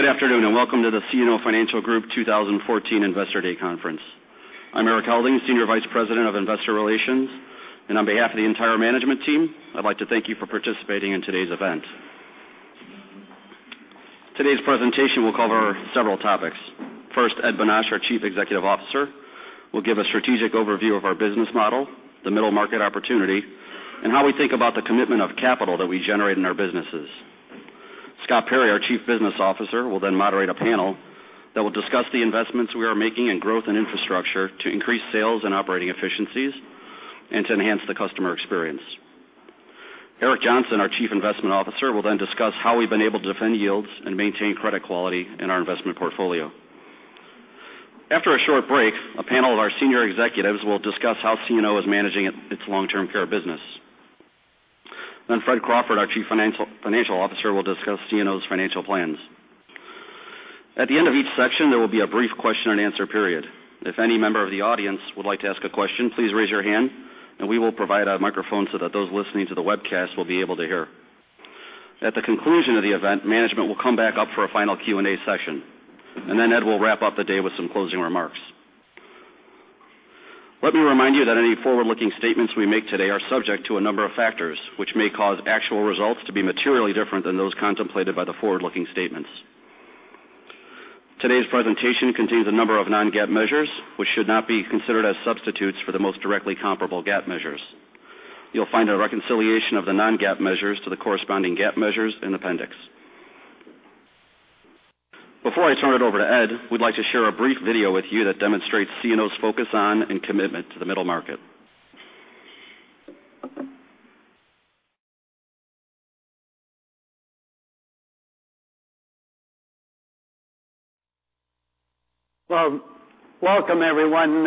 Good afternoon. Welcome to the CNO Financial Group 2014 Investor Day Conference. I'm Erik Helding, Senior Vice President of Investor Relations, and on behalf of the entire management team, I'd like to thank you for participating in today's event. Today's presentation will cover several topics. First, Ed Bonach, our Chief Executive Officer, will give a strategic overview of our business model, the middle market opportunity, and how we think about the commitment of capital that we generate in our businesses. Scott Perry, our Chief Business Officer, will then moderate a panel that will discuss the investments we are making in growth and infrastructure to increase sales and operating efficiencies and to enhance the customer experience. Eric Johnson, our Chief Investment Officer, will then discuss how we've been able to defend yields and maintain credit quality in our investment portfolio. After a short break, a panel of our senior executives will discuss how CNO is managing its long-term care business. Fred Crawford, our Chief Financial Officer, will discuss CNO's financial plans. At the end of each section, there will be a brief question and answer period. If any member of the audience would like to ask a question, please raise your hand and we will provide a microphone so that those listening to the webcast will be able to hear. At the conclusion of the event, management will come back up for a final Q&A session, and then Ed will wrap up the day with some closing remarks. Let me remind you that any forward-looking statements we make today are subject to a number of factors, which may cause actual results to be materially different than those contemplated by the forward-looking statements. Today's presentation contains a number of non-GAAP measures, which should not be considered as substitutes for the most directly comparable GAAP measures. You'll find a reconciliation of the non-GAAP measures to the corresponding GAAP measures in Appendix. Before I turn it over to Ed, we'd like to share a brief video with you that demonstrates CNO's focus on and commitment to the middle market. Well, welcome, everyone.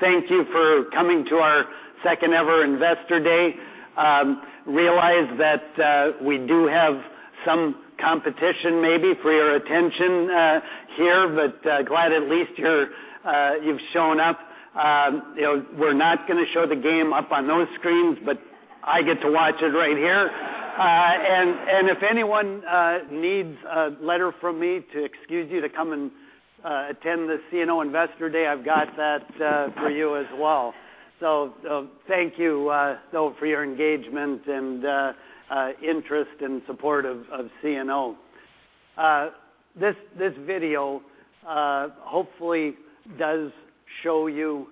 Thank you for coming to our second ever Investor Day. Realize that we do have some competition maybe for your attention here, but glad at least you've shown up. We're not going to show the game up on those screens, but I get to watch it right here. If anyone needs a letter from me to excuse you to come and attend the CNO Investor Day, I've got that for you as well. Thank you for your engagement and interest and support of CNO. This video hopefully does show you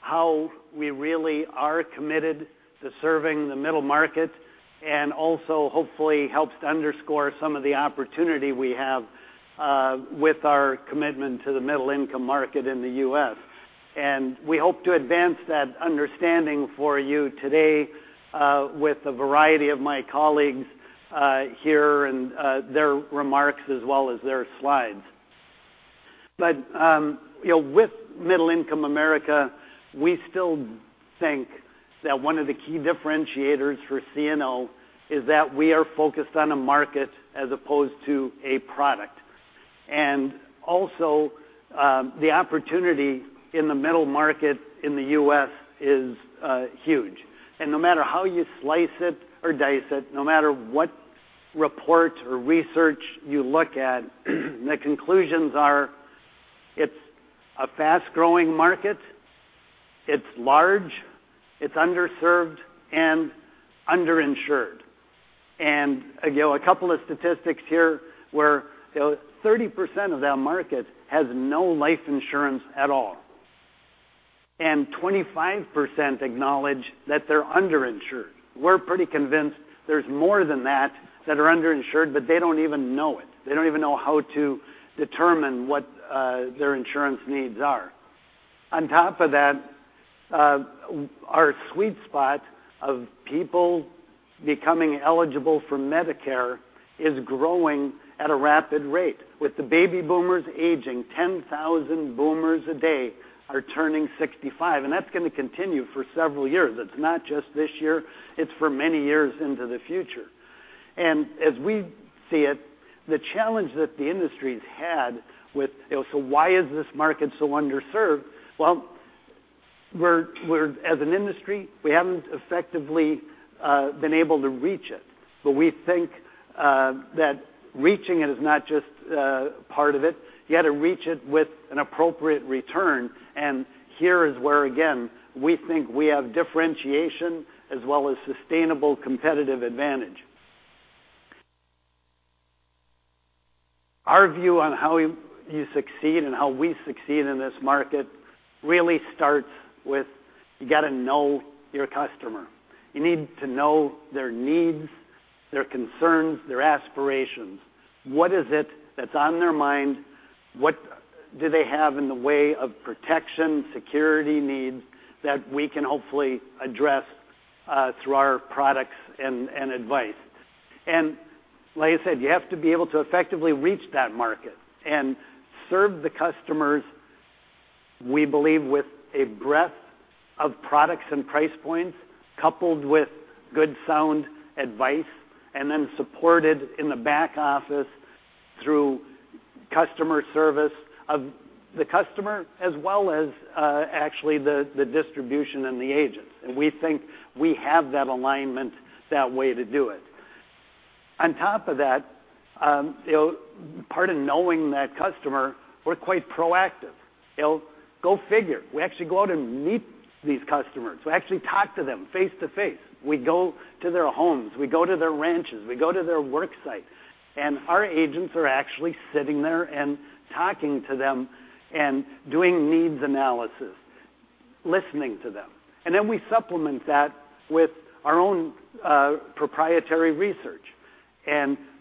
how we really are committed to serving the middle market and also hopefully helps to underscore some of the opportunity we have with our commitment to the middle-income market in the U.S. We hope to advance that understanding for you today with a variety of my colleagues here and their remarks as well as their slides. With middle-income America, we still think that one of the key differentiators for CNO is that we are focused on a market as opposed to a product. The opportunity in the middle market in the U.S. is huge. No matter how you slice it or dice it, no matter what report or research you look at, the conclusions are it's a fast-growing market, it's large, it's underserved, and under-insured. A couple of statistics here, where 30% of that market has no life insurance at all, and 25% acknowledge that they're under-insured. We're pretty convinced there's more than that are under-insured, but they don't even know it. They don't even know how to determine what their insurance needs are. On top of that, our sweet spot of people becoming eligible for Medicare is growing at a rapid rate. With the baby boomers aging, 10,000 boomers a day are turning 65, and that's going to continue for several years. It's not just this year. It's for many years into the future. As we see it, the challenge that the industry's had with, why is this market so underserved? Well, as an industry, we haven't effectively been able to reach it. We think that reaching it is not just part of it. You got to reach it with an appropriate return, and here is where, again, we think we have differentiation as well as sustainable competitive advantage. Our view on how you succeed and how we succeed in this market really starts with you got to know your customer. You need to know their needs, their concerns, their aspirations. What is it that's on their mind? What do they have in the way of protection, security needs that we can hopefully address through our products and advice? Like I said, you have to be able to effectively reach that market and serve the customers, we believe, with a breadth of products and price points, coupled with good, sound advice, and then supported in the back office through customer service of the customer, as well as actually the distribution and the agents. We think we have that alignment that way to do it. On top of that, part of knowing that customer, we're quite proactive. Go figure. We actually go out and meet these customers. We actually talk to them face-to-face. We go to their homes, we go to their ranches, we go to their work site, our agents are actually sitting there and talking to them and doing needs analysis, listening to them. Then we supplement that with our own proprietary research.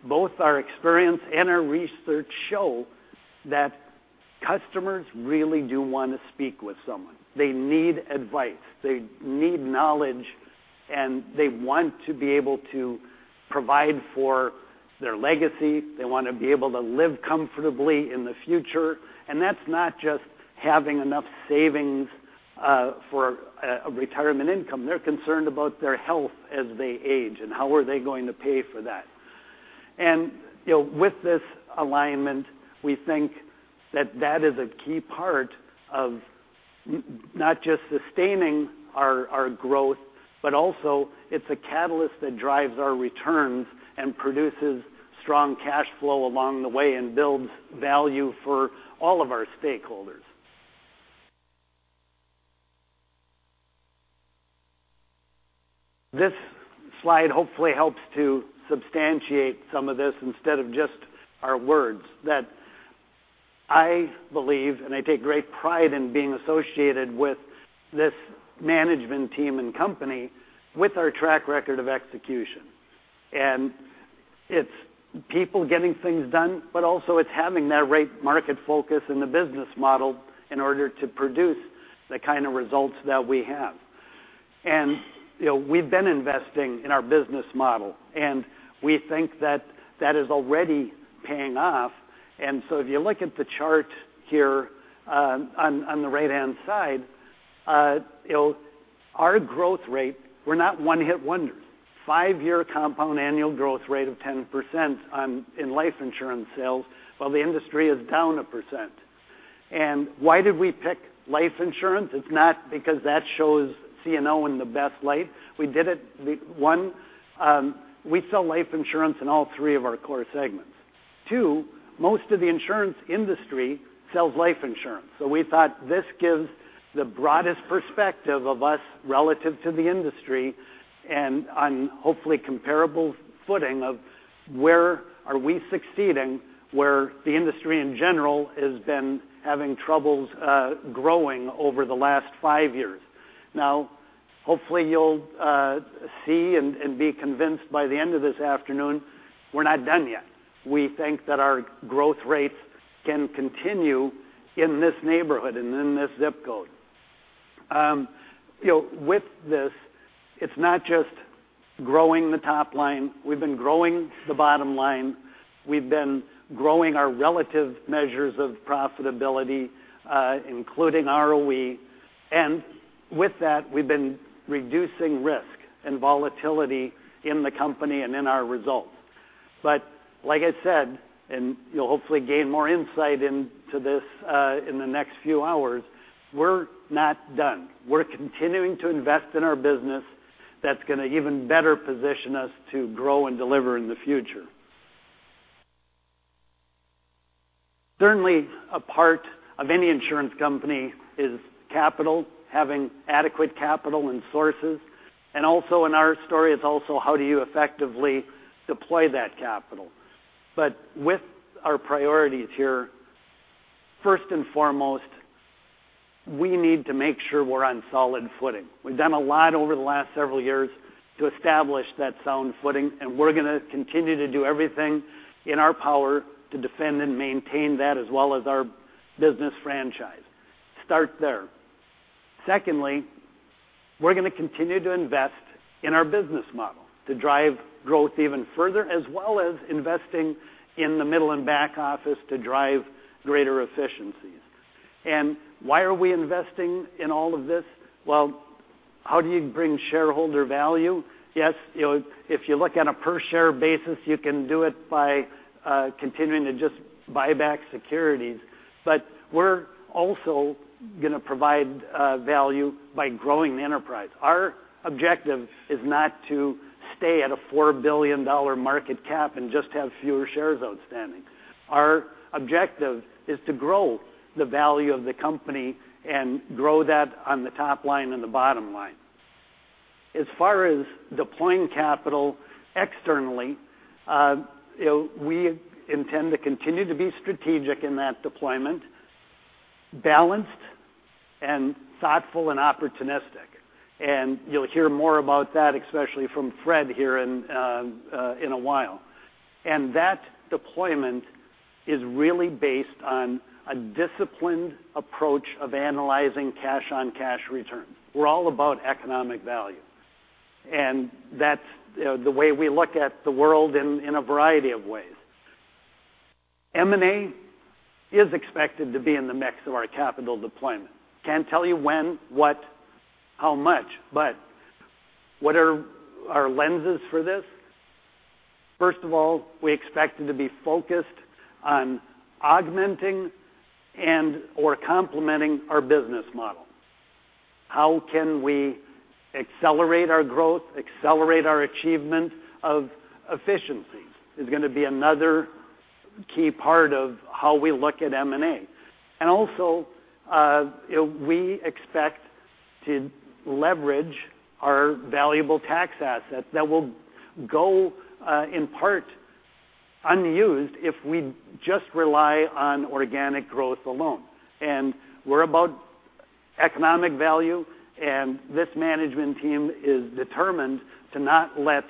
Both our experience and our research show that customers really do want to speak with someone. They need advice, they need knowledge, and they want to be able to provide for their legacy. They want to be able to live comfortably in the future. That's not just having enough savings for a retirement income. They're concerned about their health as they age, and how are they going to pay for that. With this alignment, we think that that is a key part of not just sustaining our growth, but also it's a catalyst that drives our returns and produces strong cash flow along the way and builds value for all of our stakeholders. This slide hopefully helps to substantiate some of this instead of just our words, that I believe, and I take great pride in being associated with this management team and company with our track record of execution. It's people getting things done, but also it's having that right market focus and the business model in order to produce the kind of results that we have. We've been investing in our business model, and we think that that is already paying off. If you look at the chart here on the right-hand side, our growth rate, we're not one-hit wonders. Five-year compound annual growth rate of 10% in life insurance sales, while the industry is down 1%. Why did we pick life insurance? It's not because that shows CNO in the best light. We did it. One, we sell life insurance in all three of our core segments. Two, most of the insurance industry sells life insurance. We thought this gives the broadest perspective of us relative to the industry, and on hopefully comparable footing of where are we succeeding, where the industry in general has been having troubles growing over the last five years. Hopefully you'll see and be convinced by the end of this afternoon we're not done yet. We think that our growth rates can continue in this neighborhood and in this zip code. With this, it's not just growing the top line. We've been growing the bottom line. We've been growing our relative measures of profitability, including ROE. With that, we've been reducing risk and volatility in the company and in our results. Like I said, and you'll hopefully gain more insight into this in the next few hours, we're not done. We're continuing to invest in our business that's going to even better position us to grow and deliver in the future. Certainly, a part of any insurance company is capital, having adequate capital and sources. Also in our story is also how do you effectively deploy that capital? With our priorities here, first and foremost, we need to make sure we're on solid footing. We've done a lot over the last several years to establish that sound footing, and we're going to continue to do everything in our power to defend and maintain that as well as our business franchise. Start there. Secondly, we're going to continue to invest in our business model to drive growth even further, as well as investing in the middle and back office to drive greater efficiencies. Why are we investing in all of this? Well, how do you bring shareholder value? Yes, if you look on a per share basis, you can do it by continuing to just buy back securities. We're also going to provide value by growing the enterprise. Our objective is not to stay at a $4 billion market cap and just have fewer shares outstanding. Our objective is to grow the value of the company and grow that on the top line and the bottom line. As far as deploying capital externally, we intend to continue to be strategic in that deployment, balanced, and thoughtful, and opportunistic. You'll hear more about that, especially from Fred here in a while. That deployment is really based on a disciplined approach of analyzing cash-on-cash return. We're all about economic value, and that's the way we look at the world in a variety of ways. M&A is expected to be in the mix of our capital deployment. Can't tell you when, what, how much. What are our lenses for this? First of all, we expect it to be focused on augmenting and/or complementing our business model. How can we accelerate our growth? Accelerate our achievement of efficiency is going to be another key part of how we look at M&A. Also, we expect to leverage our valuable tax assets that will go in part unused if we just rely on organic growth alone. We're about economic value, and this management team is determined to not let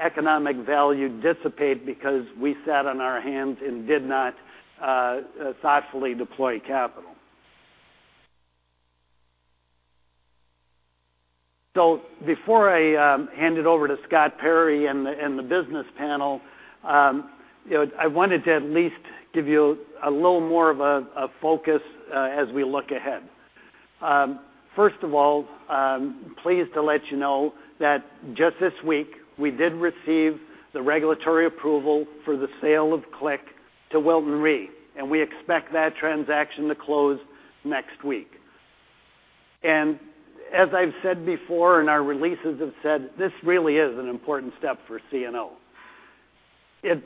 economic value dissipate because we sat on our hands and did not thoughtfully deploy capital. Before I hand it over to Scott Perry and the business panel, I wanted to at least give you a little more of a focus as we look ahead. First of all, pleased to let you know that just this week, we did receive the regulatory approval for the sale of CLIC to Wilton Re, and we expect that transaction to close next week. As I've said before, and our releases have said, this really is an important step for CNO. It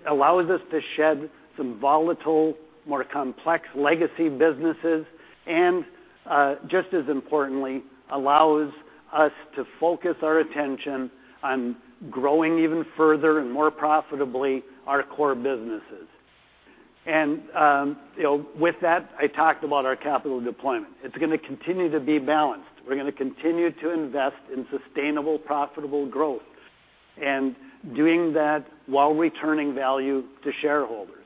allows us to shed some volatile, more complex legacy businesses, and, just as importantly, allows us to focus our attention on growing even further and more profitably our core businesses. With that, I talked about our capital deployment. It's going to continue to be balanced. We're going to continue to invest in sustainable, profitable growth, and doing that while returning value to shareholders.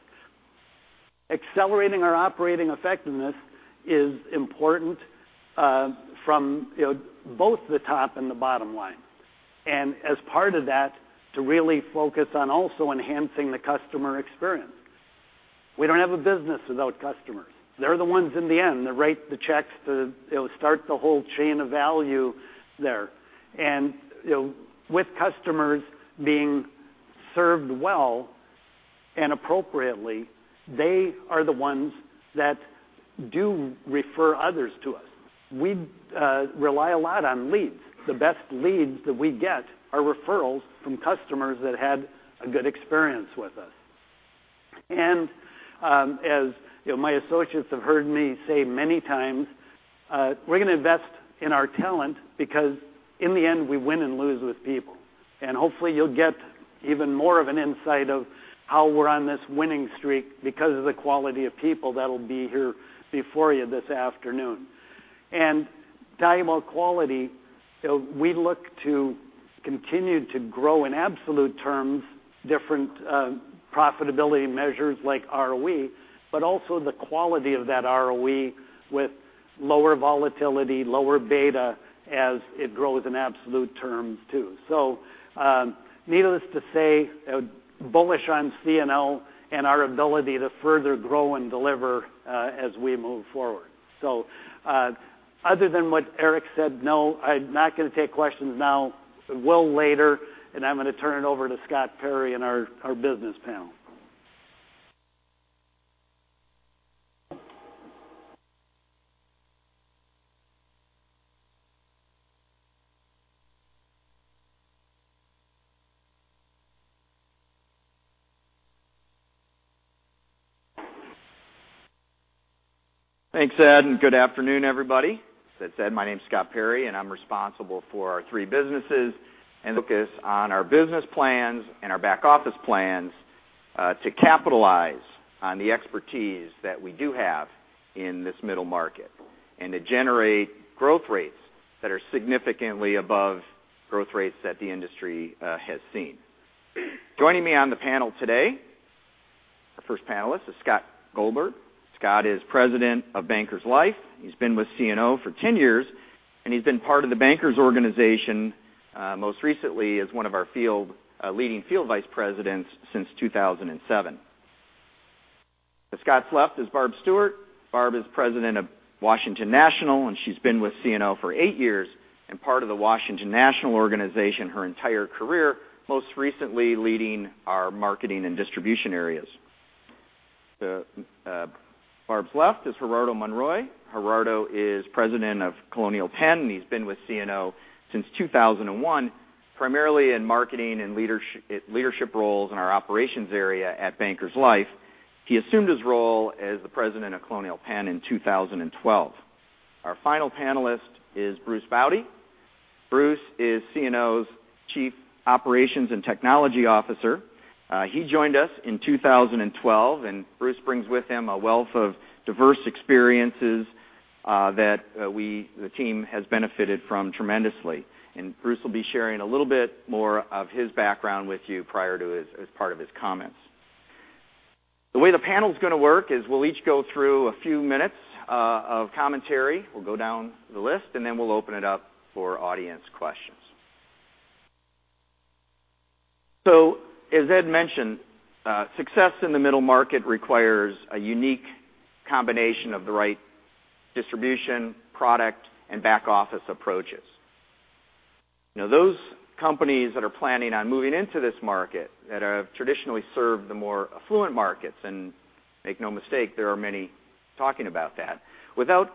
Accelerating our operating effectiveness is important from both the top and the bottom line. As part of that, to really focus on also enhancing the customer experience. We don't have a business without customers. They're the ones in the end that write the checks to start the whole chain of value there. With customers being served well and appropriately, they are the ones that do refer others to us. We rely a lot on leads. The best leads that we get are referrals from customers that had a good experience with us. As my associates have heard me say many times, we're going to invest in our talent because in the end, we win and lose with people. Hopefully, you'll get even more of an insight of how we're on this winning streak because of the quality of people that'll be here before you this afternoon. Talking about quality, we look to continue to grow in absolute terms, different profitability measures like ROE, but also the quality of that ROE with lower volatility, lower beta as it grows in absolute terms, too. Needless to say, bullish on CNO and our ability to further grow and deliver as we move forward. Other than what Eric said, no, I'm not going to take questions now. Will later. I'm going to turn it over to Scott Perry and our business panel. Thanks, Ed. Good afternoon, everybody. As Ed said, my name's Scott Perry. I'm responsible for our three businesses and focus on our business plans and our back office plans to capitalize on the expertise that we do have in this middle market and to generate growth rates that are significantly above growth rates that the industry has seen. Joining me on the panel today, our first panelist is Scott Goldberg. Scott is president of Bankers Life. He's been with CNO for 10 years, and he's been part of the Bankers organization, most recently as one of our leading field vice presidents since 2007. To Scott's left is Barb Stewart. Barb is president of Washington National, and she's been with CNO for eight years and part of the Washington National organization her entire career, most recently leading our marketing and distribution areas. To Barb's left is Gerardo Monroy. Gerardo is president of Colonial Penn. He's been with CNO since 2001, primarily in marketing and leadership roles in our operations area at Bankers Life. He assumed his role as the president of Colonial Penn in 2012. Our final panelist is Bruce Baude. Bruce is CNO's Chief Operations and Technology Officer. He joined us in 2012. Bruce brings with him a wealth of diverse experiences that the team has benefited from tremendously. Bruce will be sharing a little bit more of his background with you as part of his comments. The way the panel's going to work is we'll each go through a few minutes of commentary. We'll go down the list, and then we'll open it up for audience questions. As Ed mentioned, success in the middle market requires a unique combination of the right distribution, product, and back-office approaches. Those companies that are planning on moving into this market that have traditionally served the more affluent markets. Make no mistake, there are many talking about that, without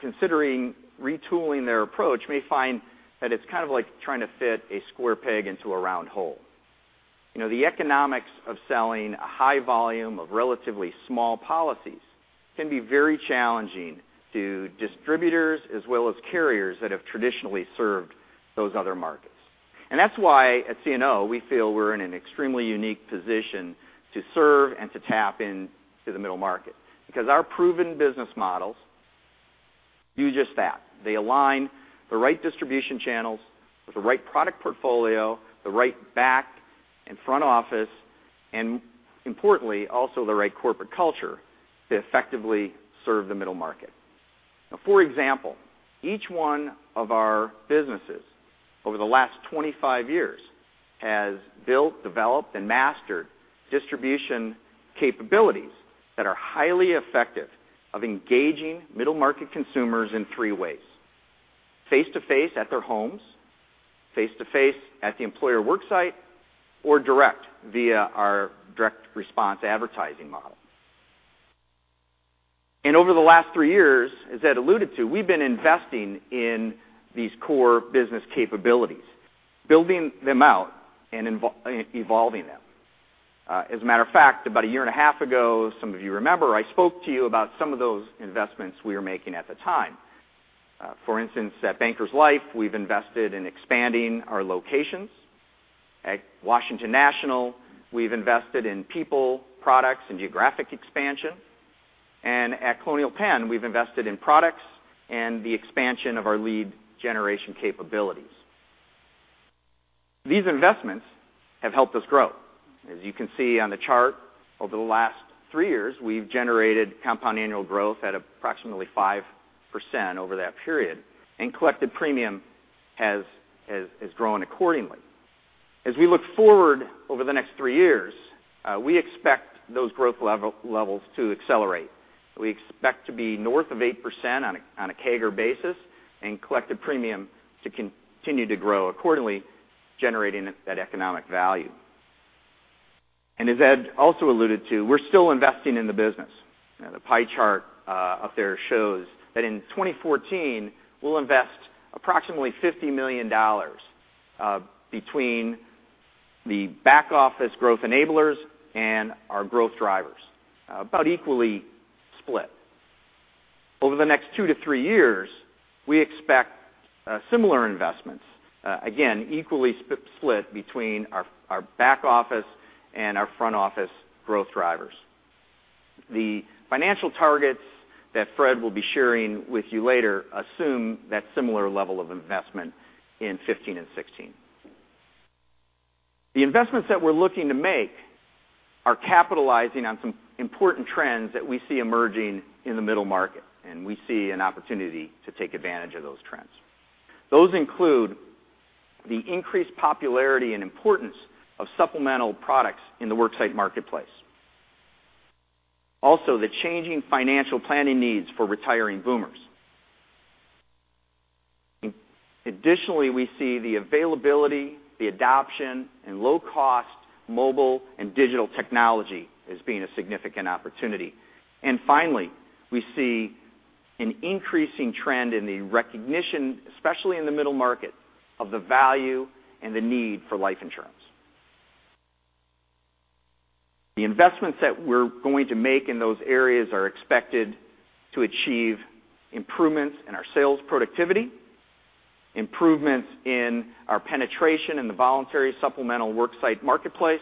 considering retooling their approach, may find that it's kind of like trying to fit a square peg into a round hole. The economics of selling a high volume of relatively small policies can be very challenging to distributors as well as carriers that have traditionally served those other markets. That's why at CNO, we feel we're in an extremely unique position to serve and to tap into the middle market because our proven business models do just that. They align the right distribution channels with the right product portfolio, the right back and front office, and importantly, also the right corporate culture to effectively serve the middle market. For example, each one of our businesses over the last 25 years has built, developed, and mastered distribution capabilities that are highly effective of engaging middle-market consumers in three ways. Face-to-face at their homes, face-to-face at the employer work site, or direct via our direct response advertising model. Over the last three years, as Ed alluded to, we've been investing in these core business capabilities, building them out and evolving them. As a matter of fact, about a year and a half ago, some of you remember, I spoke to you about some of those investments we were making at the time. For instance, at Bankers Life, we've invested in expanding our locations. At Washington National, we've invested in people, products, and geographic expansion. At Colonial Penn, we've invested in products and the expansion of our lead generation capabilities. These investments have helped us grow. As you can see on the chart, over the last three years, we've generated compound annual growth at approximately 5% over that period, collected premium has grown accordingly. As we look forward over the next three years, we expect those growth levels to accelerate. We expect to be north of 8% on a CAGR basis and collected premium to continue to grow accordingly, generating that economic value. As Ed also alluded to, we're still investing in the business. The pie chart up there shows that in 2014, we'll invest approximately $50 million between the back-office growth enablers and our growth drivers, about equally split. Over the next two to three years, we expect similar investments, again, equally split between our back office and our front office growth drivers. The financial targets that Fred will be sharing with you later assume that similar level of investment in 2015 and 2016. The investments that we're looking to make are capitalizing on some important trends that we see emerging in the middle market, and we see an opportunity to take advantage of those trends. Those include the increased popularity and importance of supplemental products in the work site marketplace. The changing financial planning needs for retiring boomers. We see the availability, the adoption, and low cost mobile and digital technology as being a significant opportunity. Finally, we see an increasing trend in the recognition, especially in the middle market, of the value and the need for life insurance. The investments that we're going to make in those areas are expected to achieve improvements in our sales productivity, improvements in our penetration in the voluntary supplemental work site marketplace,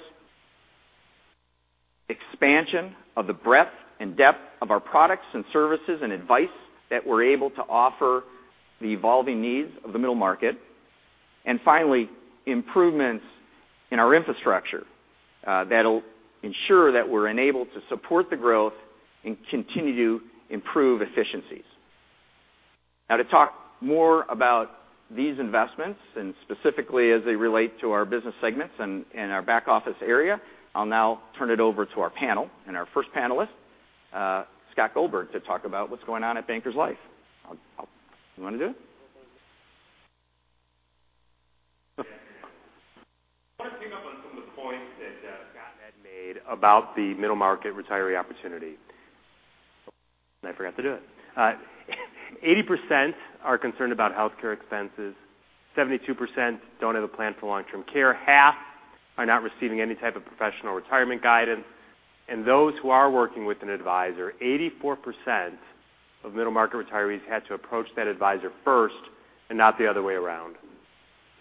expansion of the breadth and depth of our products and services and advice that we're able to offer the evolving needs of the middle market. Finally, improvements in our infrastructure that'll ensure that we're enabled to support the growth and continue to improve efficiencies. To talk more about these investments and specifically as they relate to our business segments and our back office area, I'll now turn it over to our panel and our first panelist, Scott Goldberg, to talk about what's going on at Bankers Life. You want to do it? I want to pick up on some of the points that Scott and Ed made about the middle market retiree opportunity. I forgot to do it. 80% are concerned about healthcare expenses, 72% don't have a plan for long-term care, half are not receiving any type of professional retirement guidance, and those who are working with an advisor, 84% of middle-market retirees had to approach that advisor first and not the other way around.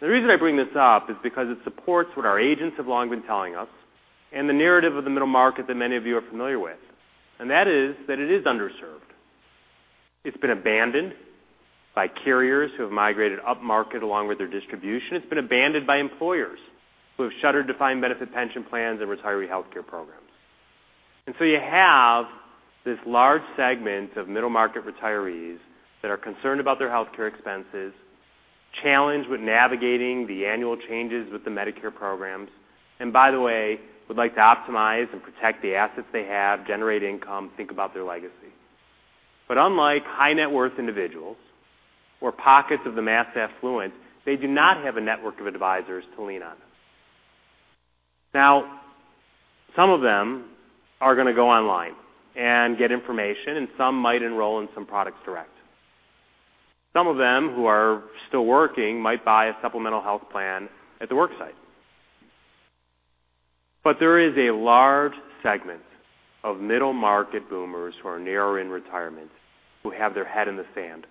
The reason I bring this up is because it supports what our agents have long been telling us and the narrative of the middle market that many of you are familiar with. That is, that it is underserved. It's been abandoned by carriers who have migrated upmarket along with their distribution. It's been abandoned by employers who have shuttered defined benefit pension plans and retiree healthcare programs. You have this large segment of middle-market retirees that are concerned about their healthcare expenses, challenged with navigating the annual changes with the Medicare programs, and by the way, would like to optimize and protect the assets they have, generate income, think about their legacy. Unlike high net worth individuals or pockets of the mass affluent, they do not have a network of advisors to lean on. Some of them are going to go online and get information, and some might enroll in some products direct. Some of them who are still working might buy a supplemental health plan at the work site. There is a large segment of middle-market boomers who are nearer in retirement who have their head in the sand.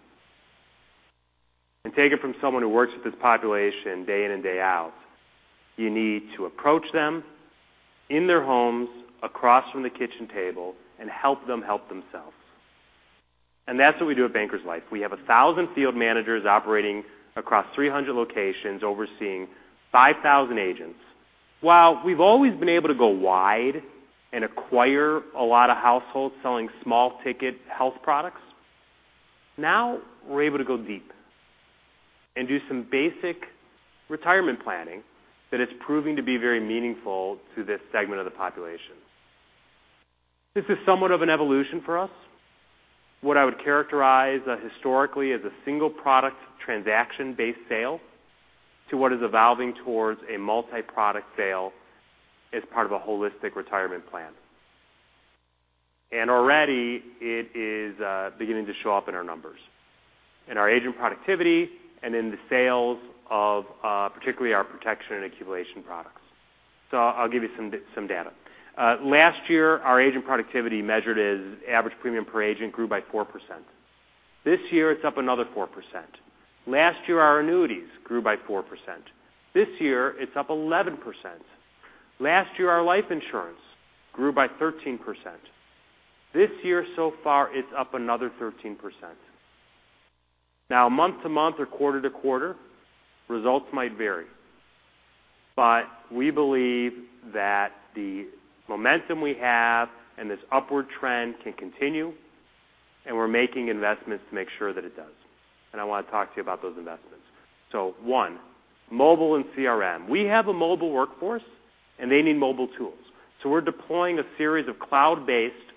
Take it from someone who works with this population day in and day out, you need to approach them in their homes across from the kitchen table and help them help themselves. That's what we do at Bankers Life. We have 1,000 field managers operating across 300 locations overseeing 5,000 agents. While we've always been able to go wide and acquire a lot of households selling small ticket health products, now we're able to go deep and do some basic retirement planning that is proving to be very meaningful to this segment of the population. This is somewhat of an evolution for us, what I would characterize historically as a single product transaction-based sale to what is evolving towards a multi-product sale as part of a holistic retirement plan. Already it is beginning to show up in our numbers, in our agent productivity, and in the sales of particularly our protection and accumulation products. I'll give you some data. Last year, our agent productivity measured as average premium per agent grew by 4%. This year, it's up another 4%. Last year, our annuities grew by 4%. This year, it's up 11%. Last year, our life insurance grew by 13%. This year so far, it's up another 13%. Month to month or quarter to quarter, results might vary. We believe that the momentum we have and this upward trend can continue, and we're making investments to make sure that it does. I want to talk to you about those investments. One, mobile and CRM. We have a mobile workforce, and they need mobile tools. We're deploying a series of cloud-based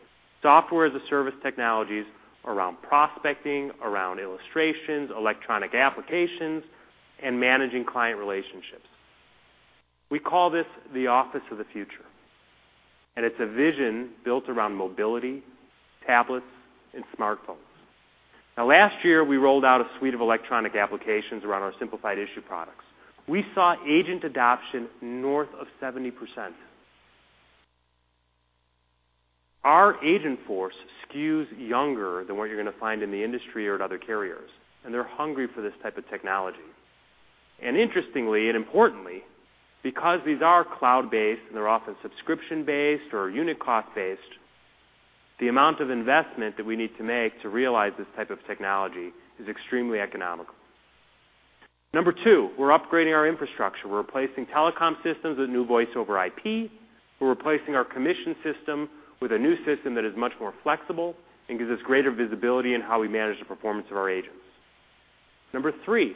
software as a service technologies around prospecting, around illustrations, electronic applications, and managing client relationships. We call this the office of the future, and it's a vision built around mobility, tablets, and smartphones. Last year, we rolled out a suite of electronic applications around our simplified issue products. We saw agent adoption north of 70%. Our agent force skews younger than what you're going to find in the industry or at other carriers, and they're hungry for this type of technology. Interestingly and importantly, because these are cloud-based and they're often subscription-based or unit cost based, the amount of investment that we need to make to realize this type of technology is extremely economical. Number two, we're upgrading our infrastructure. We're replacing telecom systems with new voiceover IP. We're replacing our commission system with a new system that is much more flexible and gives us greater visibility in how we manage the performance of our agents. Number three,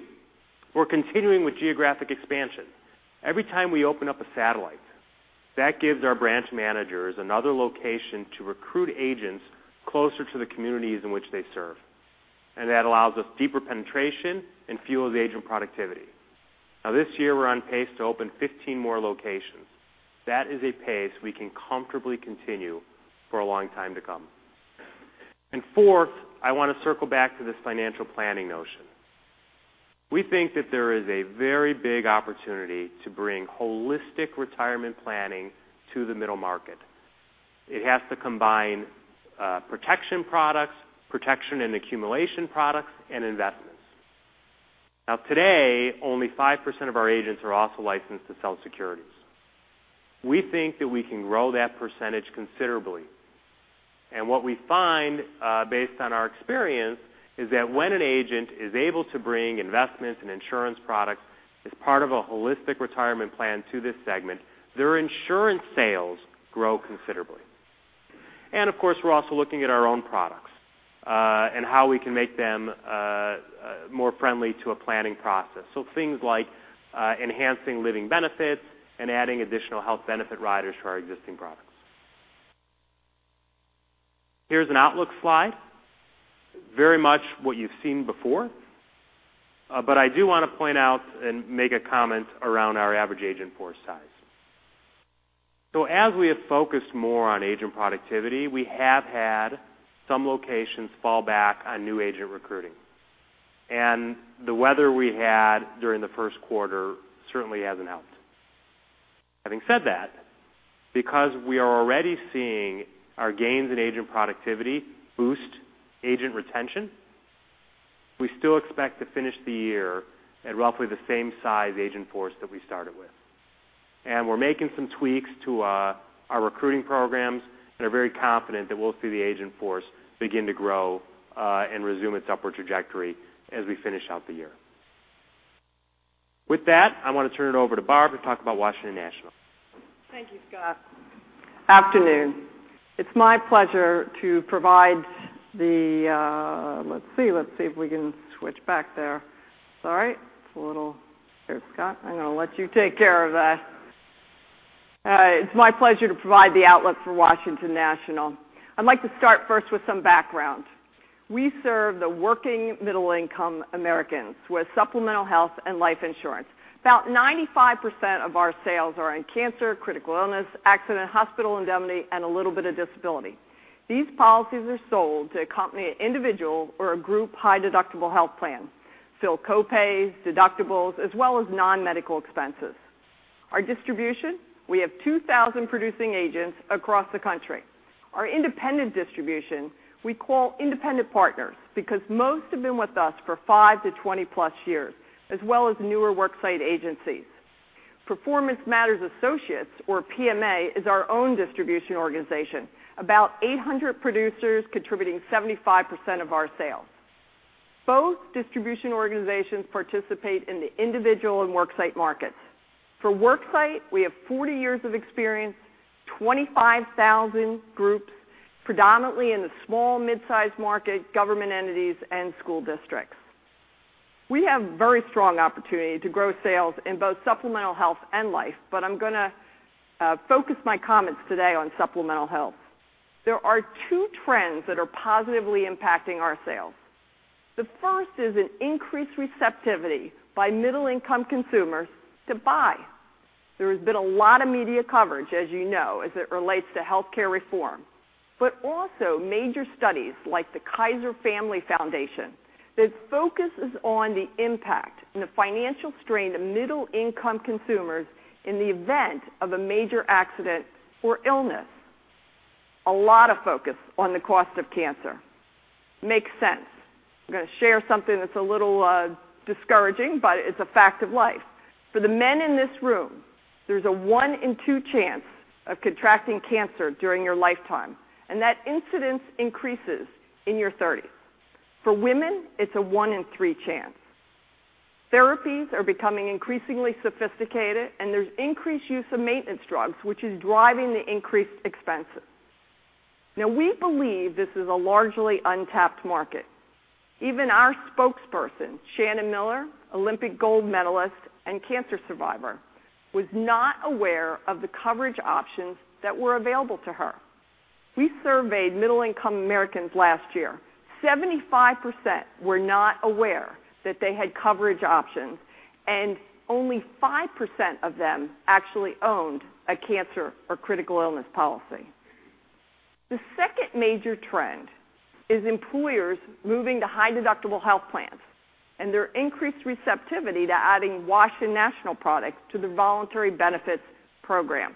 we're continuing with geographic expansion. Every time we open up a satellite, that gives our branch managers another location to recruit agents closer to the communities in which they serve. That allows us deeper penetration and fuels agent productivity. This year, we're on pace to open 15 more locations. That is a pace we can comfortably continue for a long time to come. Fourth, I want to circle back to this financial planning notion. We think that there is a very big opportunity to bring holistic retirement planning to the middle market. It has to combine protection products, protection and accumulation products, and investments. Today, only 5% of our agents are also licensed to sell securities. We think that we can grow that percentage considerably. What we find, based on our experience, is that when an agent is able to bring investments and insurance products as part of a holistic retirement plan to this segment, their insurance sales grow considerably. Of course, we're also looking at our own products, and how we can make them more friendly to a planning process. Things like enhancing living benefits and adding additional health benefit riders to our existing products. Here's an outlook slide. Very much what you've seen before, but I do want to point out and make a comment around our average agent force size. As we have focused more on agent productivity, we have had some locations fall back on new agent recruiting. The weather we had during the first quarter certainly hasn't helped. Having said that, because we are already seeing our gains in agent productivity boost agent retention, we still expect to finish the year at roughly the same size agent force that we started with. We're making some tweaks to our recruiting programs and are very confident that we'll see the agent force begin to grow, and resume its upward trajectory as we finish out the year. With that, I want to turn it over to Barb to talk about Washington National. Thank you, Scott. Afternoon. Let's see if we can switch back there. Sorry. It's a little. Here, Scott, I'm going to let you take care of that. It's my pleasure to provide the outlook for Washington National. I'd like to start first with some background. We serve the working middle income Americans with supplemental health and life insurance. About 95% of our sales are in cancer, critical illness, accident hospital indemnity, and a little bit of disability. These policies are sold to accompany an individual or a group high deductible health plan. They fill co-pays, deductibles, as well as non-medical expenses. Our distribution, we have 2,000 producing agents across the country. Our independent distribution, we call independent partners because most have been with us for five to 20 plus years, as well as newer work site agencies. Performance Matters Associates, or PMA, is our own distribution organization. About 800 producers contributing 75% of our sales. Both distribution organizations participate in the individual and work site markets. For work site, we have 40 years of experience, 25,000 groups, predominantly in the small mid-size market, government entities, and school districts. I'm going to focus my comments today on supplemental health. There are two trends that are positively impacting our sales. The first is an increased receptivity by middle income consumers to buy. There has been a lot of media coverage, as you know, as it relates to healthcare reform. Also major studies like the Kaiser Family Foundation, that focuses on the impact and the financial strain of middle income consumers in the event of a major accident or illness. A lot of focus on the cost of cancer. Makes sense. I'm going to share something that's a little discouraging, but it's a fact of life. For the men in this room, there's a one in two chance of contracting cancer during your lifetime, and that incidence increases in your 30s. For women, it's a one in three chance. Therapies are becoming increasingly sophisticated, and there's increased use of maintenance drugs, which is driving the increased expenses. We believe this is a largely untapped market. Even our spokesperson, Shannon Miller, Olympic gold medalist and cancer survivor, was not aware of the coverage options that were available to her. We surveyed middle income Americans last year. 75% were not aware that they had coverage options, and only 5% of them actually owned a cancer or critical illness policy. The second major trend is employers moving to high deductible health plans and their increased receptivity to adding Washington National products to the voluntary benefits program.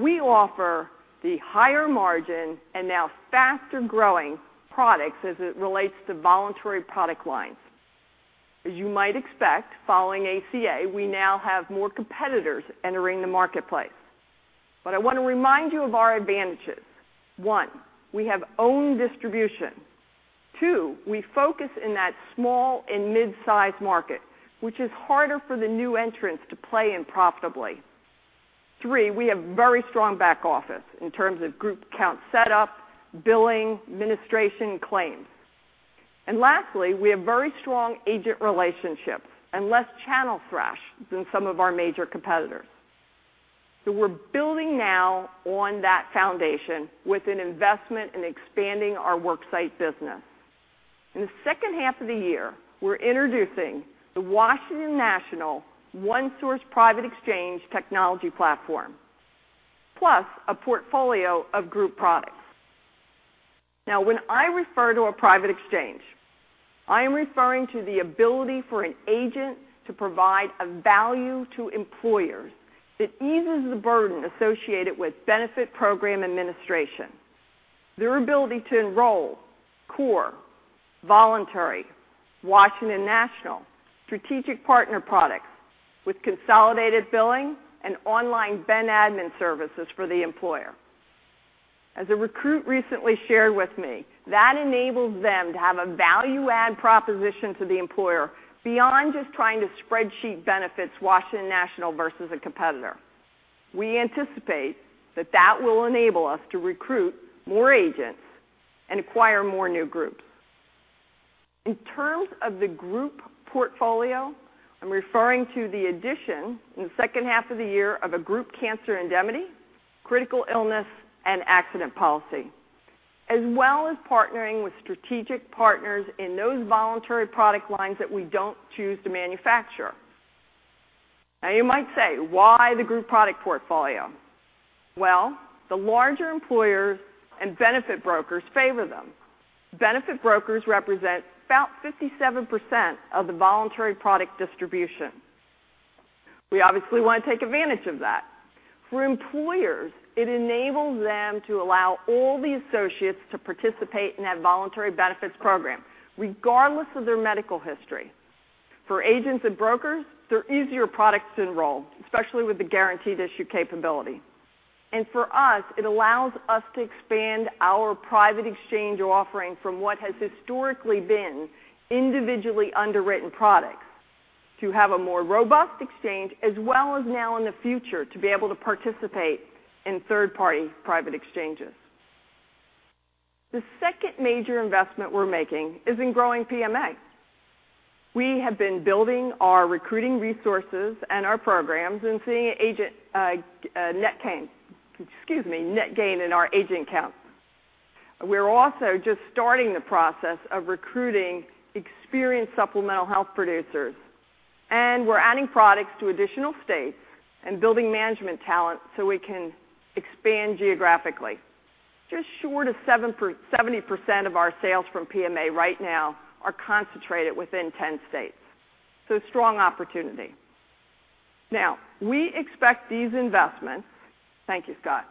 We offer the higher margin and now faster growing products as it relates to voluntary product lines. As you might expect, following ACA, we now have more competitors entering the marketplace. I want to remind you of our advantages. One, we have own distribution. Two, we focus in that small and mid-size market, which is harder for the new entrants to play in profitably. Three, we have very strong back office in terms of group count set up, billing, administration, and claims. Lastly, we have very strong agent relationships and less channel thrash than some of our major competitors. We're building now on that foundation with an investment in expanding our work site business. In the second half of the year, we're introducing the Washington National OneSource private exchange technology platform, plus a portfolio of group products. When I refer to a private exchange, I am referring to the ability for an agent to provide a value to employers that eases the burden associated with benefit program administration. Their ability to enroll core, voluntary Washington National strategic partner products with consolidated billing and online ben admin services for the employer. As a recruit recently shared with me, that enables them to have a value add proposition to the employer beyond just trying to spreadsheet benefits Washington National versus a competitor. We anticipate that that will enable us to recruit more agents and acquire more new groups. In terms of the group portfolio, I'm referring to the addition in the second half of the year of a group cancer indemnity, critical illness, and accident policy, as well as partnering with strategic partners in those voluntary product lines that we don't choose to manufacture. You might say, "Why the group product portfolio?" Well, the larger employers and benefit brokers favor them. Benefit brokers represent about 57% of the voluntary product distribution. We obviously want to take advantage of that. For employers, it enables them to allow all the associates to participate in that voluntary benefits program, regardless of their medical history. For agents and brokers, they're easier products to enroll, especially with the guaranteed issue capability. For us, it allows us to expand our private exchange offering from what has historically been individually underwritten products to have a more robust exchange, as well as now in the future to be able to participate in third-party private exchanges. The second major investment we're making is in growing PMA. We have been building our recruiting resources and our programs and seeing a net gain in our agent count. We're also just starting the process of recruiting experienced supplemental health producers, and we're adding products to additional states and building management talent so we can expand geographically. Just short of 70% of our sales from PMA right now are concentrated within 10 states. Strong opportunity. We expect these investments, thank you, Scott,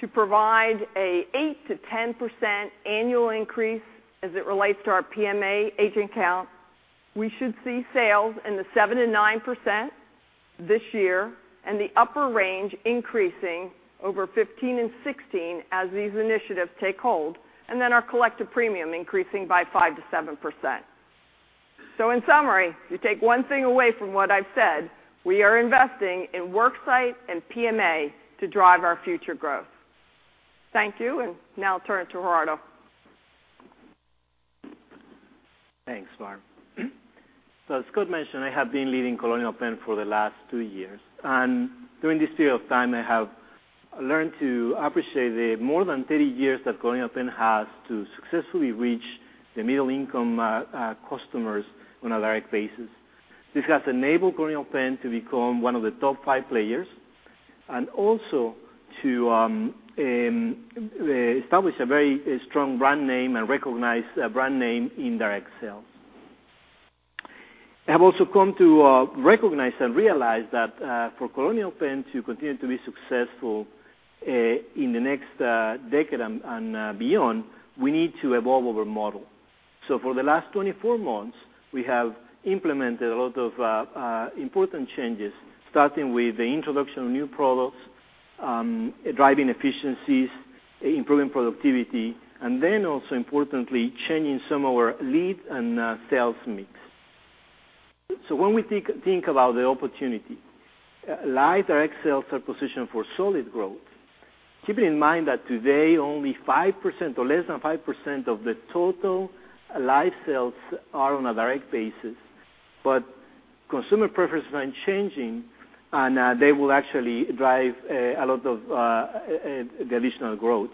to provide an 8-10% annual increase as it relates to our PMA agent count. We should see sales in the 7 and 9% this year, and the upper range increasing over 15 and 16 as these initiatives take hold, then our collective premium increasing by 5-7%. In summary, you take one thing away from what I've said, we are investing in worksite and PMA to drive our future growth. Thank you, now I'll turn it to Gerardo. Thanks, Barb. As Scott mentioned, I have been leading Colonial Penn for the last two years. During this period of time, I have learned to appreciate the more than 30 years that Colonial Penn has to successfully reach the middle-income customers on a direct basis. This has enabled Colonial Penn to become one of the top five players, also to establish a very strong brand name and recognized brand name in direct sales. I have also come to recognize and realize that for Colonial Penn to continue to be successful in the next decade and beyond, we need to evolve our model. For the last 24 months, we have implemented a lot of important changes, starting with the introduction of new products, driving efficiencies, improving productivity, importantly, changing some of our leads and sales mix. When we think about the opportunity, life direct sales are positioned for solid growth. Keeping in mind that today only 5% or less than 5% of the total life sales are on a direct basis, but consumer preference mind changing, and they will actually drive a lot of the additional growth.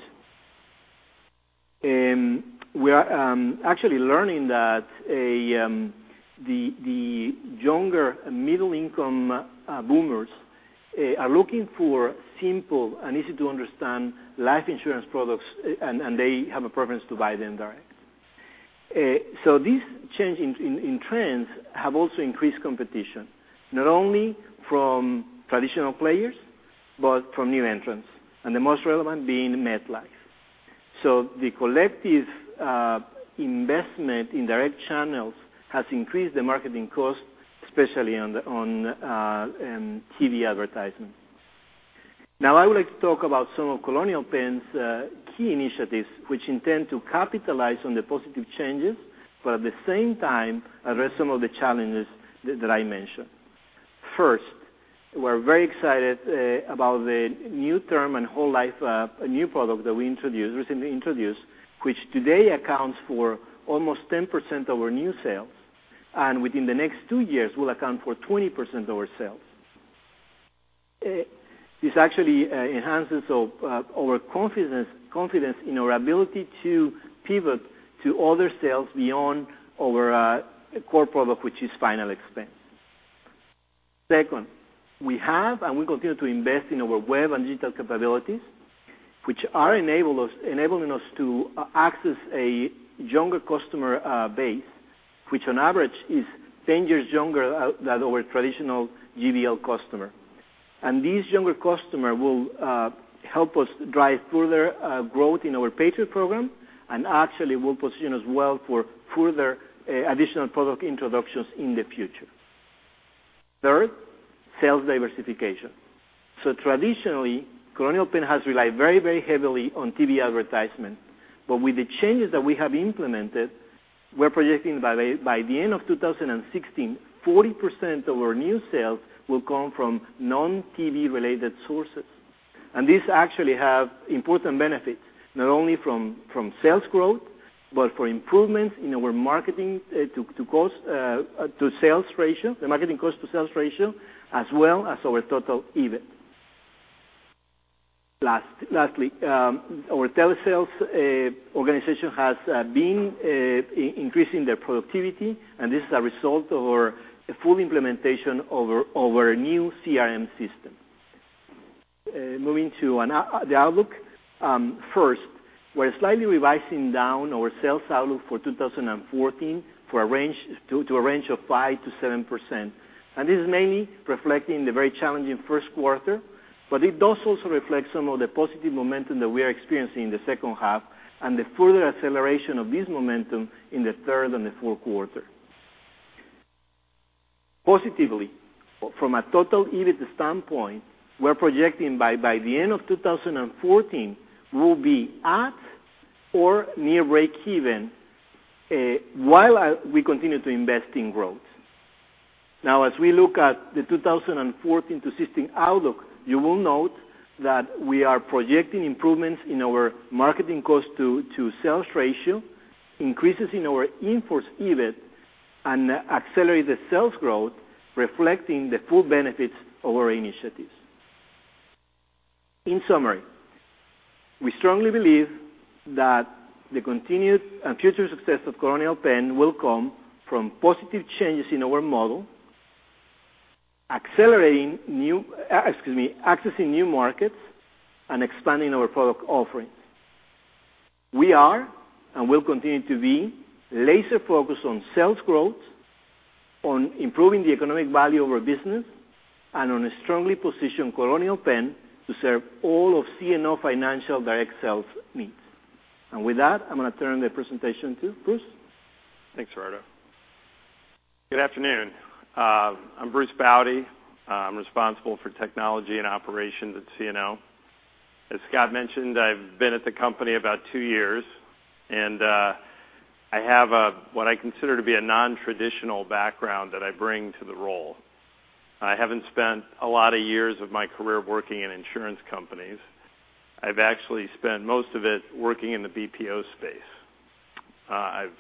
We are actually learning that the younger middle-income boomers are looking for simple and easy-to-understand life insurance products, and they have a preference to buy them direct. These changes in trends have also increased competition, not only from traditional players, but from new entrants. The most relevant being MetLife. The collective investment in direct channels has increased the marketing cost, especially on TV advertisement. I would like to talk about some of Colonial Penn's key initiatives, which intend to capitalize on the positive changes, but at the same time, address some of the challenges that I mentioned. First, we're very excited about the new term and whole life, a new product that we recently introduced, which today accounts for almost 10% of our new sales, and within the next two years will account for 20% of our sales. This actually enhances our confidence in our ability to pivot to other sales beyond our core product, which is final expense. Second, we have and we continue to invest in our web and digital capabilities, which are enabling us to access a younger customer base, which on average is 10 years younger than our traditional GDL customer. These younger customer will help us drive further growth in our Patriot program and actually will position us well for further additional product introductions in the future. Third, sales diversification. Traditionally, Colonial Penn has relied very heavily on TV advertisement. But with the changes that we have implemented, we're projecting by the end of 2016, 40% of our new sales will come from non-TV related sources. This actually have important benefits, not only from sales growth, but for improvements in our marketing to sales ratio, the marketing cost to sales ratio, as well as our total EBIT. Lastly, our telesales organization has been increasing their productivity, and this is a result of our full implementation of our new CRM system. Moving to the outlook. First, we're slightly revising down our sales outlook for 2014 to a range of 5%-7%. This is mainly reflecting the very challenging first quarter, but it does also reflect some of the positive momentum that we are experiencing in the second half and the further acceleration of this momentum in the third and the fourth quarter. Positively, from a total EBIT standpoint, we're projecting by the end of 2014, we'll be at or near break-even, while we continue to invest in growth. As we look at the 2014-2016 outlook, you will note that we are projecting improvements in our marketing cost to sales ratio, increases in our in-force EBIT, and accelerated sales growth, reflecting the full benefits of our initiatives. In summary, we strongly believe that the continued and future success of Colonial Penn will come from positive changes in our model, accessing new markets, and expanding our product offering. We are, and will continue to be laser focused on sales growth, on improving the economic value of our business, and on strongly position Colonial Penn to serve all of CNO Financial direct sales needs. With that, I'm going to turn the presentation to Bruce. Thanks, Gerardo. Good afternoon. I'm Bruce Baude. I'm responsible for technology and operations at CNO. As Scott mentioned, I've been at the company about two years, and I have what I consider to be a non-traditional background that I bring to the role. I haven't spent a lot of years of my career working in insurance companies. I've actually spent most of it working in the BPO space. I've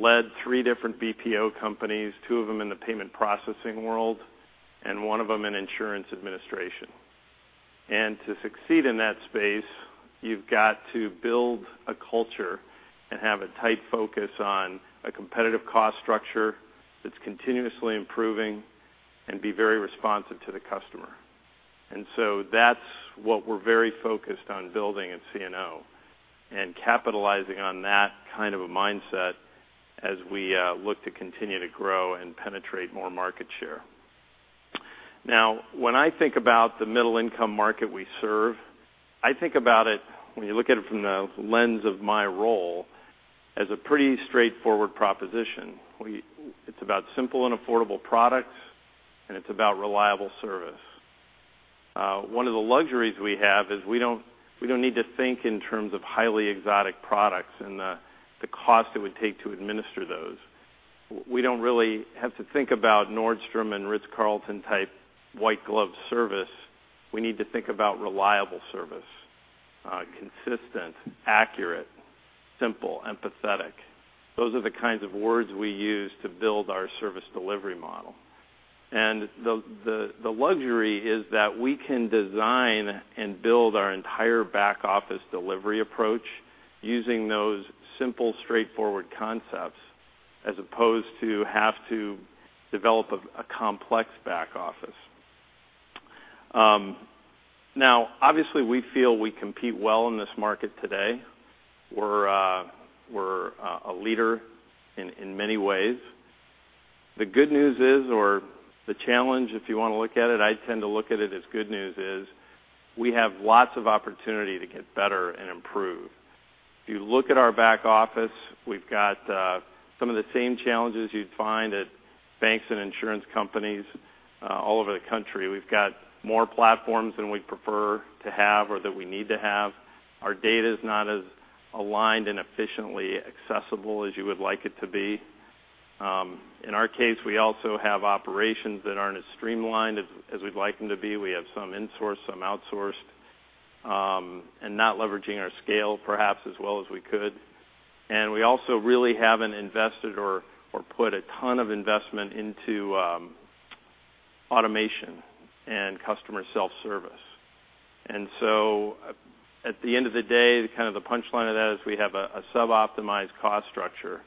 led three different BPO companies, two of them in the payment processing world, and one of them in insurance administration. To succeed in that space, you've got to build a culture and have a tight focus on a competitive cost structure that's continuously improving and be very responsive to the customer. That's what we're very focused on building at CNO and capitalizing on that kind of a mindset as we look to continue to grow and penetrate more market share. Now, when I think about the middle-income market we serve, I think about it, when you look at it from the lens of my role, as a pretty straightforward proposition. It's about simple and affordable products, and it's about reliable service. One of the luxuries we have is we don't need to think in terms of highly exotic products and the cost it would take to administer those. We don't really have to think about Nordstrom and Ritz-Carlton type white glove service. We need to think about reliable service, consistent, accurate, simple, empathetic. Those are the kinds of words we use to build our service delivery model. The luxury is that we can design and build our entire back office delivery approach using those simple, straightforward concepts as opposed to have to develop a complex back office. Now, obviously, we feel we compete well in this market today. We're a leader in many ways. The good news is, or the challenge, if you want to look at it, I tend to look at it as good news, is we have lots of opportunity to get better and improve. If you look at our back office, we've got some of the same challenges you'd find at banks and insurance companies all over the country. We've got more platforms than we prefer to have or that we need to have. Our data is not as aligned and efficiently accessible as you would like it to be. In our case, we also have operations that aren't as streamlined as we'd like them to be. We have some insourced, some outsourced, and not leveraging our scale perhaps as well as we could. We also really haven't invested or put a ton of investment into automation and customer self-service. At the end of the day, the kind of the punchline of that is we have a sub-optimized cost structure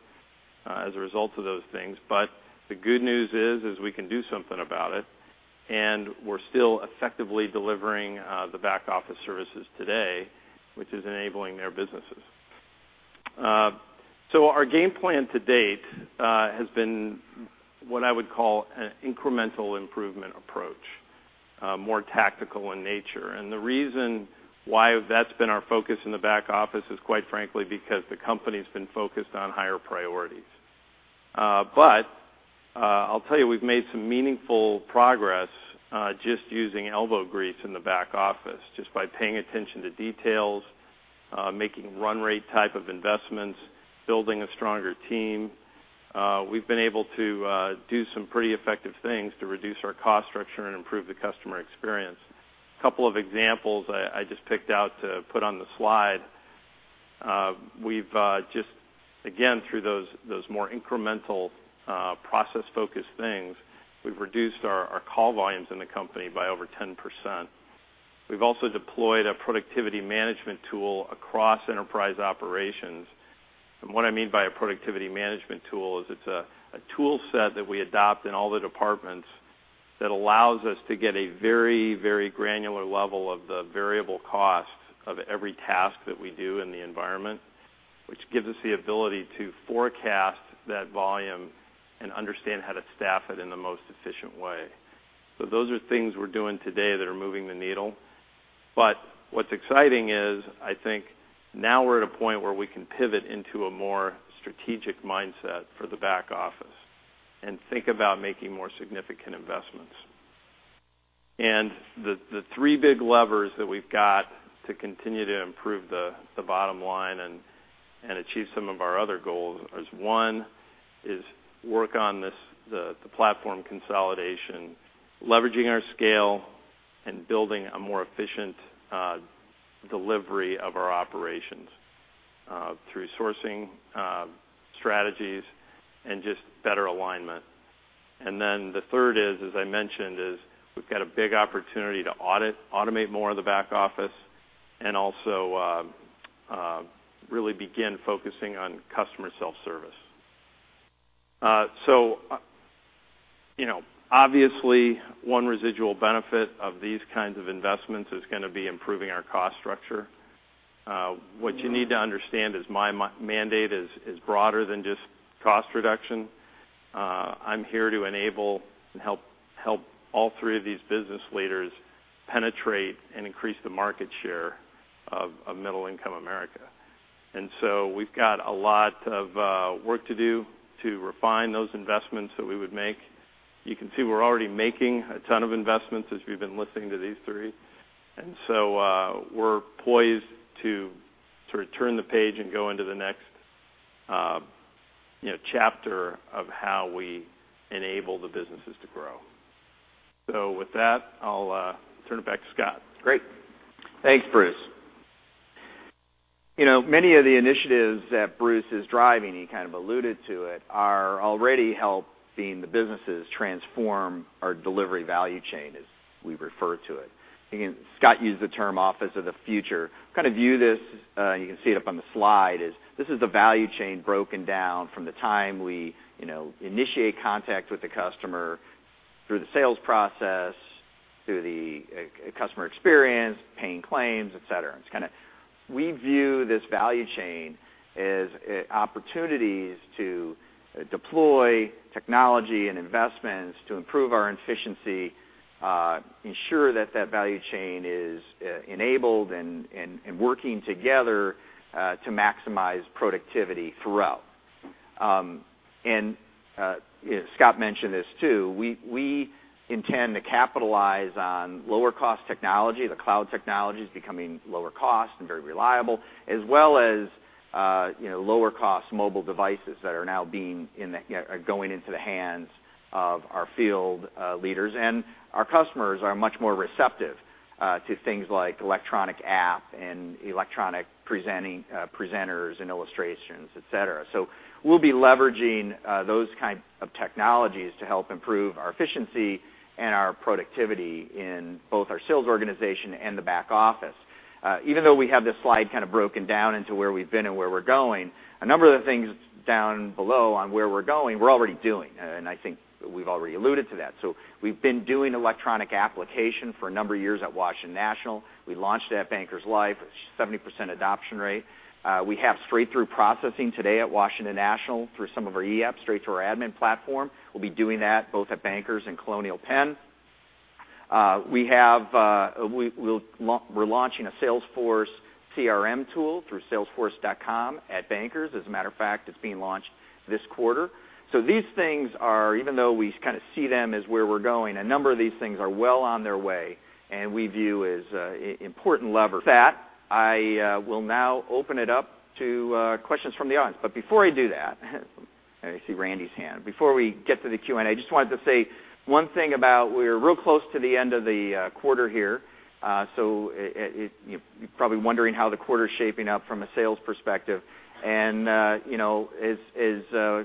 as a result of those things. The good news is we can do something about it, and we're still effectively delivering the back office services today, which is enabling their businesses. Our game plan to date has been what I would call an incremental improvement approach, more tactical in nature. The reason why that's been our focus in the back office is quite frankly because the company has been focused on higher priorities. I'll tell you, we've made some meaningful progress just using elbow grease in the back office, just by paying attention to details, making run rate type of investments, building a stronger team. We've been able to do some pretty effective things to reduce our cost structure and improve the customer experience. Couple of examples I just picked out to put on the slide. We've just, again, through those more incremental process focused things, we've reduced our call volumes in the company by over 10%. We've also deployed a productivity management tool across enterprise operations. What I mean by a productivity management tool is it's a tool set that we adopt in all the departments that allows us to get a very granular level of the variable cost of every task that we do in the environment, which gives us the ability to forecast that volume and understand how to staff it in the most efficient way. Those are things we're doing today that are moving the needle. What's exciting is, I think now we're at a point where we can pivot into a more strategic mindset for the back office and think about making more significant investments. The three big levers that we've got to continue to improve the bottom line and achieve some of our other goals is, one, is work on the platform consolidation, leveraging our scale, and building a more efficient delivery of our operations through sourcing strategies and just better alignment. Then the third is, as I mentioned, we've got a big opportunity to automate more of the back office and also really begin focusing on customer self-service. Obviously, one residual benefit of these kinds of investments is going to be improving our cost structure. What you need to understand is my mandate is broader than just cost reduction. I'm here to enable and help all three of these business leaders penetrate and increase the market share of middle-income America. We've got a lot of work to do to refine those investments that we would make. You can see we're already making a ton of investments as we've been listening to these three. We're poised to sort of turn the page and go into the next chapter of how we enable the businesses to grow. With that, I'll turn it back to Scott. Great. Thanks, Bruce. Many of the initiatives that Bruce is driving, he kind of alluded to it, are already helping the businesses transform our delivery value chain, as we refer to it. Again, Scott used the term office of the future. Kind of view this, you can see it up on the slide, this is the value chain broken down from the time we initiate contact with the customer through the sales process, through the customer experience, paying claims, et cetera. We view this value chain as opportunities to deploy technology and investments to improve our efficiency, ensure that that value chain is enabled, and working together to maximize productivity throughout. Scott mentioned this, too, we intend to capitalize on lower-cost technology. The cloud technology is becoming lower cost and very reliable, as well as lower-cost mobile devices that are now going into the hands of our field leaders. Our customers are much more receptive to things like electronic app and electronic presenters and illustrations, et cetera. We'll be leveraging those kinds of technologies to help improve our efficiency and our productivity in both our sales organization and the back office. Even though we have this slide kind of broken down into where we've been and where we're going, a number of the things down below on where we're going, we're already doing, and I think we've already alluded to that. We've been doing electronic application for a number of years at Washington National. We launched it at Bankers Life. It's 70% adoption rate. We have straight-through processing today at Washington National through some of our e-apps straight to our admin platform. We'll be doing that both at Bankers and Colonial Penn. We're launching a Salesforce CRM tool through Salesforce.com at Bankers. As a matter of fact, it's being launched this quarter. These things are, even though we kind of see them as where we're going, a number of these things are well on their way and we view as important levers. With that, I will now open it up to questions from the audience. Before I do that, I see Randy's hand. Before we get to the Q&A, I just wanted to say one thing about, we are real close to the end of the quarter here. You're probably wondering how the quarter is shaping up from a sales perspective. As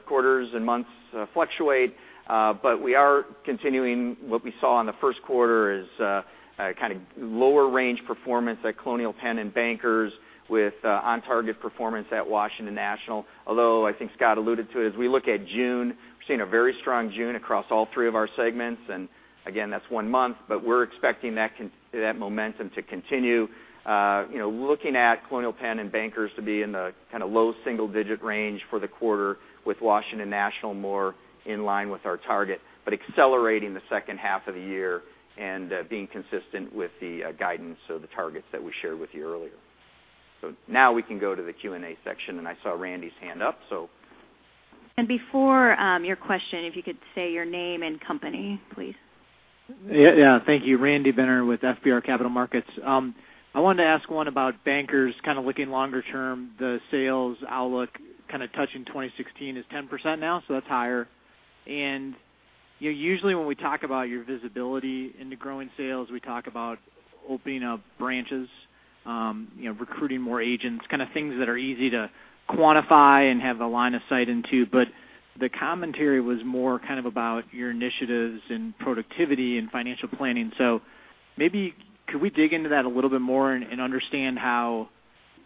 quarters and months fluctuate, but we are continuing what we saw in the first quarter as kind of lower range performance at Colonial Penn and Bankers with on-target performance at Washington National. Although, I think Scott alluded to it, as we look at June, we're seeing a very strong June across all three of our segments. Again, that's one month, but we're expecting that momentum to continue. Looking at Colonial Penn and Bankers to be in the kind of low single-digit range for the quarter with Washington National more in line with our target, but accelerating the second half of the year and being consistent with the guidance of the targets that we shared with you earlier. Now we can go to the Q&A section, and I saw Randy's hand up. Before your question, if you could say your name and company, please. Thank you. Randy Binner with FBR Capital Markets. I wanted to ask one about Bankers kind of looking longer term, the sales outlook kind of touching 2016 is 10% now, so that's higher. Usually, when we talk about your visibility into growing sales, we talk about opening up branches, recruiting more agents, kind of things that are easy to quantify and have a line of sight into. The commentary was more kind of about your initiatives in productivity and financial planning. Maybe could we dig into that a little bit more and understand I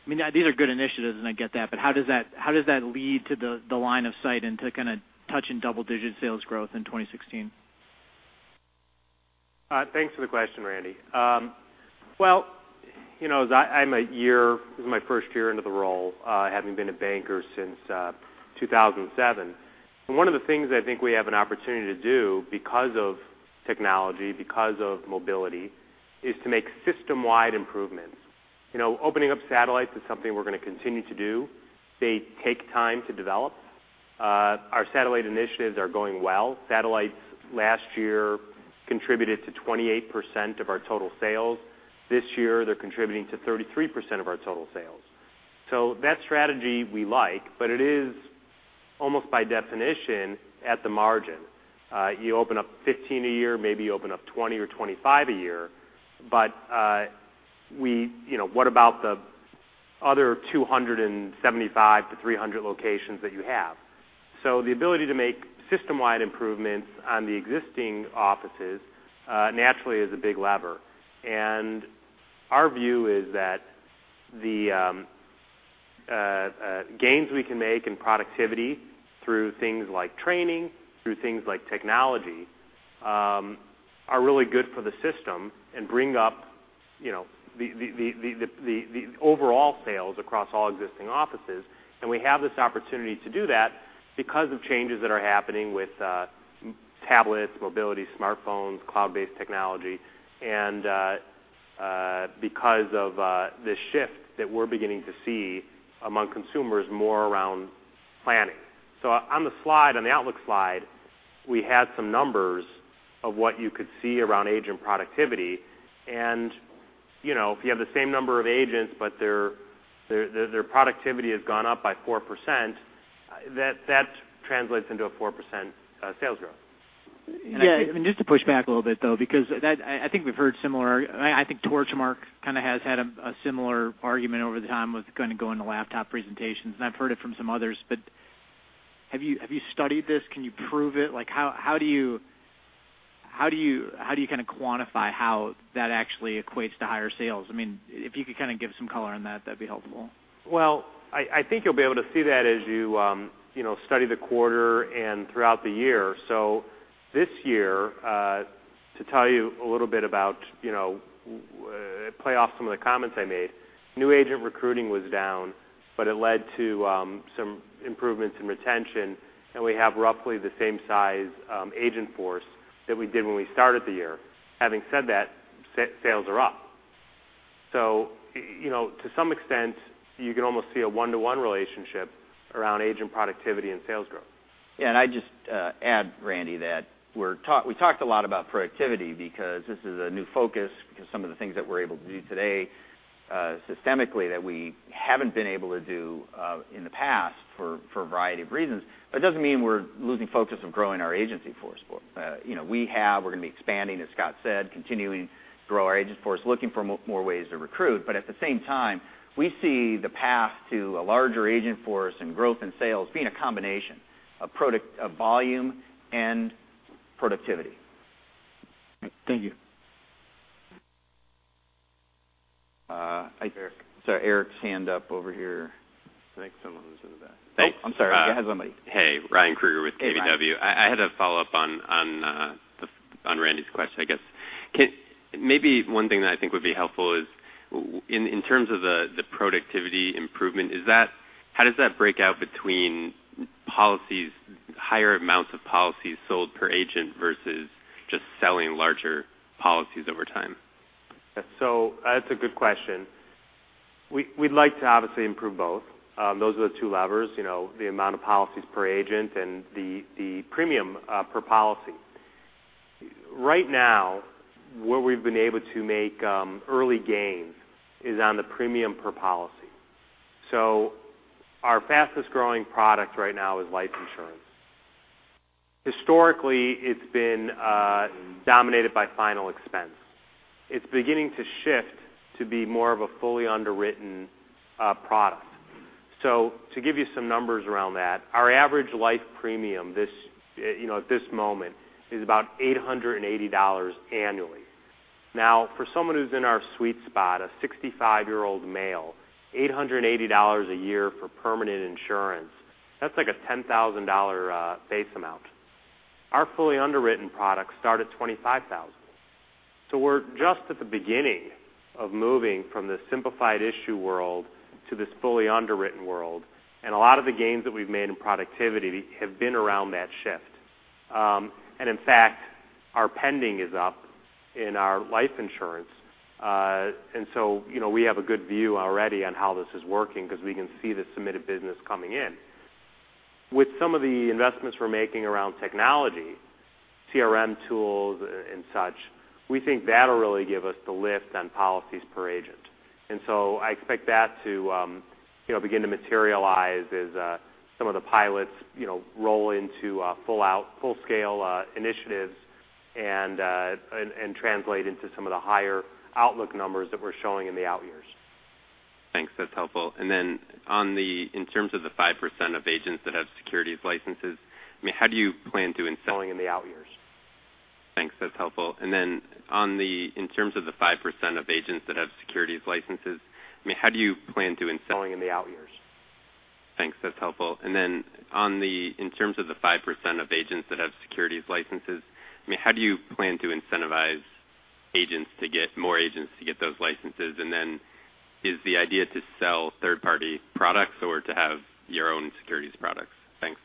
mean, these are good initiatives, and I get that, but how does that lead to the line of sight into kind of touching double-digit sales growth in 2016? Thanks for the question, Randy. This is my first year into the role, having been a banker since 2007. One of the things I think we have an opportunity to do because of technology, because of mobility, is to make system-wide improvements. Opening up satellites is something we're going to continue to do. They take time to develop. Our satellite initiatives are going well. Satellites last year contributed to 28% of our total sales. This year, they're contributing to 33% of our total sales. That strategy we like, but it is almost by definition at the margin. You open up 15 a year, maybe you open up 20 or 25 a year. What about the other 275 to 300 locations that you have? The ability to make system-wide improvements on the existing offices, naturally is a big lever. Our view is that the gains we can make in productivity through things like training, through things like technology, are really good for the system and bring up the overall sales across all existing offices. We have this opportunity to do that because of changes that are happening with tablets, mobility, smartphones, cloud-based technology, and because of the shift that we're beginning to see among consumers more around planning. On the slide, on the outlook slide, we had some numbers of what you could see around agent productivity. If you have the same number of agents, but their productivity has gone up by 4%, that translates into a 4% sales growth. Yeah. Just to push back a little bit, though, because I think we've heard similar. I think Torchmark kind of has had a similar argument over the time with kind of going to laptop presentations, and I've heard it from some others. Have you studied this? Can you prove it? How do you kind of quantify how that actually equates to higher sales? If you could kind of give some color on that'd be helpful. I think you'll be able to see that as you study the quarter and throughout the year. This year, to tell you a little bit about, play off some of the comments I made. New agent recruiting was down, but it led to some improvements in retention, and we have roughly the same size agent force that we did when we started the year. Having said that, sales are up. To some extent, you can almost see a one-to-one relationship around agent productivity and sales growth. I'd just add, Randy, that we talked a lot about productivity because this is a new focus because some of the things that we're able to do today systemically that we haven't been able to do in the past for a variety of reasons. It doesn't mean we're losing focus of growing our agency force. We're going to be expanding, as Scott said, continuing to grow our agent force, looking for more ways to recruit. At the same time, we see the path to a larger agent force and growth in sales being a combination of volume and productivity. Thank you. I saw Eric's hand up over here. I think someone was in the back. Oh, I'm sorry. You had somebody. Hey. Ryan Krueger with KBW. Hey, Ryan. I had a follow-up on Randy's question, I guess. Maybe one thing that I think would be helpful is in terms of the productivity improvement, how does that break out between higher amounts of policies sold per agent versus just selling larger policies over time? That's a good question. We'd like to obviously improve both. Those are the two levers, the amount of policies per agent and the premium per policy. Right now, where we've been able to make early gains is on the premium per policy. Our fastest-growing product right now is life insurance. Historically, it's been dominated by final expense. It's beginning to shift to be more of a fully underwritten product. To give you some numbers around that, our average life premium at this moment is about $880 annually. Now, for someone who's in our sweet spot, a 65-year-old male, $880 a year for permanent insurance, that's like a $10,000 base amount. Our fully underwritten products start at $25,000. We're just at the beginning of moving from this simplified issue world to this fully underwritten world, and a lot of the gains that we've made in productivity have been around that shift. In fact, our pending is up in our life insurance. We have a good view already on how this is working because we can see the submitted business coming in. With some of the investments we're making around technology, CRM tools, and such, we think that'll really give us the lift on policies per agent. I expect that to begin to materialize as some of the pilots roll into full-scale initiatives and translate into some of the higher outlook numbers that we're showing in the out years. Thanks. That's helpful. In terms of the 5% of agents that have securities licenses, how do you plan to- Selling in the out years. Thanks. That's helpful. Then in terms of the 5% of agents that have securities licenses, how do you plan to- Selling in the out years Thanks. That's helpful. Then in terms of the 5% of agents that have securities licenses, how do you plan to incentivize more agents to get those licenses? Then is the idea to sell third-party products or to have your own securities products? Thanks.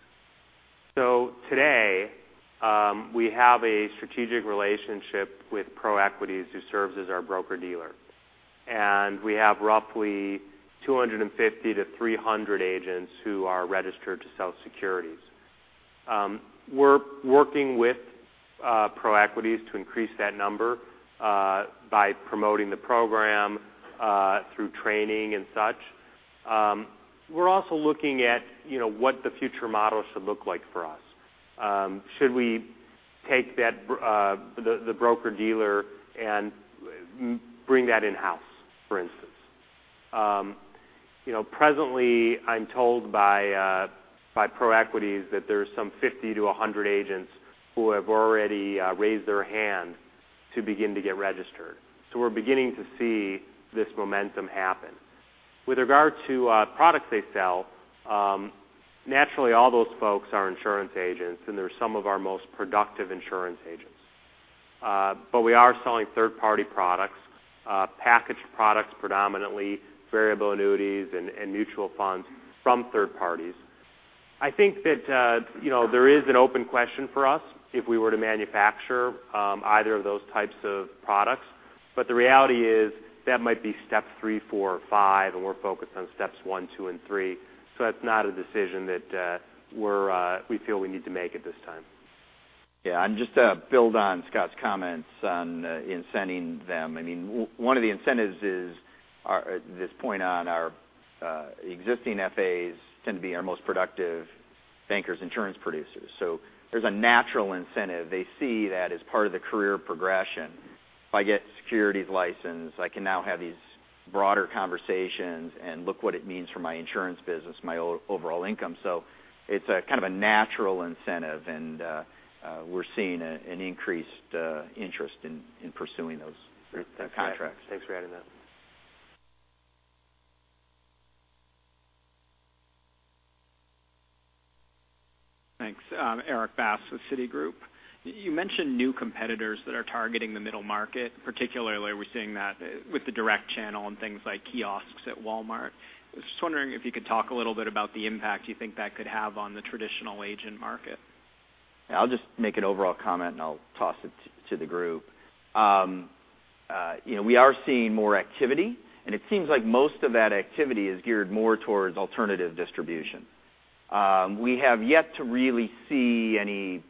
Today, we have a strategic relationship with ProEquities, who serves as our broker-dealer. We have roughly 250 to 300 agents who are registered to sell securities. We're working with ProEquities to increase that number by promoting the program through training and such. We're also looking at what the future model should look like for us. Should we take the broker-dealer and bring that in-house, for instance? Presently, I'm told by ProEquities that there's some 50 to 100 agents who have already raised their hand to begin to get registered. We're beginning to see this momentum happen. With regard to products they sell, naturally, all those folks are insurance agents, and they're some of our most productive insurance agents. We are selling third-party products, packaged products predominantly, variable annuities and mutual funds from third parties. I think that there is an open question for us if we were to manufacture either of those types of products. The reality is, that might be step 3, 4, or 5, and we're focused on steps 1, 2, and 3. That's not a decision that we feel we need to make at this time. Yeah, just to build on Scott's comments on incenting them. One of the incentives is, at this point on, our existing FAs tend to be our most productive Bankers Life insurance producers. There's a natural incentive. They see that as part of the career progression. If I get securities license, I can now have these broader conversations and look what it means for my insurance business, my overall income. It's kind of a natural incentive, and we're seeing an increased interest in pursuing those contracts. Thanks for adding that. Thanks. Erik Bass with Citigroup. You mentioned new competitors that are targeting the middle market. Particularly, we're seeing that with the direct channel and things like kiosks at Walmart. I was just wondering if you could talk a little bit about the impact you think that could have on the traditional agent market. I'll just make an overall comment, and I'll toss it to the group. We are seeing more activity. It seems like most of that activity is geared more towards alternative distribution. We have yet to really see any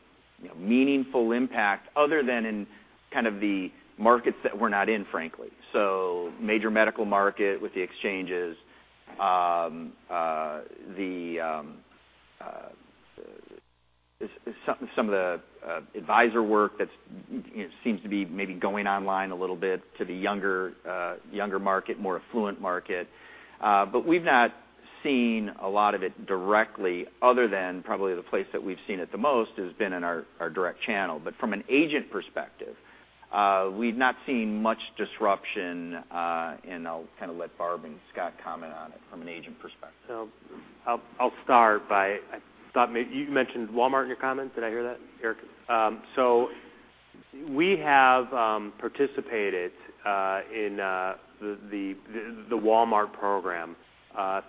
meaningful impact other than in kind of the markets that we're not in, frankly. Major medical market with the exchanges, some of the advisor work that seems to be maybe going online a little bit to the younger market, more affluent market. We've not seen a lot of it directly other than probably the place that we've seen it the most has been in our direct channel. From an agent perspective, we've not seen much disruption, and I'll kind of let Barb and Scott comment on it from an agent perspective. I'll start. You mentioned Walmart in your comment. Did I hear that, Eric? We have participated in the Walmart program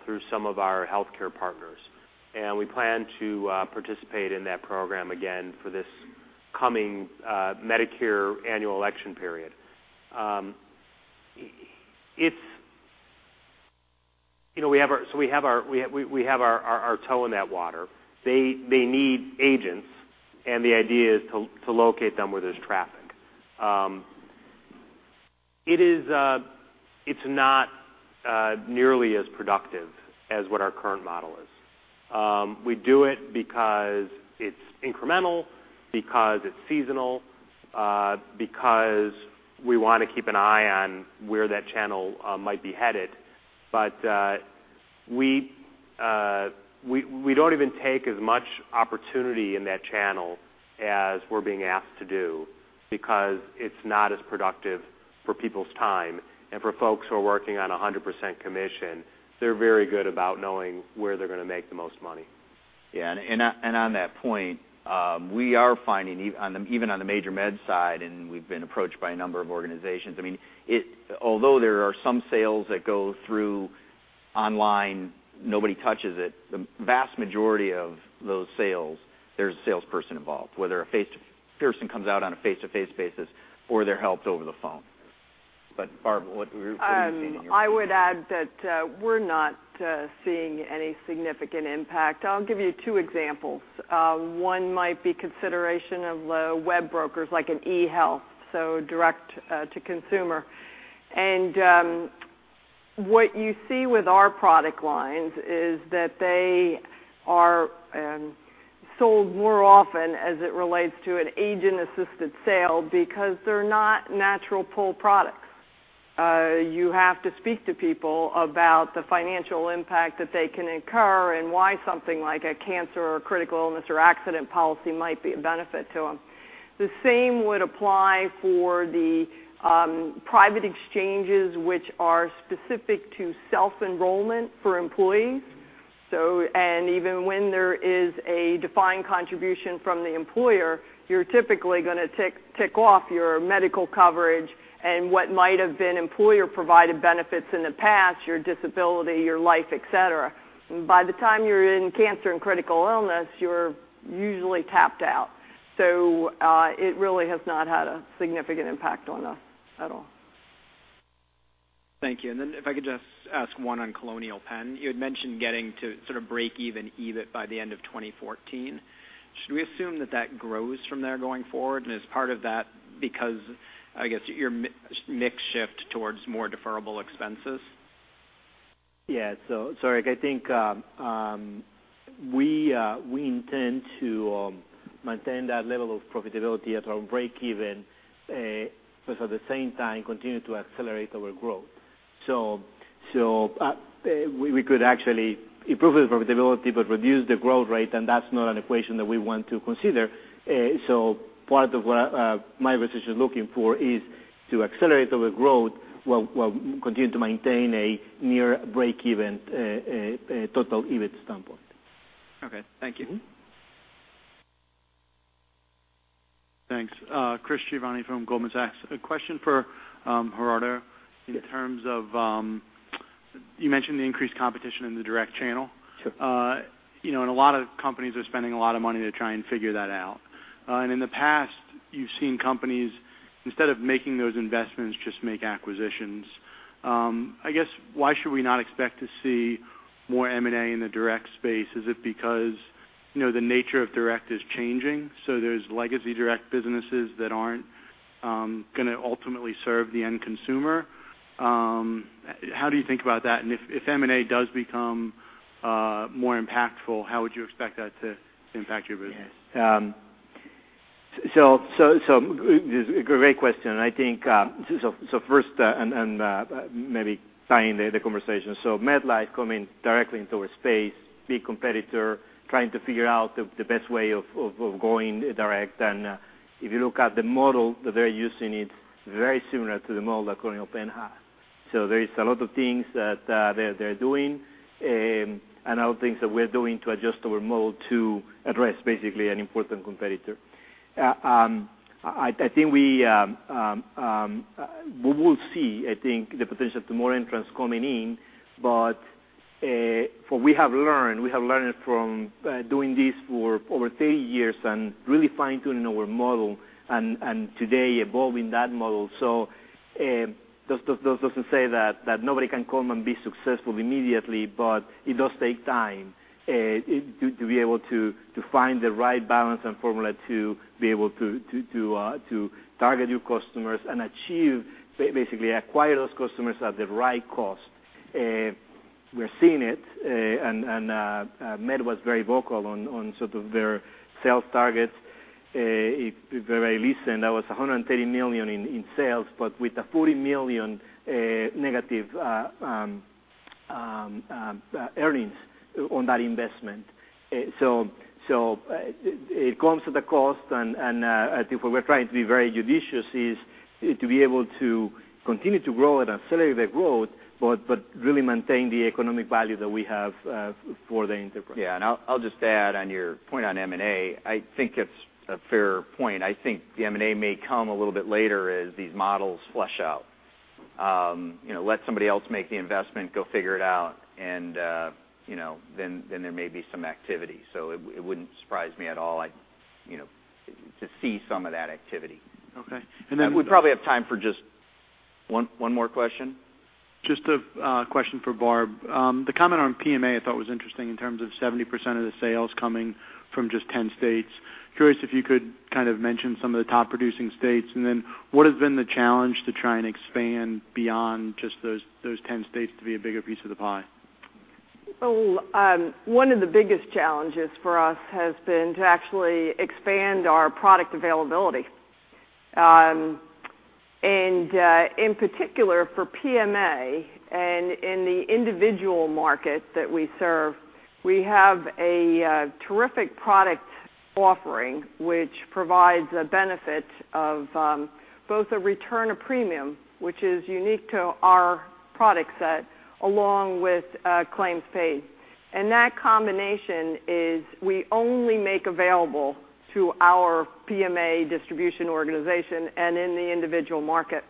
through some of our healthcare partners, and we plan to participate in that program again for this coming Medicare annual election period. We have our toe in that water. They need agents, and the idea is to locate them where there's traffic. It's not nearly as productive as what our current model is. We do it because it's incremental, because it's seasonal, because we want to keep an eye on where that channel might be headed. We don't even take as much opportunity in that channel as we're being asked to do because it's not as productive for people's time and for folks who are working on 100% commission. They're very good about knowing where they're going to make the most money. Yeah, on that point, we are finding even on the major med side, and we've been approached by a number of organizations. Although there are some sales that go through online, nobody touches it. The vast majority of those sales, there's a salesperson involved, whether a person comes out on a face-to-face basis or they're helped over the phone. Barb, what are you seeing on your side? I would add that we're not seeing any significant impact. I'll give you two examples. One might be consideration of web brokers like an eHealth, so direct to consumer. What you see with our product lines is that they are sold more often as it relates to an agent-assisted sale because they're not natural pull products. You have to speak to people about the financial impact that they can incur and why something like a cancer or critical illness or accident policy might be a benefit to them. The same would apply for the private exchanges which are specific to self-enrollment for employees. Even when there is a defined contribution from the employer, you're typically going to tick off your medical coverage and what might have been employer-provided benefits in the past, your disability, your life, et cetera. By the time you're in cancer and critical illness, you're usually tapped out. It really has not had a significant impact on us at all. Thank you. If I could just ask one on Colonial Penn. You had mentioned getting to breakeven EBIT by the end of 2014. Should we assume that that grows from there going forward? Is part of that because, I guess, your mix shift towards more deferrable expenses? Yeah. Erik, I think we intend to maintain that level of profitability at our breakeven, but at the same time continue to accelerate our growth. We could actually improve the profitability but reduce the growth rate, that's not an equation that we want to consider. Part of what my research is looking for is to accelerate our growth while continuing to maintain a near breakeven total EBIT standpoint. Okay. Thank you. Thanks. Chris Giovanni from Goldman Sachs. A question for Gerardo in terms of, you mentioned the increased competition in the direct channel. Sure. A lot of companies are spending a lot of money to try and figure that out. In the past, you've seen companies, instead of making those investments, just make acquisitions. I guess, why should we not expect to see more M&A in the direct space? Is it because the nature of direct is changing, so there's legacy direct businesses that aren't going to ultimately serve the end consumer? How do you think about that? If M&A does become more impactful, how would you expect that to impact your business? Great question. First, and maybe tying the conversation. MetLife coming directly into our space, big competitor, trying to figure out the best way of going direct. If you look at the model that they're using, it's very similar to the model that Colonial Penn has. There is a lot of things that they're doing, and other things that we're doing to adjust our model to address basically an important competitor. I think we will see, the potential to more entrants coming in. From we have learned, we have learned from doing this for over 30 years and really fine-tuning our model, and today evolving that model. That doesn't say that nobody can come and be successful immediately, but it does take time to be able to find the right balance and formula to be able to target your customers and achieve, basically acquire those customers at the right cost. We're seeing it, and Met was very vocal on sort of their sales targets. If I listened, that was $130 million in sales, but with a $40 million negative earnings on that investment. It comes with a cost, and I think what we're trying to be very judicious is to be able to continue to grow and accelerate that growth, but really maintain the economic value that we have for the enterprise. Yeah, I'll just add on your point on M&A, I think it's a fair point. I think the M&A may come a little bit later as these models flush out. Let somebody else make the investment, go figure it out, then there may be some activity. It wouldn't surprise me at all to see some of that activity. Okay. We probably have time for just one more question. Just a question for Barb. The comment on PMA I thought was interesting in terms of 70% of the sales coming from just 10 states. Curious if you could kind of mention some of the top producing states, then what has been the challenge to try and expand beyond just those 10 states to be a bigger piece of the pie? One of the biggest challenges for us has been to actually expand our product availability. In particular for PMA and in the individual market that we serve, we have a terrific product offering which provides a benefit of both a return of premium, which is unique to our product set, along with claims paid. That combination is we only make available through our PMA distribution organization and in the individual market.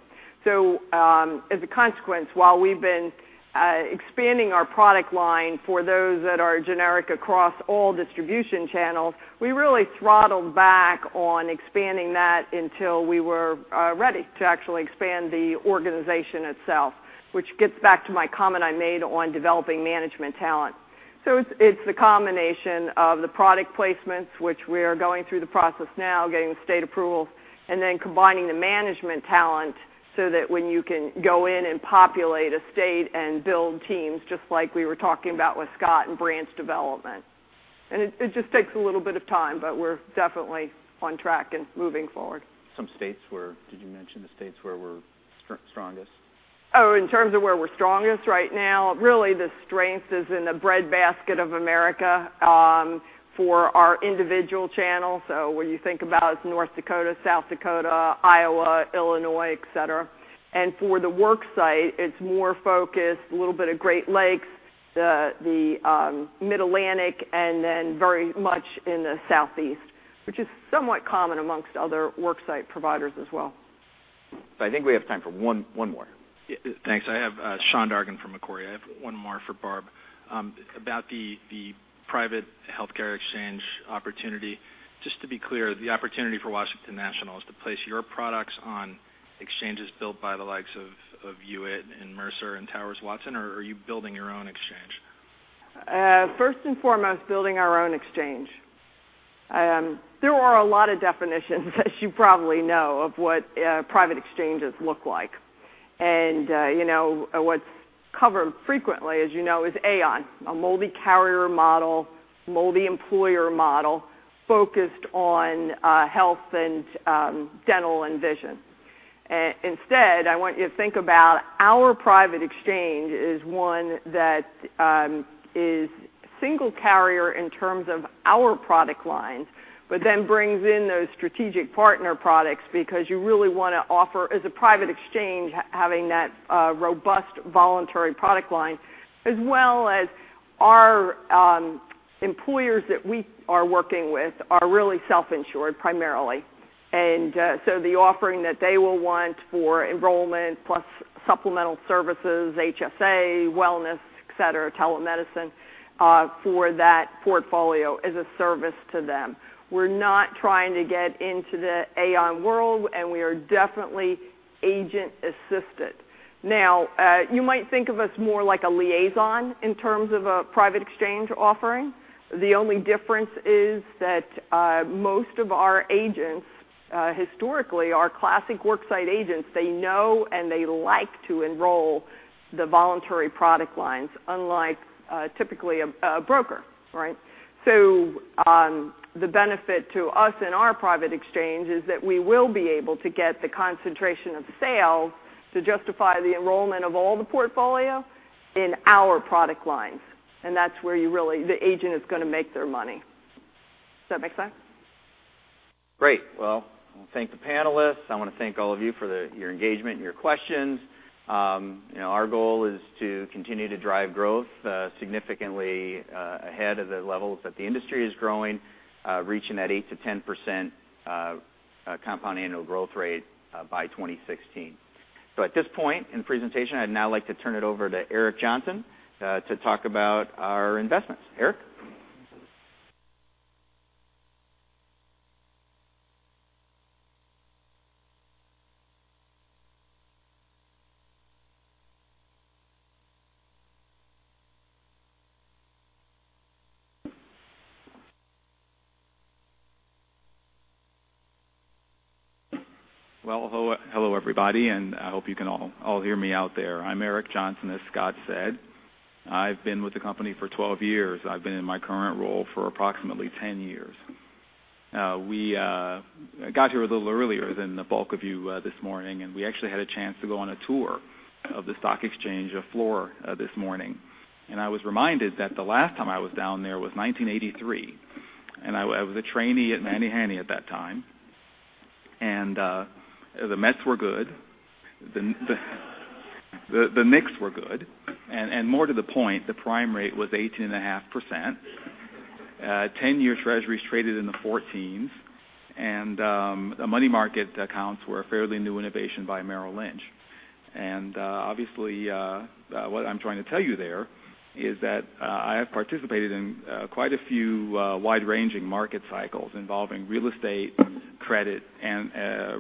As a consequence, while we've been expanding our product line for those that are generic across all distribution channels, we really throttled back on expanding that until we were ready to actually expand the organization itself, which gets back to my comment I made on developing management talent. It's the combination of the product placements, which we are going through the process now, getting state approvals, then combining the management talent so that when you can go in and populate a state and build teams, just like we were talking about with Scott and branch development. It just takes a little bit of time, but we're definitely on track and moving forward. Some states where, did you mention the states where we're strongest? In terms of where we're strongest right now, really the strength is in the breadbasket of America for our individual channels. When you think about North Dakota, South Dakota, Iowa, Illinois, et cetera. For the work site, it's more focused, a little bit of Great Lakes, the Mid-Atlantic, then very much in the Southeast, which is somewhat common amongst other work site providers as well. I think we have time for one more. Thanks. I have Sean Dargan from Macquarie. I have one more for Barb. About the private healthcare exchange opportunity, just to be clear, the opportunity for Washington National is to place your products on exchanges built by the likes of you, Mercer, and Towers Watson, or are you building your own exchange? First and foremost, building our own exchange. There are a lot of definitions as you probably know, of what private exchanges look like. What's covered frequently, as you know, is Aon, a multi-carrier model, multi-employer model, focused on health and dental and vision. Instead, I want you to think about our private exchange is one that is single carrier in terms of our product lines, but then brings in those strategic partner products because you really want to offer, as a private exchange, having that robust voluntary product line, as well as our employers that we are working with are really self-insured primarily. The offering that they will want for enrollment plus supplemental services, HSA, wellness, et cetera, telemedicine, for that portfolio is a service to them. We're not trying to get into the Aon world, and we are definitely agent assisted. Now, you might think of us more like a Liazon in terms of a private exchange offering. The only difference is that most of our agents, historically, are classic work site agents. They know and they like to enroll the voluntary product lines, unlike typically a broker. The benefit to us in our private exchange is that we will be able to get the concentration of sales to justify the enrollment of all the portfolio in our product lines. That's where the agent is going to make their money. Does that make sense? Great. Well, I want to thank the panelists. I want to thank all of you for your engagement and your questions. Our goal is to continue to drive growth significantly ahead of the levels that the industry is growing, reaching that 8%-10% compound annual growth rate by 2016. At this point in the presentation, I'd now like to turn it over to Eric Johnson to talk about our investments. Eric? Well, hello, everybody. I hope you can all hear me out there. I'm Eric Johnson, as Scott said. I've been with the company for 12 years. I've been in my current role for approximately 10 years. We got here a little earlier than the bulk of you this morning. We actually had a chance to go on a tour of the stock exchange floor this morning. I was reminded that the last time I was down there was 1983. I was a trainee at Manny Hanny at that time. The Mets were good. The Knicks were good. More to the point, the prime rate was 18.5%. 10-year treasuries traded in the 14s. Money market accounts were a fairly new innovation by Merrill Lynch. Obviously, what I'm trying to tell you there is that I have participated in quite a few wide-ranging market cycles involving real estate, credit, and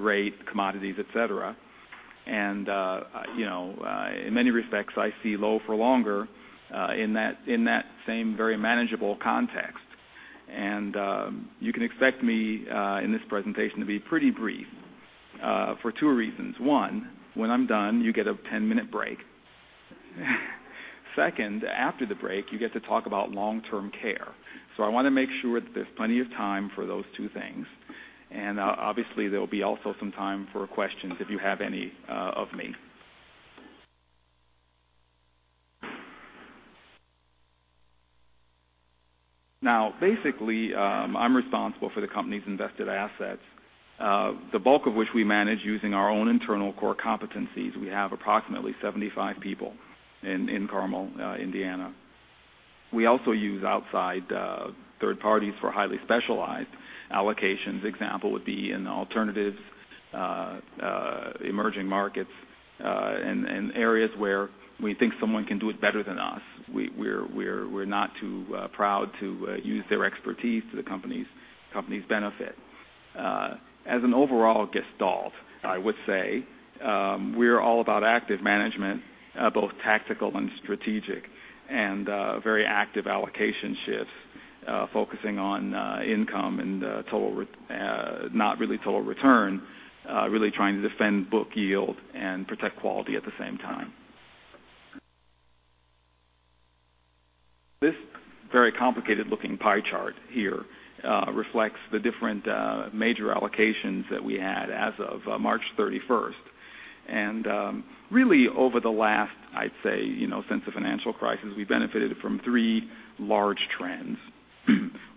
rate commodities, et cetera. In many respects, I see low for longer, in that same very manageable context. You can expect me in this presentation to be pretty brief, for two reasons. One, when I'm done, you get a 10-minute break. Second, after the break, you get to talk about long-term care. I want to make sure that there's plenty of time for those two things. Obviously, there will be also some time for questions if you have any of me. Now, basically, I'm responsible for the company's invested assets, the bulk of which we manage using our own internal core competencies. We have approximately 75 people in Carmel, Indiana. We also use outside third parties for highly specialized allocations. Example would be in alternatives, emerging markets, and areas where we think someone can do it better than us. We're not too proud to use their expertise to the company's benefit. As an overall gestalt, I would say, we're all about active management, both tactical and strategic, and very active allocation shifts, focusing on income and not really total return, really trying to defend book yield and protect quality at the same time. This very complicated looking pie chart here reflects the different major allocations that we had as of March 31st. Really over the last, I'd say, since the financial crisis, we benefited from three large trends.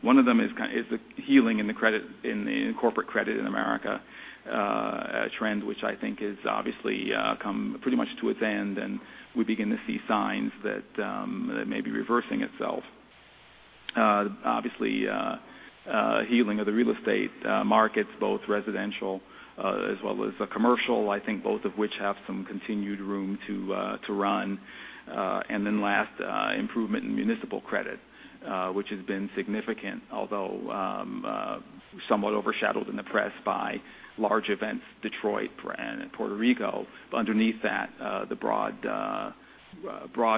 One of them is the healing in the corporate credit in America, a trend which I think is obviously come pretty much to its end. We begin to see signs that it may be reversing itself. Obviously, healing of the real estate markets, both residential as well as the commercial, I think both of which have some continued room to run. Last, improvement in municipal credit, which has been significant, although somewhat overshadowed in the press by large events, Detroit and Puerto Rico. Underneath that, the broad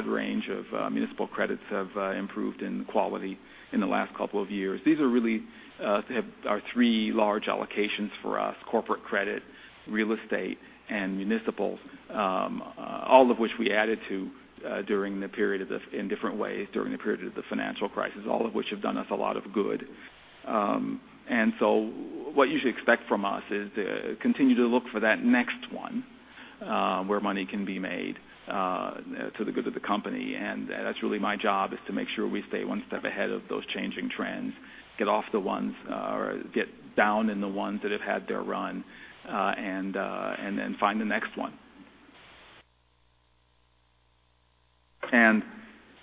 range of municipal credits have improved in quality in the last couple of years. These are really our three large allocations for us, corporate credit, real estate, and municipals, all of which we added to in different ways during the period of the financial crisis, all of which have done us a lot of good. What you should expect from us is to continue to look for that next one where money can be made to the good of the company. That's really my job is to make sure we stay one step ahead of those changing trends, get off the ones, or get down in the ones that have had their run, and then find the next one.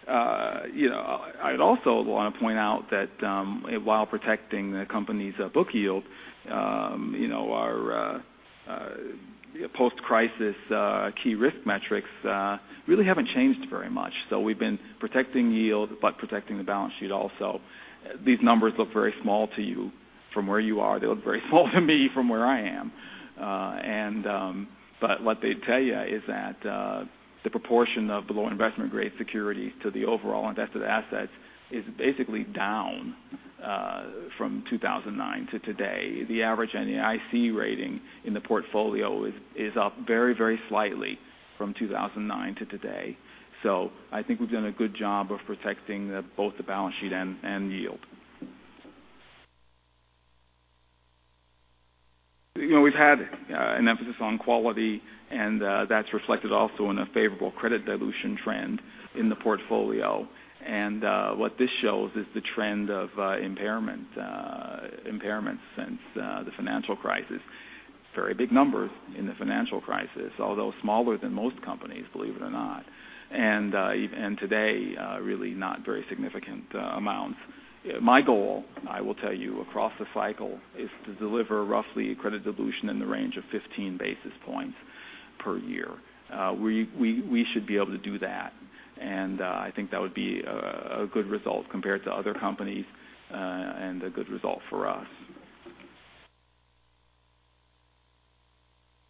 I'd also want to point out that while protecting the company's book yield our post-crisis key risk metrics really haven't changed very much. We've been protecting yield, but protecting the balance sheet also. These numbers look very small to you from where you are. They look very small to me from where I am. What they tell you is that the proportion of below investment grade securities to the overall invested assets is basically down from 2009 to today. The average NAIC rating in the portfolio is up very slightly from 2009 to today. I think we've done a good job of protecting both the balance sheet and yield. We've had an emphasis on quality, and that's reflected also in a favorable credit dilution trend in the portfolio. What this shows is the trend of impairment since the financial crisis. Very big numbers in the financial crisis, although smaller than most companies, believe it or not. Today really not very significant amounts. My goal, I will tell you across the cycle, is to deliver roughly a credit dilution in the range of 15 basis points per year. We should be able to do that, and I think that would be a good result compared to other companies, and a good result for us.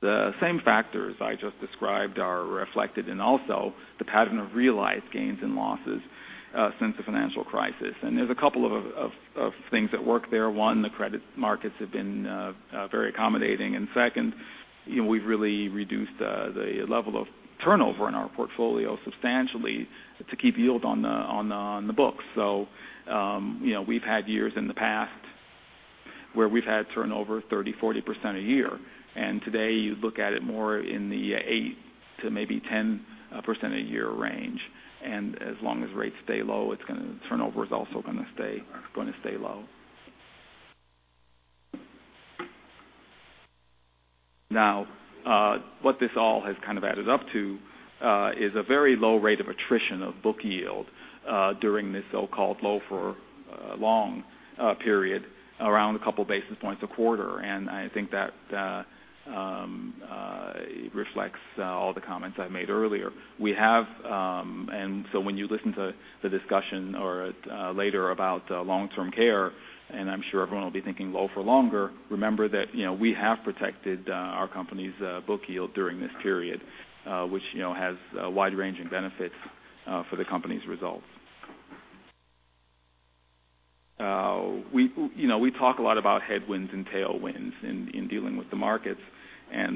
The same factors I just described are reflected in also the pattern of realized gains and losses since the financial crisis. There's a couple of things at work there. One, the credit markets have been very accommodating, and second, we've really reduced the level of turnover in our portfolio substantially to keep yield on the books. We've had years in the past where we've had turnover 30%-40% a year. Today you look at it more in the 8% to maybe 10% a year range. As long as rates stay low, turnover is also going to stay low. What this all has kind of added up to is a very low rate of attrition of book yield during this so-called low for long period around a couple basis points a quarter. I think that reflects all the comments I made earlier. When you listen to the discussion later about long-term care, and I'm sure everyone will be thinking low for longer, remember that we have protected our company's book yield during this period which has a wide range in benefits for the company's results. We talk a lot about headwinds and tailwinds in dealing with the markets.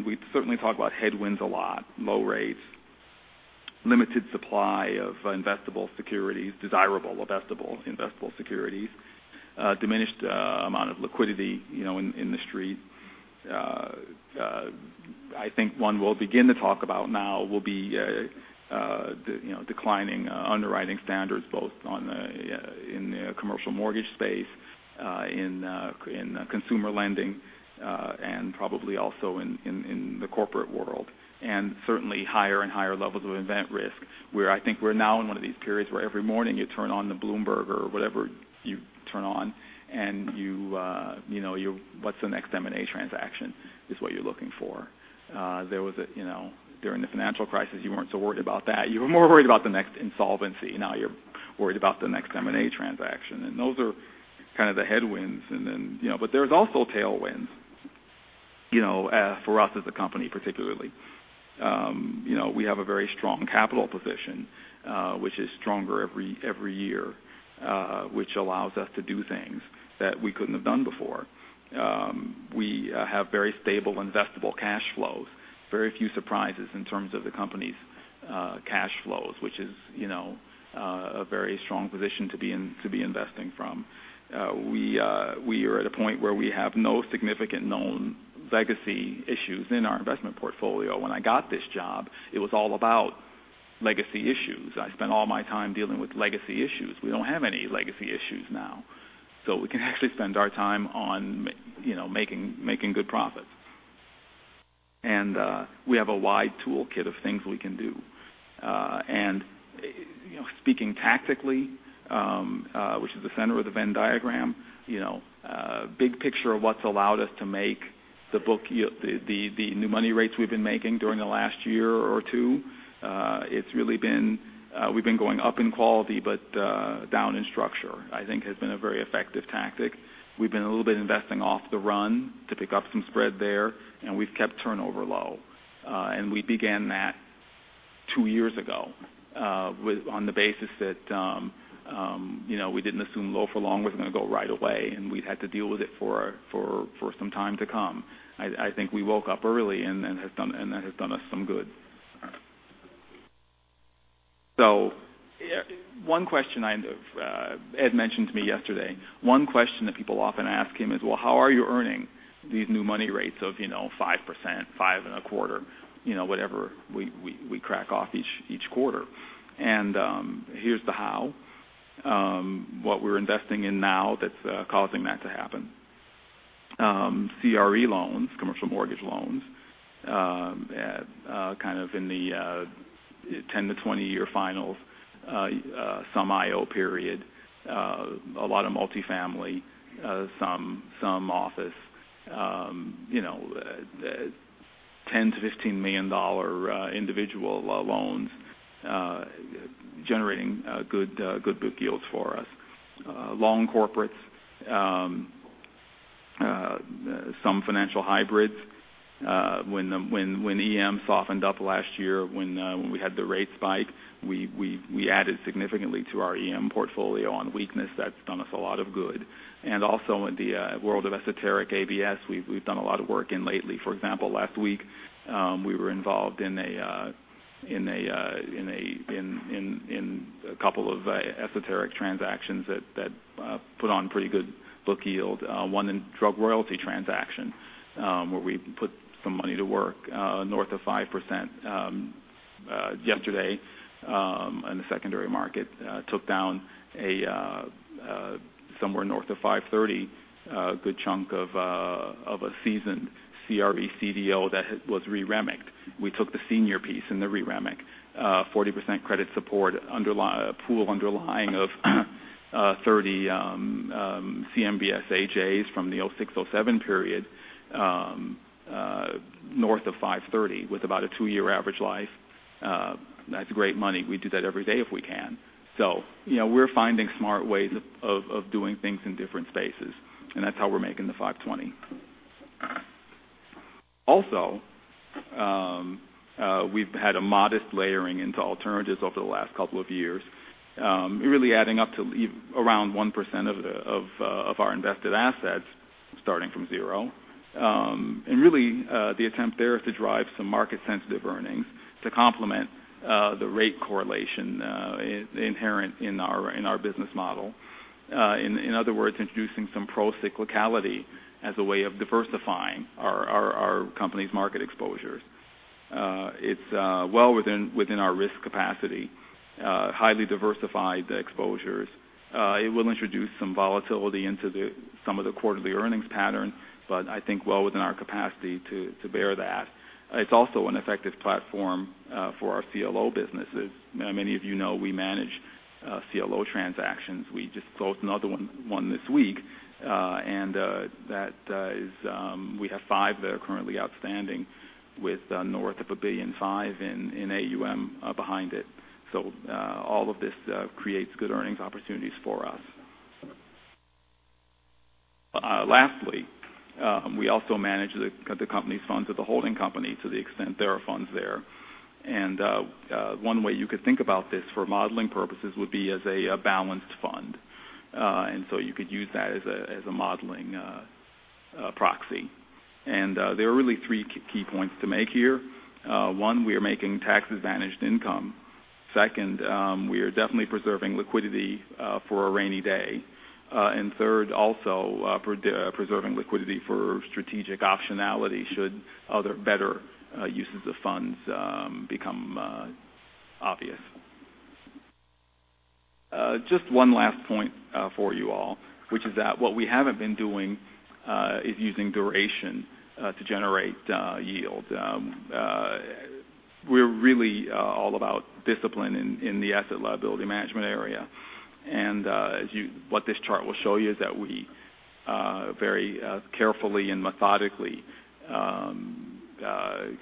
We certainly talk about headwinds a lot. Low rates, limited supply of investable securities, desirable, investable securities. Diminished amount of liquidity in the street. I think one we'll begin to talk about now will be declining underwriting standards both in the commercial mortgage space, in consumer lending, and probably also in the corporate world. Certainly higher and higher levels of event risk, where I think we're now in one of these periods where every morning you turn on the Bloomberg or whatever you turn on, and what's the next M&A transaction is what you're looking for. During the financial crisis, you weren't so worried about that. You were more worried about the next insolvency. Now you're worried about the next M&A transaction. Those are kind of the headwinds. There's also tailwinds for us as a company particularly. We have a very strong capital position which is stronger every year, which allows us to do things that we couldn't have done before. We have very stable investable cash flows. Very few surprises in terms of the company's cash flows, which is a very strong position to be investing from. We are at a point where we have no significant known legacy issues in our investment portfolio. When I got this job, it was all about legacy issues. I spent all my time dealing with legacy issues. We don't have any legacy issues now, so we can actually spend our time on making good profits. We have a wide toolkit of things we can do. Speaking tactically, which is the center of the Venn diagram. Big picture of what's allowed us to make the new money rates we've been making during the last year or two. We've been going up in quality, but down in structure. I think has been a very effective tactic. We've been a little bit investing off the run to pick up some spread there, and we've kept turnover low. We began that two years ago on the basis that we didn't assume low for long was going to go right away, and we'd had to deal with it for some time to come. I think we woke up early, and that has done us some good. One question Ed mentioned to me yesterday. One question that people often ask him is, well, how are you earning these new money rates of 5%, 5.25%, whatever we crack off each quarter. Here's the how. What we're investing in now that's causing that to happen. CRE loans, commercial mortgage loans, kind of in the 10 to 20-year finals. Some IO period. A lot of multi-family, some office. $10 million-$15 million individual loans generating good book yields for us. Long corporates. Some financial hybrids. When EM softened up last year when we had the rate spike, we added significantly to our EM portfolio on weakness. That's done us a lot of good. Also in the world of esoteric ABS, we've done a lot of work in lately. For example, last week we were involved in a couple of esoteric transactions that put on pretty good book yield. One in drug royalty transaction where we put some money to work north of 5%. Yesterday in the secondary market took down somewhere north of 5.30%. A good chunk of a seasoned CRE CDO that was re-REMIC-ed. We took the senior piece in the re-REMIC. 40% credit support pool underlying of 30 CMBS AJs from the 2006, 2007 period north of 5.30% with about a two-year average life. That's great money. We'd do that every day if we can. We're finding smart ways of doing things in different spaces, and that's how we're making the 5.20%. Also, we've had a modest layering into alternatives over the last couple of years. Really adding up to around 1% of our invested assets starting from zero. Really the attempt there is to drive some market-sensitive earnings to complement the rate correlation inherent in our business model. In other words, introducing some pro-cyclicality as a way of diversifying our company's market exposures. It's well within our risk capacity. Highly diversified exposures. It will introduce some volatility into some of the quarterly earnings pattern, but I think well within our capacity to bear that. It's also an effective platform for our CLO businesses. Many of you know we manage CLO transactions. We just closed another one this week. We have five that are currently outstanding with north of $1.5 billion in AUM behind it. All of this creates good earnings opportunities for us. Lastly, we also manage the company's funds at the holding company to the extent there are funds there. One way you could think about this for modeling purposes would be as a balanced fund. You could use that as a modeling proxy. There are really three key points to make here. One, we are making tax-advantaged income. Second, we are definitely preserving liquidity for a rainy day. Third, also preserving liquidity for strategic optionality should other better uses of funds become obvious. Just one last point for you all, which is that what we haven't been doing is using duration to generate yield. We're really all about discipline in the asset liability management area. What this chart will show you is that we very carefully and methodically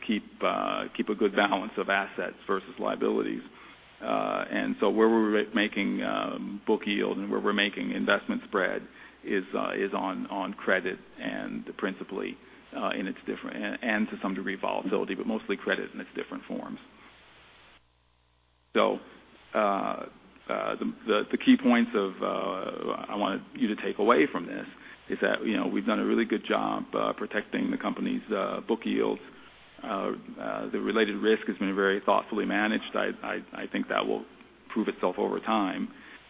keep a good balance of assets versus liabilities. Where we're making book yield and where we're making investment spread is on credit and principally and to some degree volatility, but mostly credit in its different forms. The key points I want you to take away from this is that we've done a really good job protecting the company's book yields. The related risk has been very thoughtfully managed. I think that will prove itself over time.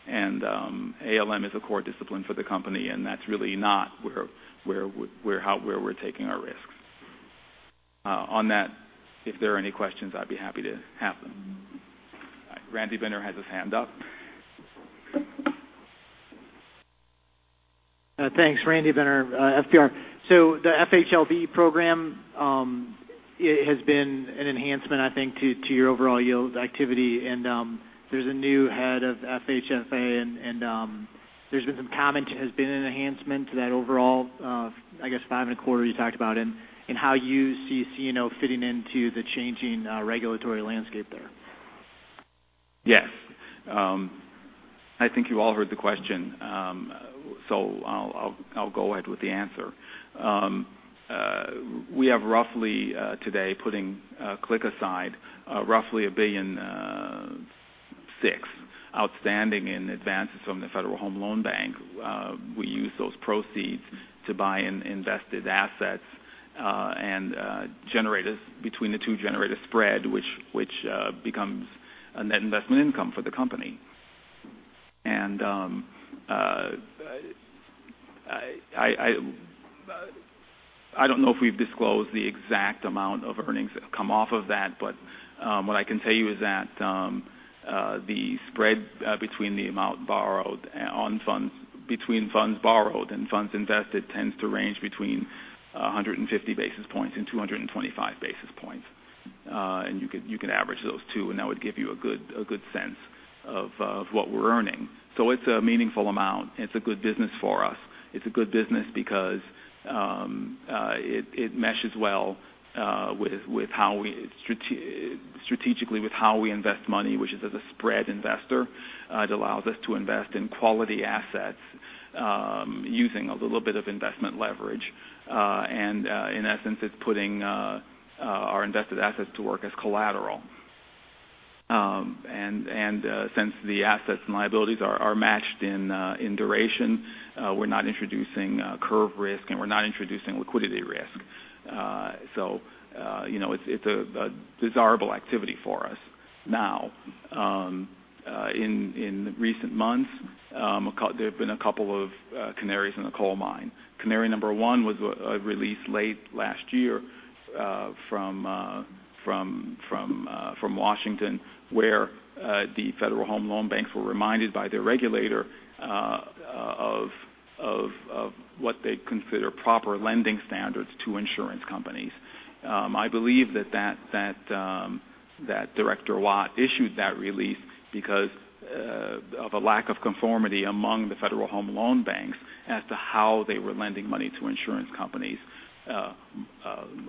ALM is a core discipline for the company, and that's really not where we're taking our risks. On that, if there are any questions, I'd be happy to have them. Randy Binner has his hand up. Thanks. Randy Binner, FBR. The FHLB program has been an enhancement, I think, to your overall yield activity. There's a new head of FHFA, there's been some comment it has been an enhancement to that overall, I guess, five and a quarter you talked about, and how you see CNO fitting into the changing regulatory landscape there. Yes. I think you all heard the question. I'll go ahead with the answer. We have roughly today, putting CLIC aside, roughly $1.6 billion outstanding in advances from the Federal Home Loan Bank. We use those proceeds to buy invested assets, and between the two, generate a spread, which becomes a net investment income for the company. I don't know if we've disclosed the exact amount of earnings that come off of that. What I can tell you is that the spread between the amount borrowed on funds, between funds borrowed and funds invested tends to range between 150 basis points and 225 basis points. You could average those two, and that would give you a good sense of what we're earning. It's a meaningful amount. It's a good business for us. It's a good business because it meshes well strategically with how we invest money, which is as a spread investor. It allows us to invest in quality assets using a little bit of investment leverage. In essence, it's putting our invested assets to work as collateral. Since the assets and liabilities are matched in duration, we're not introducing curve risk, and we're not introducing liquidity risk. It's a desirable activity for us. Now, in recent months, there have been a couple of canaries in the coal mine. Canary number 1 was a release late last year from Washington, where the Federal Home Loan Banks were reminded by their regulator of what they consider proper lending standards to insurance companies. I believe that Director Watt issued that release because of a lack of conformity among the Federal Home Loan Banks as to how they were lending money to insurance companies.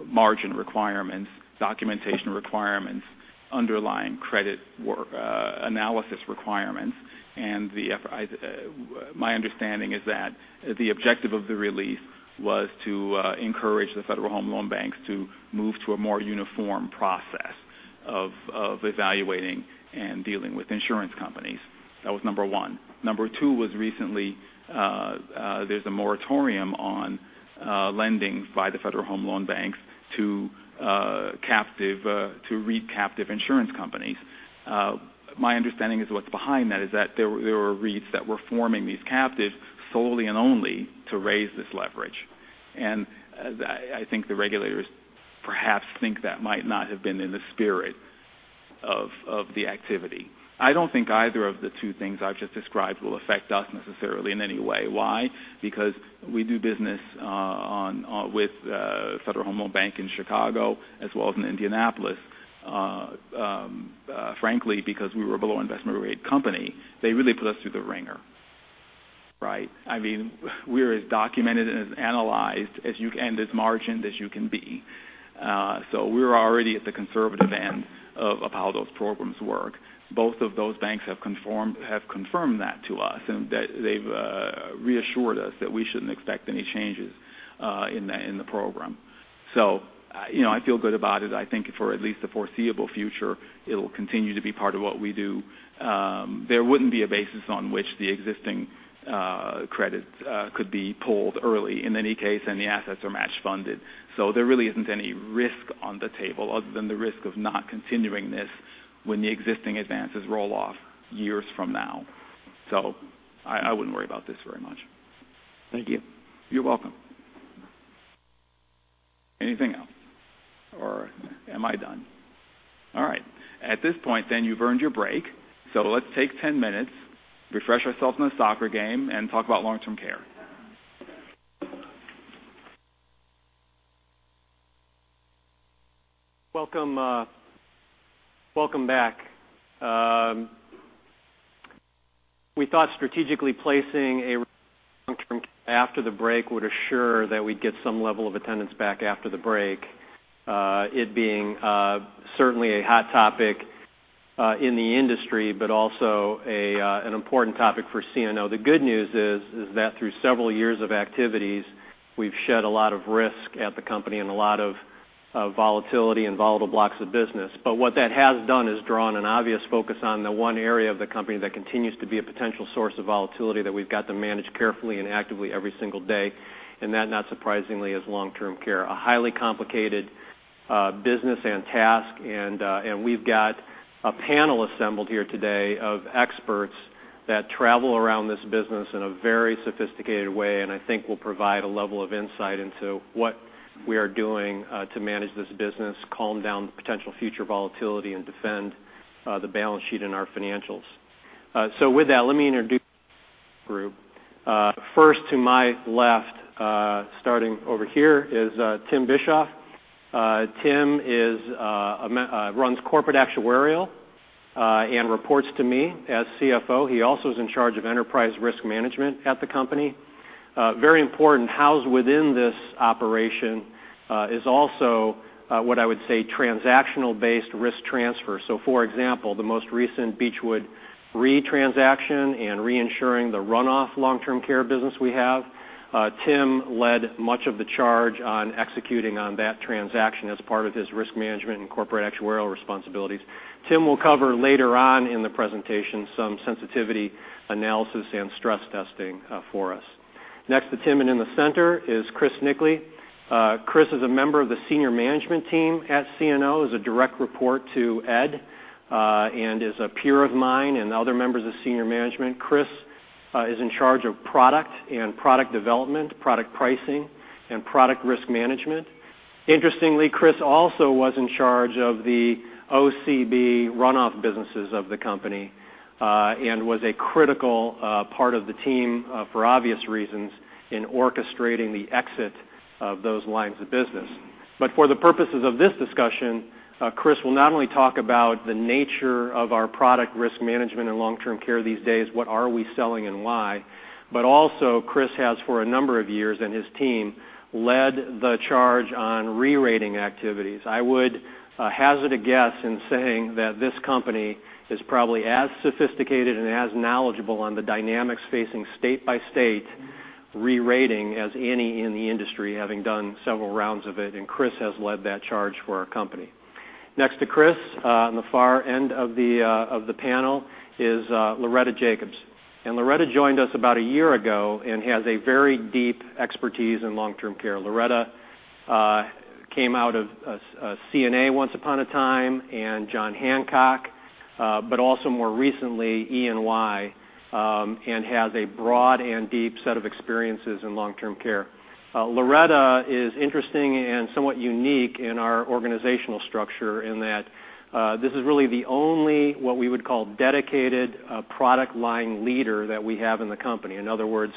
Margin requirements, documentation requirements, underlying credit analysis requirements. My understanding is that the objective of the release was to encourage the Federal Home Loan Banks to move to a more uniform process of evaluating and dealing with insurance companies. That was number 1. Number 2 was recently, there's a moratorium on lending by the Federal Home Loan Banks to REIT captive insurance companies. My understanding is what's behind that is that there were REITs that were forming these captives solely and only to raise this leverage. I think the regulators perhaps think that might not have been in the spirit of the activity. I don't think either of the two things I've just described will affect us necessarily in any way. Why? Because we do business with Federal Home Loan Bank in Chicago as well as in Indianapolis. Frankly, because we were a below investment grade company, they really put us through the wringer. Right? We're as documented and as analyzed and as margined as you can be. We're already at the conservative end of how those programs work. Both of those banks have confirmed that to us, and they've reassured us that we shouldn't expect any changes in the program. I feel good about it. I think for at least the foreseeable future, it'll continue to be part of what we do. There wouldn't be a basis on which the existing credits could be pulled early in any case, and the assets are match funded. There really isn't any risk on the table other than the risk of not continuing this when the existing advances roll off years from now. I wouldn't worry about this very much. Thank you. You're welcome. Anything else? Am I done? All right. At this point, you've earned your break. Let's take 10 minutes, refresh ourselves in a soccer game, and talk about long-term care. Welcome back. We thought strategically placing a long-term care after the break would assure that we'd get some level of attendance back after the break. It being certainly a hot topic. In the industry, but also an important topic for CNO. What that has done is drawn an obvious focus on the one area of the company that continues to be a potential source of volatility that we've got to manage carefully and actively every single day. That, not surprisingly, is long-term care, a highly complicated business and task. We've got a panel assembled here today of experts that travel around this business in a very sophisticated way and I think will provide a level of insight into what we are doing to manage this business, calm down potential future volatility, and defend the balance sheet in our financials. With that, let me introduce the group. First, to my left, starting over here is Tim Bischof. Tim runs corporate actuarial and reports to me as CFO. He also is in charge of enterprise risk management at the company. Very important, housed within this operation is also what I would say transactional-based risk transfer. For example, the most recent Beechwood Re transaction and re-insuring the runoff long-term care business we have, Tim led much of the charge on executing on that transaction as part of his risk management and corporate actuarial responsibilities. Tim will cover later on in the presentation some sensitivity analysis and stress testing for us. Next to Tim and in the center is Chris Nickley. Chris is a member of the senior management team at CNO, is a direct report to Ed, and is a peer of mine and other members of senior management. Chris is in charge of product and product development, product pricing, and product risk management. Interestingly, Chris also was in charge of the OCB runoff businesses of the company and was a critical part of the team, for obvious reasons, in orchestrating the exit of those lines of business. For the purposes of this discussion, Chris will not only talk about the nature of our product risk management and long-term care these days, what are we selling and why, but also Chris has for a number of years, and his team, led the charge on re-rating activities. I would hazard a guess in saying that this company is probably as sophisticated and as knowledgeable on the dynamics facing state-by-state re-rating as any in the industry, having done several rounds of it, and Chris has led that charge for our company. Next to Chris, on the far end of the panel, is Loretta Jacobs. Loretta joined us about a year ago and has a very deep expertise in long-term care. Loretta came out of CNA once upon a time, John Hancock, but also more recently, EY, and has a broad and deep set of experiences in long-term care. Loretta is interesting and somewhat unique in our organizational structure in that this is really the only, what we would call dedicated product line leader that we have in the company. In other words,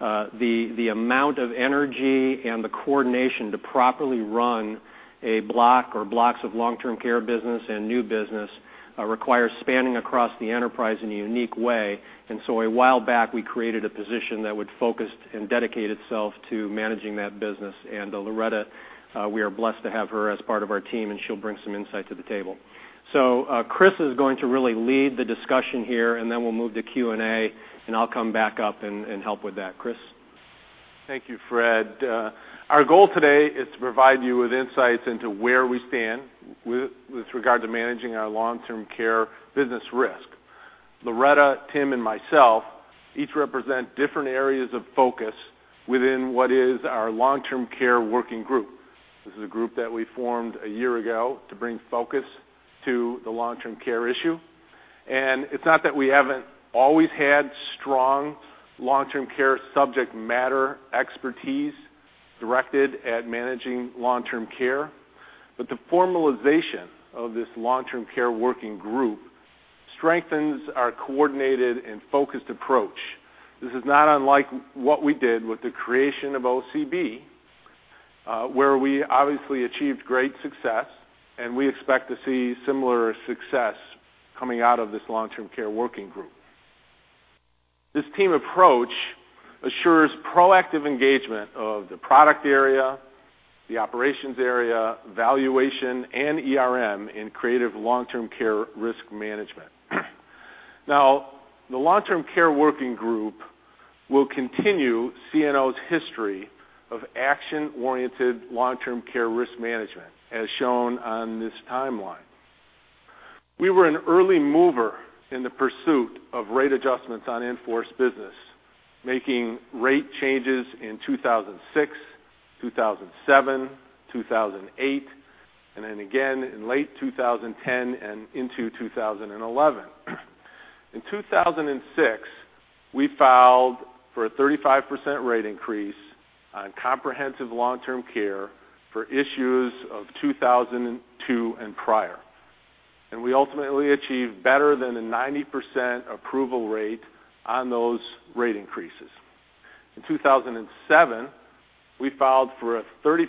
the amount of energy and the coordination to properly run a block or blocks of long-term care business and new business requires spanning across the enterprise in a unique way. A while back, we created a position that would focus and dedicate itself to managing that business. Loretta, we are blessed to have her as part of our team, and she'll bring some insight to the table. Chris is going to really lead the discussion here, then we'll move to Q&A, and I'll come back up and help with that. Chris? Thank you, Fred. Our goal today is to provide you with insights into where we stand with regard to managing our long-term care business risk. Loretta, Tim, and myself each represent different areas of focus within what is our long-term care working group. This is a group that we formed a year ago to bring focus to the long-term care issue. It's not that we haven't always had strong long-term care subject matter expertise directed at managing long-term care, but the formalization of this long-term care working group strengthens our coordinated and focused approach. This is not unlike what we did with the creation of OCB, where we obviously achieved great success, and we expect to see similar success coming out of this long-term care working group. This team approach assures proactive engagement of the product area, the operations area, valuation, and ERM in creative long-term care risk management. The long-term care working group will continue CNO's history of action-oriented long-term care risk management, as shown on this timeline. We were an early mover in the pursuit of rate adjustments on in-force business, making rate changes in 2006, 2007, 2008, and again in late 2010 and into 2011. In 2006, we filed for a 35% rate increase on comprehensive long-term care for issues of 2002 and prior, and we ultimately achieved better than a 90% approval rate on those rate increases. In 2007, we filed for a 30%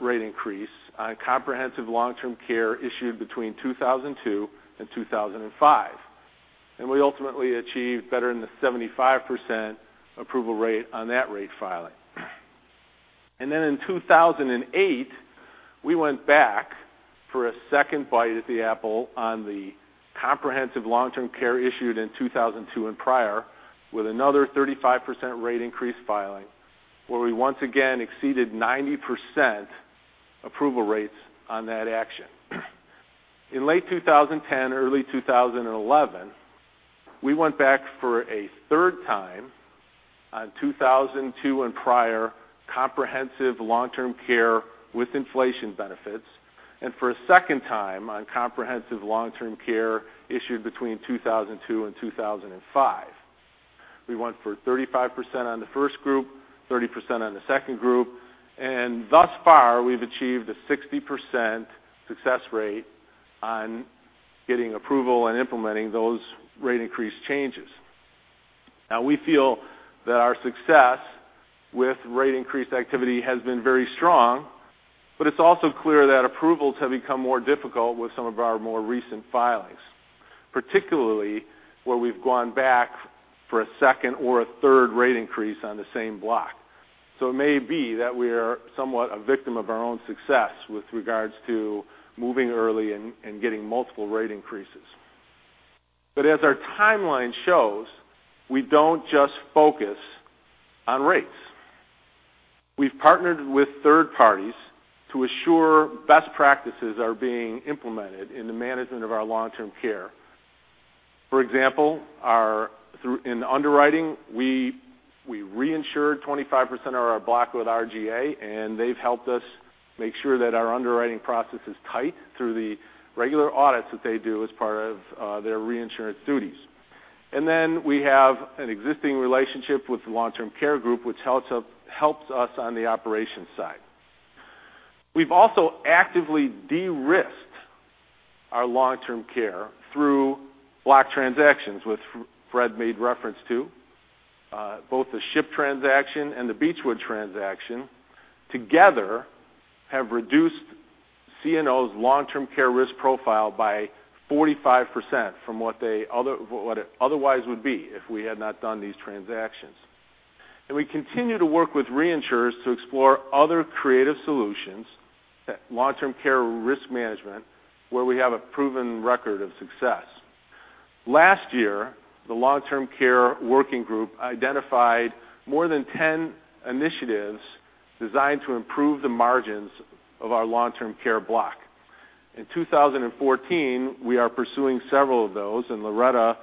rate increase on comprehensive long-term care issued between 2002 and 2005, and we ultimately achieved better than the 75% approval rate on that rate filing. In 2008, we went back for a second bite at the apple on the comprehensive long-term care issued in 2002 and prior, with another 35% rate increase filing, where we once again exceeded 90% approval rates on that action. In late 2010, early 2011, we went back for a third time on 2002 and prior comprehensive long-term care with inflation benefits, and for a second time on comprehensive long-term care issued between 2002 and 2005. We went for 35% on the first group, 30% on the second group, and thus far, we've achieved a 60% success rate on getting approval and implementing those rate increase changes. We feel that our success with rate increase activity has been very strong, but it's also clear that approvals have become more difficult with some of our more recent filings, particularly where we've gone back for a second or a third rate increase on the same block. It may be that we are somewhat a victim of our own success with regards to moving early and getting multiple rate increases. As our timeline shows, we don't just focus on rates. We've partnered with third parties to assure best practices are being implemented in the management of our long-term care. For example, in underwriting, we reinsured 25% of our block with RGA, and they've helped us make sure that our underwriting process is tight through the regular audits that they do as part of their reinsurance duties. We have an existing relationship with The Long Term Care Group, which helps us on the operations side. We've also actively de-risked our long-term care through block transactions, which Fred made reference to. Both the SHIP transaction and the Beechwood transaction together have reduced CNO's long-term care risk profile by 45% from what it otherwise would be if we had not done these transactions. We continue to work with reinsurers to explore other creative solutions at long-term care risk management, where we have a proven record of success. Last year, the long-term care working group identified more than 10 initiatives designed to improve the margins of our long-term care block. In 2014, we are pursuing several of those, Loretta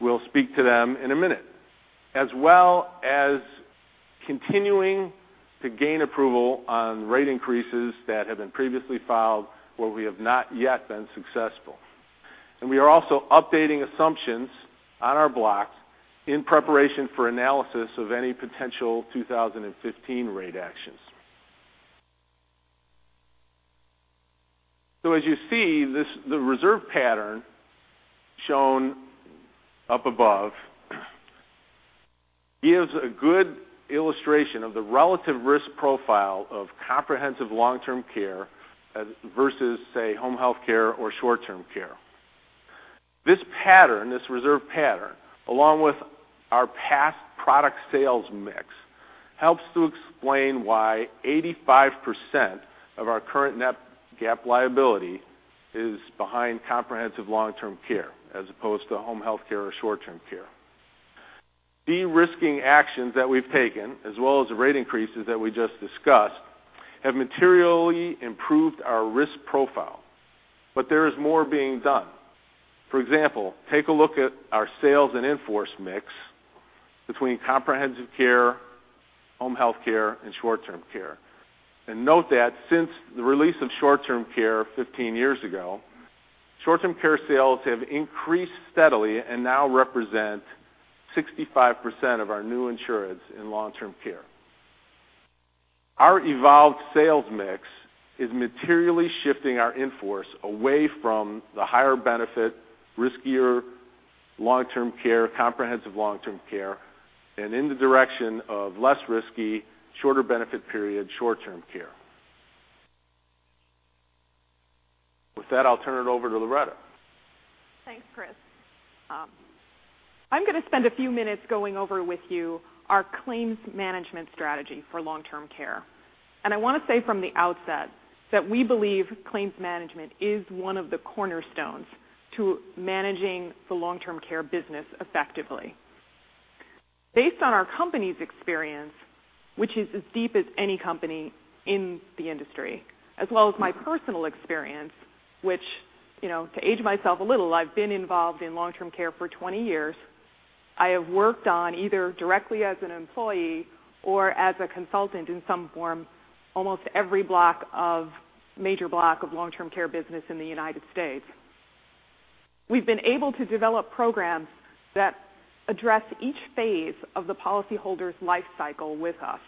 will speak to them in a minute, as well as continuing to gain approval on rate increases that have been previously filed where we have not yet been successful. We are also updating assumptions on our blocks in preparation for analysis of any potential 2015 rate actions. As you see, the reserve pattern shown up above gives a good illustration of the relative risk profile of comprehensive long-term care versus, say, home health care or short-term care. This reserve pattern, along with our past product sales mix, helps to explain why 85% of our current net GAAP liability is behind comprehensive long-term care as opposed to home health care or short-term care. De-risking actions that we've taken, as well as the rate increases that we just discussed, have materially improved our risk profile, but there is more being done. For example, take a look at our sales and in-force mix between comprehensive care, home health care, and short-term care. Note that since the release of short-term care 15 years ago, short-term care sales have increased steadily and now represent 65% of our new insurance in long-term care. Our evolved sales mix is materially shifting our in-force away from the higher benefit, riskier long-term care, comprehensive long-term care, and in the direction of less risky, shorter benefit period, short-term care. With that, I'll turn it over to Loretta. Thanks, Chris. I'm going to spend a few minutes going over with you our claims management strategy for long-term care. I want to say from the outset that we believe claims management is one of the cornerstones to managing the long-term care business effectively. Based on our company's experience, which is as deep as any company in the industry, as well as my personal experience, which to age myself a little, I've been involved in long-term care for 20 years. I have worked on either directly as an employee or as a consultant in some form, almost every major block of long-term care business in the U.S. We've been able to develop programs that address each phase of the policyholder's life cycle with us.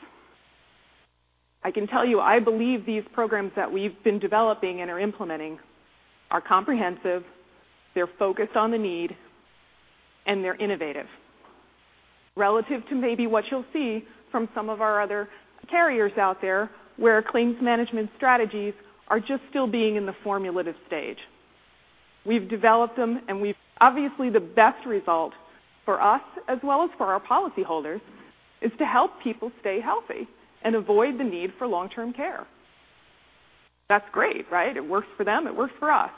I can tell you, I believe these programs that we've been developing and are implementing are comprehensive, they're focused on the need, and they're innovative relative to maybe what you'll see from some of our other carriers out there, where claims management strategies are just still being in the formative stage. We've developed them. Obviously the best result for us, as well as for our policyholders, is to help people stay healthy and avoid the need for long-term care. That's great, right? It works for them. It works for us.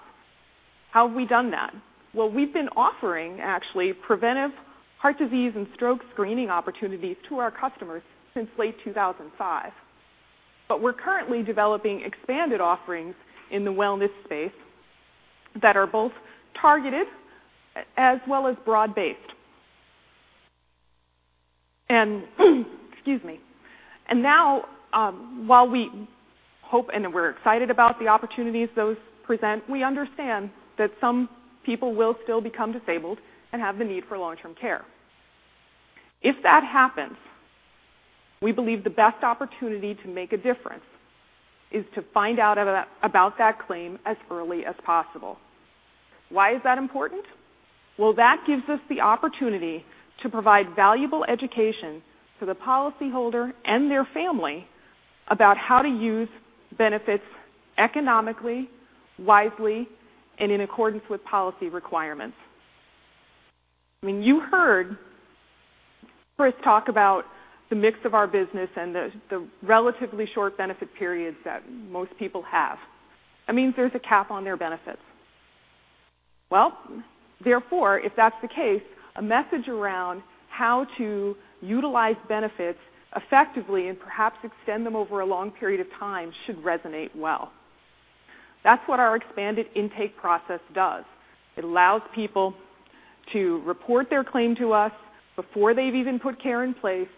How have we done that? We've been offering, actually, preventive heart disease and stroke screening opportunities to our customers since late 2005. We're currently developing expanded offerings in the wellness space that are both targeted as well as broad-based. Now, while we hope and we're excited about the opportunities those present, we understand that some people will still become disabled and have the need for long-term care. If that happens, we believe the best opportunity to make a difference is to find out about that claim as early as possible. Why is that important? That gives us the opportunity to provide valuable education to the policyholder and their family about how to use benefits economically, wisely, and in accordance with policy requirements. You heard Chris talk about the mix of our business and the relatively short benefit periods that most people have. That means there's a cap on their benefits. Therefore, if that's the case, a message around how to utilize benefits effectively and perhaps extend them over a long period of time should resonate well. That's what our expanded intake process does. It allows people to report their claim to us before they've even put care in place,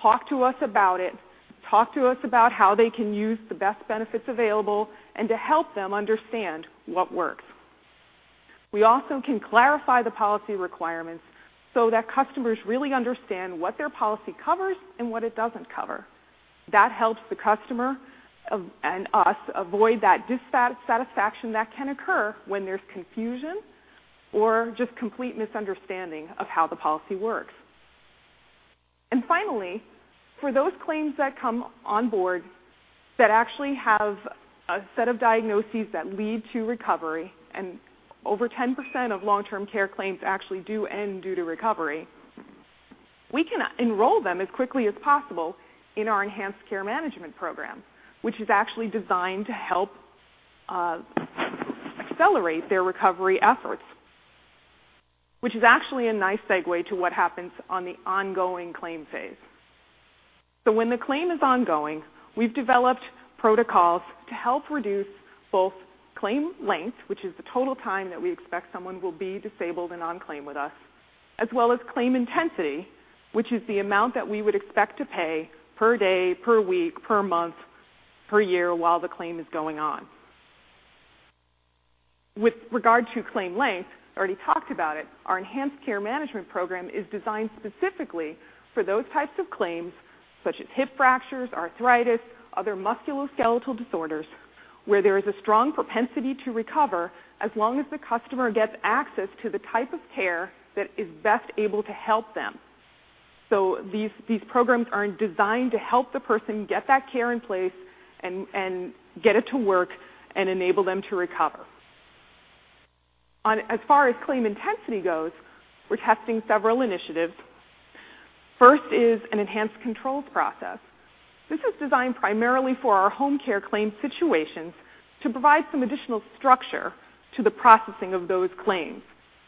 talk to us about it, talk to us about how they can use the best benefits available, to help them understand what works. We also can clarify the policy requirements so that customers really understand what their policy covers and what it doesn't cover. That helps the customer and us avoid that dissatisfaction that can occur when there's confusion or just complete misunderstanding of how the policy works. Finally, for those claims that come on board that actually have a set of diagnoses that lead to recovery, and over 10% of long-term care claims actually do end due to recovery, we can enroll them as quickly as possible in our Enhanced Care Management program, which is actually designed to help accelerate their recovery efforts. Which is actually a nice segue to what happens on the ongoing claim phase. When the claim is ongoing, we've developed protocols to help reduce both claim length, which is the total time that we expect someone will be disabled and on claim with us, as well as claim intensity, which is the amount that we would expect to pay per day, per week, per month, per year while the claim is going on. With regard to claim length, I already talked about it. Our Enhanced Care Management program is designed specifically for those types of claims, such as hip fractures, arthritis, other musculoskeletal disorders, where there is a strong propensity to recover as long as the customer gets access to the type of care that is best able to help them. These programs are designed to help the person get that care in place and get it to work and enable them to recover. As far as claim intensity goes, we're testing several initiatives. First is an Enhanced Controls Process. This is designed primarily for our home care claim situations to provide some additional structure to the processing of those claims.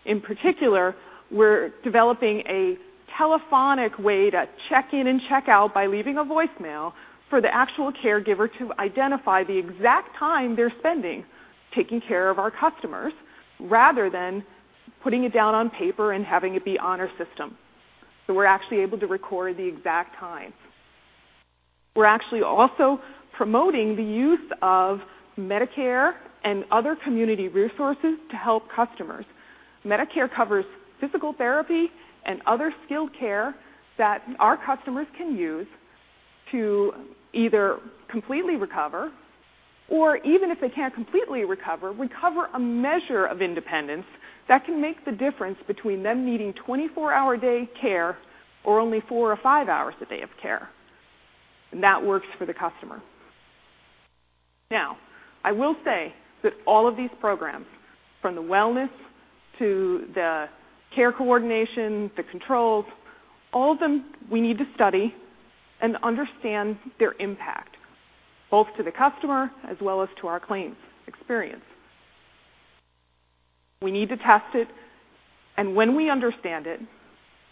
In particular, we're developing a telephonic way to check in and check out by leaving a voicemail for the actual caregiver to identify the exact time they're spending taking care of our customers, rather than putting it down on paper and having it be on our system. We're actually able to record the exact time. We're actually also promoting the use of Medicare and other community resources to help customers. Medicare covers physical therapy and other skilled care that our customers can use to either completely recover or, even if they can't completely recover a measure of independence that can make the difference between them needing 24-hour-a-day care or only four or five hours a day of care. That works for the customer. I will say that all of these programs, from the wellness to the care coordination, the controls, all of them, we need to study and understand their impact, both to the customer as well as to our claims experience. We need to test it, and when we understand it,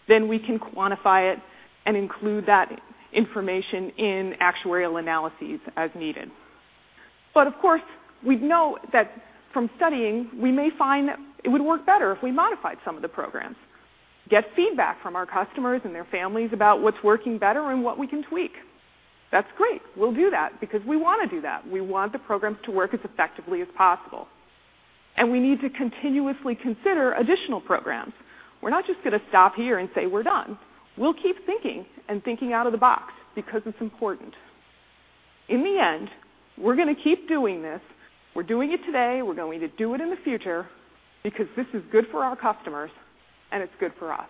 then we can quantify it and include that information in actuarial analyses as needed. Of course, we know that from studying, we may find that it would work better if we modified some of the programs, get feedback from our customers and their families about what's working better and what we can tweak. That's great. We'll do that because we want to do that. We want the programs to work as effectively as possible. We need to continuously consider additional programs. We're not just going to stop here and say we're done. We'll keep thinking and thinking out of the box because it's important. In the end, we're going to keep doing this. We're doing it today. We're going to do it in the future because this is good for our customers and it's good for us.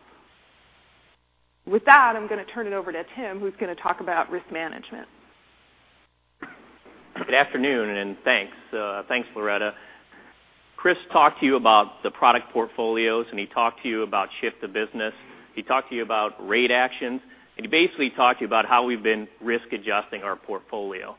With that, I'm going to turn it over to Tim, who's going to talk about risk management. Good afternoon, and thanks. Thanks, Loretta. Chris talked to you about the product portfolios. He talked to you about shift of business. He talked to you about rate actions. He basically talked to you about how we've been risk-adjusting our portfolio.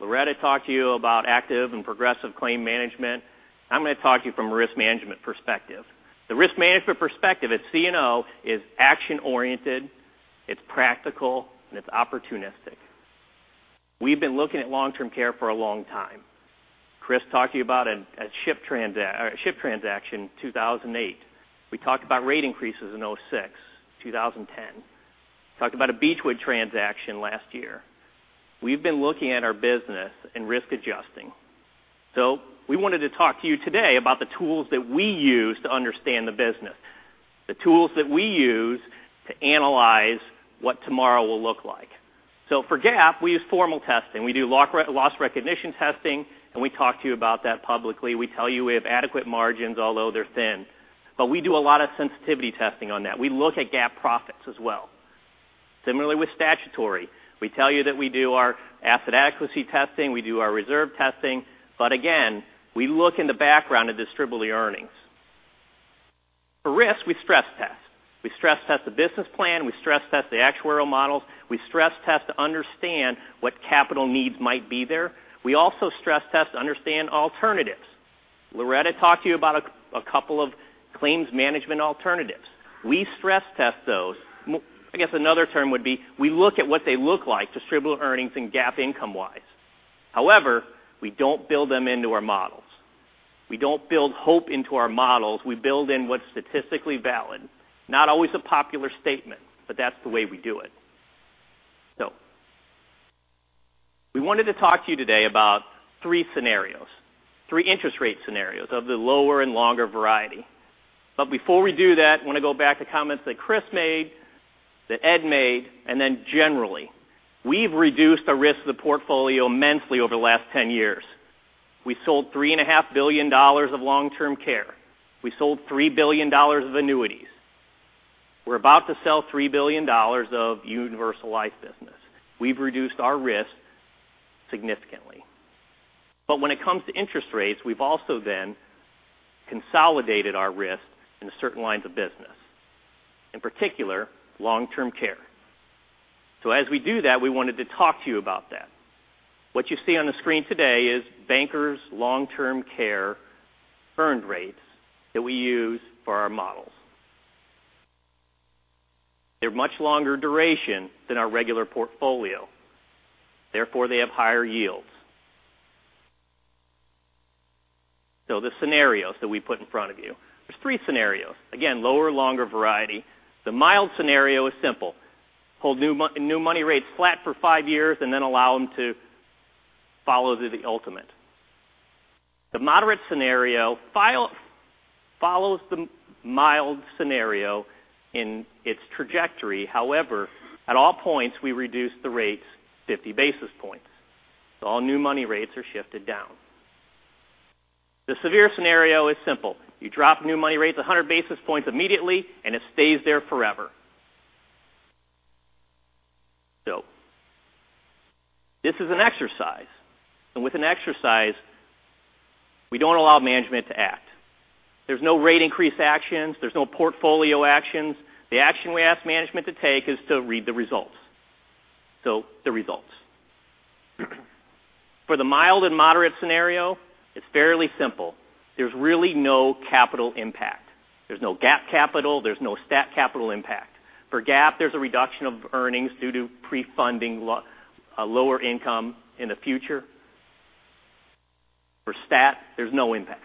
Loretta talked to you about active and progressive claim management. I'm going to talk to you from a risk management perspective. The risk management perspective at CNO is action-oriented, it's practical, and it's opportunistic. We've been looking at long-term care for a long time. Chris talked to you about a SHIP transaction, 2008. We talked about rate increases in 2006, 2010. Talked about a Beechwood transaction last year. We've been looking at our business and risk adjusting. We wanted to talk to you today about the tools that we use to understand the business, the tools that we use to analyze what tomorrow will look like. For GAAP, we use formal testing. We do loss recognition testing. We talk to you about that publicly. We tell you we have adequate margins, although they're thin. We do a lot of sensitivity testing on that. We look at GAAP profits as well. Similarly with statutory, we tell you that we do our asset adequacy testing, we do our reserve testing. Again, we look in the background to distribute the earnings. For risk, we stress test. We stress test the business plan. We stress test the actuarial models. We stress test to understand what capital needs might be there. We also stress test to understand alternatives. Loretta talked to you about a couple of claims management alternatives. We stress test those. I guess another term would be, we look at what they look like distributable earnings and GAAP income-wise. However, we don't build them into our models. We don't build hope into our models. We build in what's statistically valid. Not always a popular statement, but that's the way we do it. We wanted to talk to you today about three scenarios, three interest rate scenarios of the lower and longer variety. Before we do that, I want to go back to comments that Chris made, that Ed made, and then generally. We've reduced the risk of the portfolio immensely over the last 10 years. We sold $3.5 billion of long-term care. We sold $3 billion of annuities. We're about to sell $3 billion of universal life business. We've reduced our risk significantly. When it comes to interest rates, we've also then consolidated our risk in certain lines of business, in particular long-term care. As we do that, we wanted to talk to you about that. What you see on the screen today is Bankers Long-Term Care earned rates that we use for our models. They're much longer duration than our regular portfolio, therefore they have higher yields. The scenarios that we put in front of you, there's three scenarios. Again, lower, longer variety. The mild scenario is simple. Hold new money rates flat for five years and then allow them to follow through the ultimate. The moderate scenario follows the mild scenario in its trajectory. However, at all points, we reduce the rates 50 basis points. All new money rates are shifted down. The severe scenario is simple. You drop new money rates 100 basis points immediately, and it stays there forever. This is an exercise, and with an exercise, we don't allow management to act. There's no rate increase actions. There's no portfolio actions. The action we ask management to take is to read the results. The results. For the mild and moderate scenario, it's fairly simple. There's really no capital impact. There's no GAAP capital, there's no stat capital impact. For GAAP, there's a reduction of earnings due to pre-funding lower income in the future. For stat, there's no impact.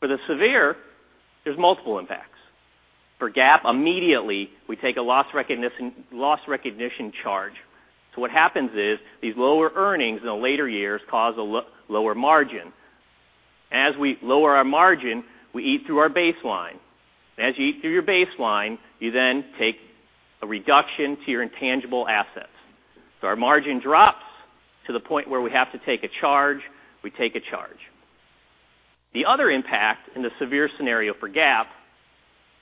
For the severe, there's multiple impacts. For GAAP, immediately, we take a loss recognition charge. What happens is these lower earnings in the later years cause a lower margin. As we lower our margin, we eat through our baseline. As you eat through your baseline, you then take a reduction to your intangible assets. Our margin drops to the point where we have to take a charge, we take a charge. The other impact in the severe scenario for GAAP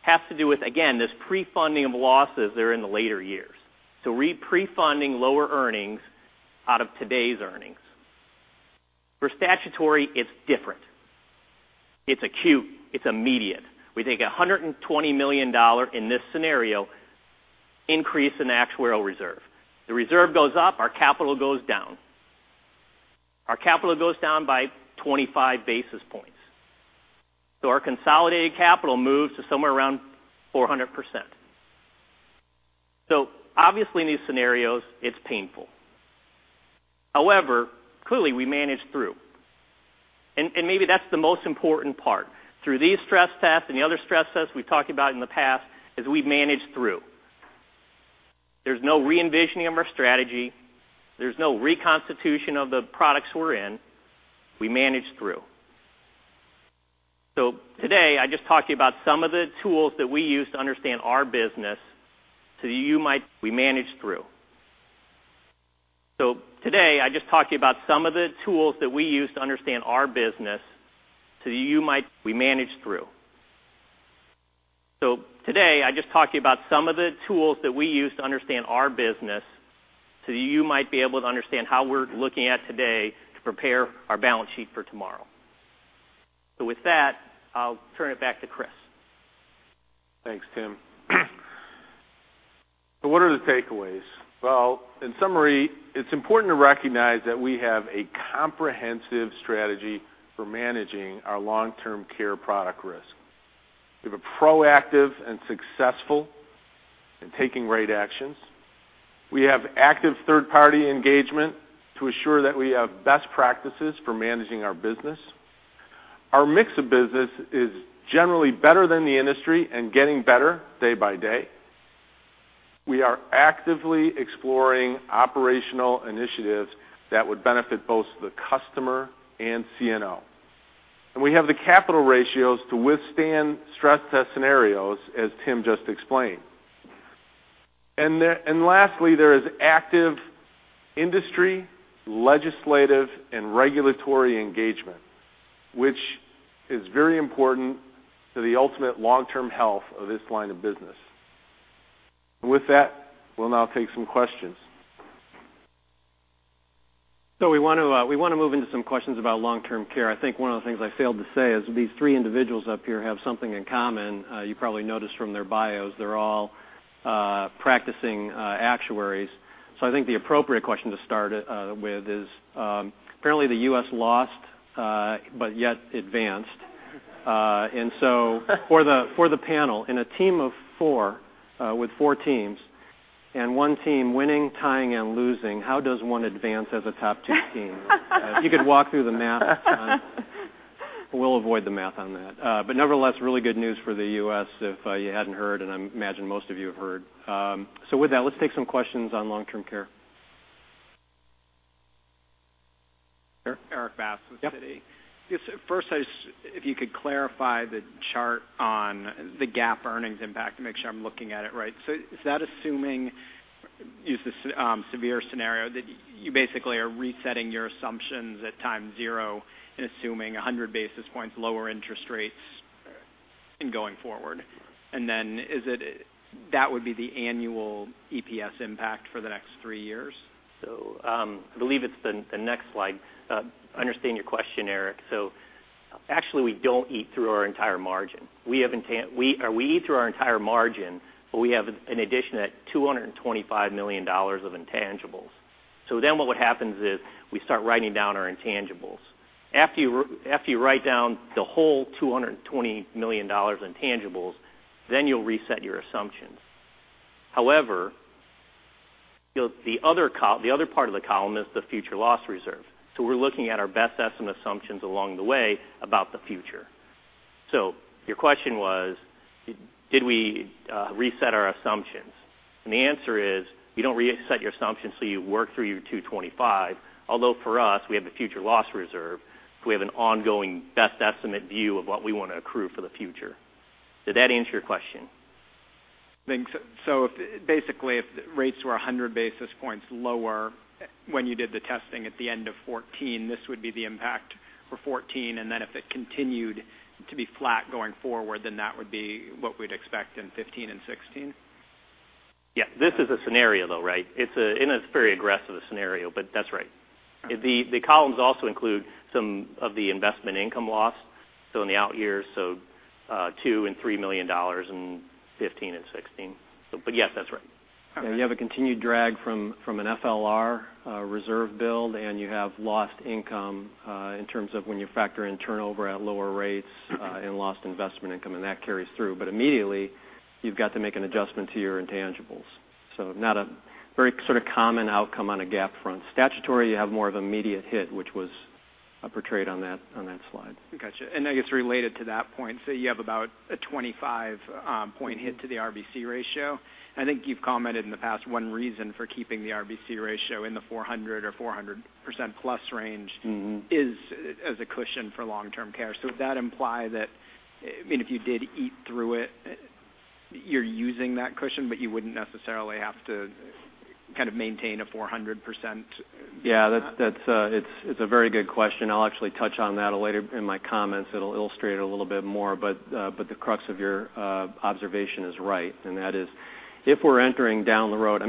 has to do with, again, this pre-funding of losses that are in the later years. Pre-funding lower earnings out of today's earnings. For statutory, it's different. It's acute, it's immediate. We take $120 million in this scenario increase in actuarial reserve. The reserve goes up, our capital goes down. Our capital goes down by 25 basis points. Our consolidated capital moves to somewhere around 400%. Obviously, in these scenarios, it's painful. However, clearly, we managed through, and maybe that's the most important part. Through these stress tests and the other stress tests we've talked about in the past, is we've managed through. There's no re-envisioning of our strategy. There's no reconstitution of the products we're in. We managed through. We managed through. We managed through. Today, I just talked to you about some of the tools that we use to understand our business so you might be able to understand how we're looking at today to prepare our balance sheet for tomorrow. With that, I'll turn it back to Chris. Thanks, Tim. What are the takeaways? Well, in summary, it is important to recognize that we have a comprehensive strategy for managing our long-term care product risk. We have been proactive and successful in taking rate actions. We have active third-party engagement to assure that we have best practices for managing our business. Our mix of business is generally better than the industry and getting better day by day. We are actively exploring operational initiatives that would benefit both the customer and CNO. We have the capital ratios to withstand stress test scenarios, as Tim just explained. Lastly, there is active industry, legislative, and regulatory engagement, which is very important to the ultimate long-term health of this line of business. With that, we will now take some questions. We want to move into some questions about long-term care. I think one of the things I failed to say is these three individuals up here have something in common. You probably noticed from their bios, they are all practicing actuaries. I think the appropriate question to start with is, apparently the U.S. lost, but yet advanced. For the panel, in a team of four, with four teams, and one team winning, tying, and losing, how does one advance as a top two team? If you could walk through the math. We will avoid the math on that. Nevertheless, really good news for the U.S. if you had not heard, and I imagine most of you have heard. With that, let us take some questions on long-term care. Erik Bass with Citigroup. Yep. Just first, if you could clarify the chart on the GAAP earnings impact to make sure I am looking at it right. Is that assuming, is this severe scenario, that you basically are resetting your assumptions at time zero and assuming 100 basis points lower interest rates in going forward? Then that would be the annual EPS impact for the next three years? I believe it's the next slide. I understand your question, Erik. Actually, we don't eat through our entire margin. We eat through our entire margin, but we have an addition at $225 million of intangibles. What would happens is we start writing down our intangibles. After you write down the whole $220 million intangibles, you'll reset your assumptions. However, the other part of the column is the future loss reserve. We're looking at our best estimate assumptions along the way about the future. Your question was, did we reset our assumptions? The answer is, you don't reset your assumptions you work through your $225 million. For us, we have the future loss reserve, we have an ongoing best estimate view of what we want to accrue for the future. Did that answer your question? I think so. Basically, if rates were 100 basis points lower when you did the testing at the end of 2014, this would be the impact for 2014. If it continued to be flat going forward, that would be what we'd expect in 2015 and 2016? Yeah. This is a scenario, though, right? It's a very aggressive scenario, but that's right. The columns also include some of the investment income loss, in the out years, $2 million and $3 million in 2015 and 2016. Yes, that's right. Okay. You have a continued drag from an FLR reserve build, you have lost income in terms of when you factor in turnover at lower rates and lost investment income, that carries through. Immediately, you've got to make an adjustment to your intangibles. Not a very sort of common outcome on a GAAP front. Statutory, you have more of immediate hit, which was portrayed on that slide. Got you. I guess related to that point, you have about a 25-point hit to the RBC ratio. I think you've commented in the past one reason for keeping the RBC ratio in the 400 or 400%-plus range is as a cushion for long-term care. Would that imply that if you did eat through it, you're using that cushion, but you wouldn't necessarily have to kind of maintain a 400%? Yeah. It's a very good question. I'll actually touch on that later in my comments. It'll illustrate it a little bit more, the crux of your observation is right, and that is if we're entering down the road.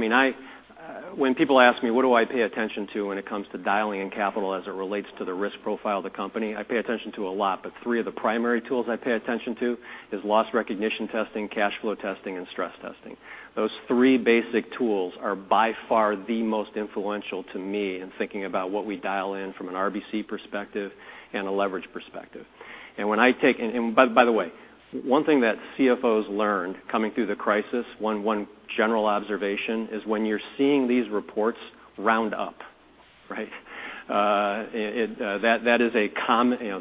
When people ask me what do I pay attention to when it comes to dialing in capital as it relates to the risk profile of the company, I pay attention to a lot. Three of the primary tools I pay attention to is loss recognition testing, cash flow testing, and stress testing. Those three basic tools are by far the most influential to me in thinking about what we dial in from an RBC perspective and a leverage perspective. By the way, one thing that CFOs learned coming through the crisis, one general observation is when you're seeing these reports, round up, right?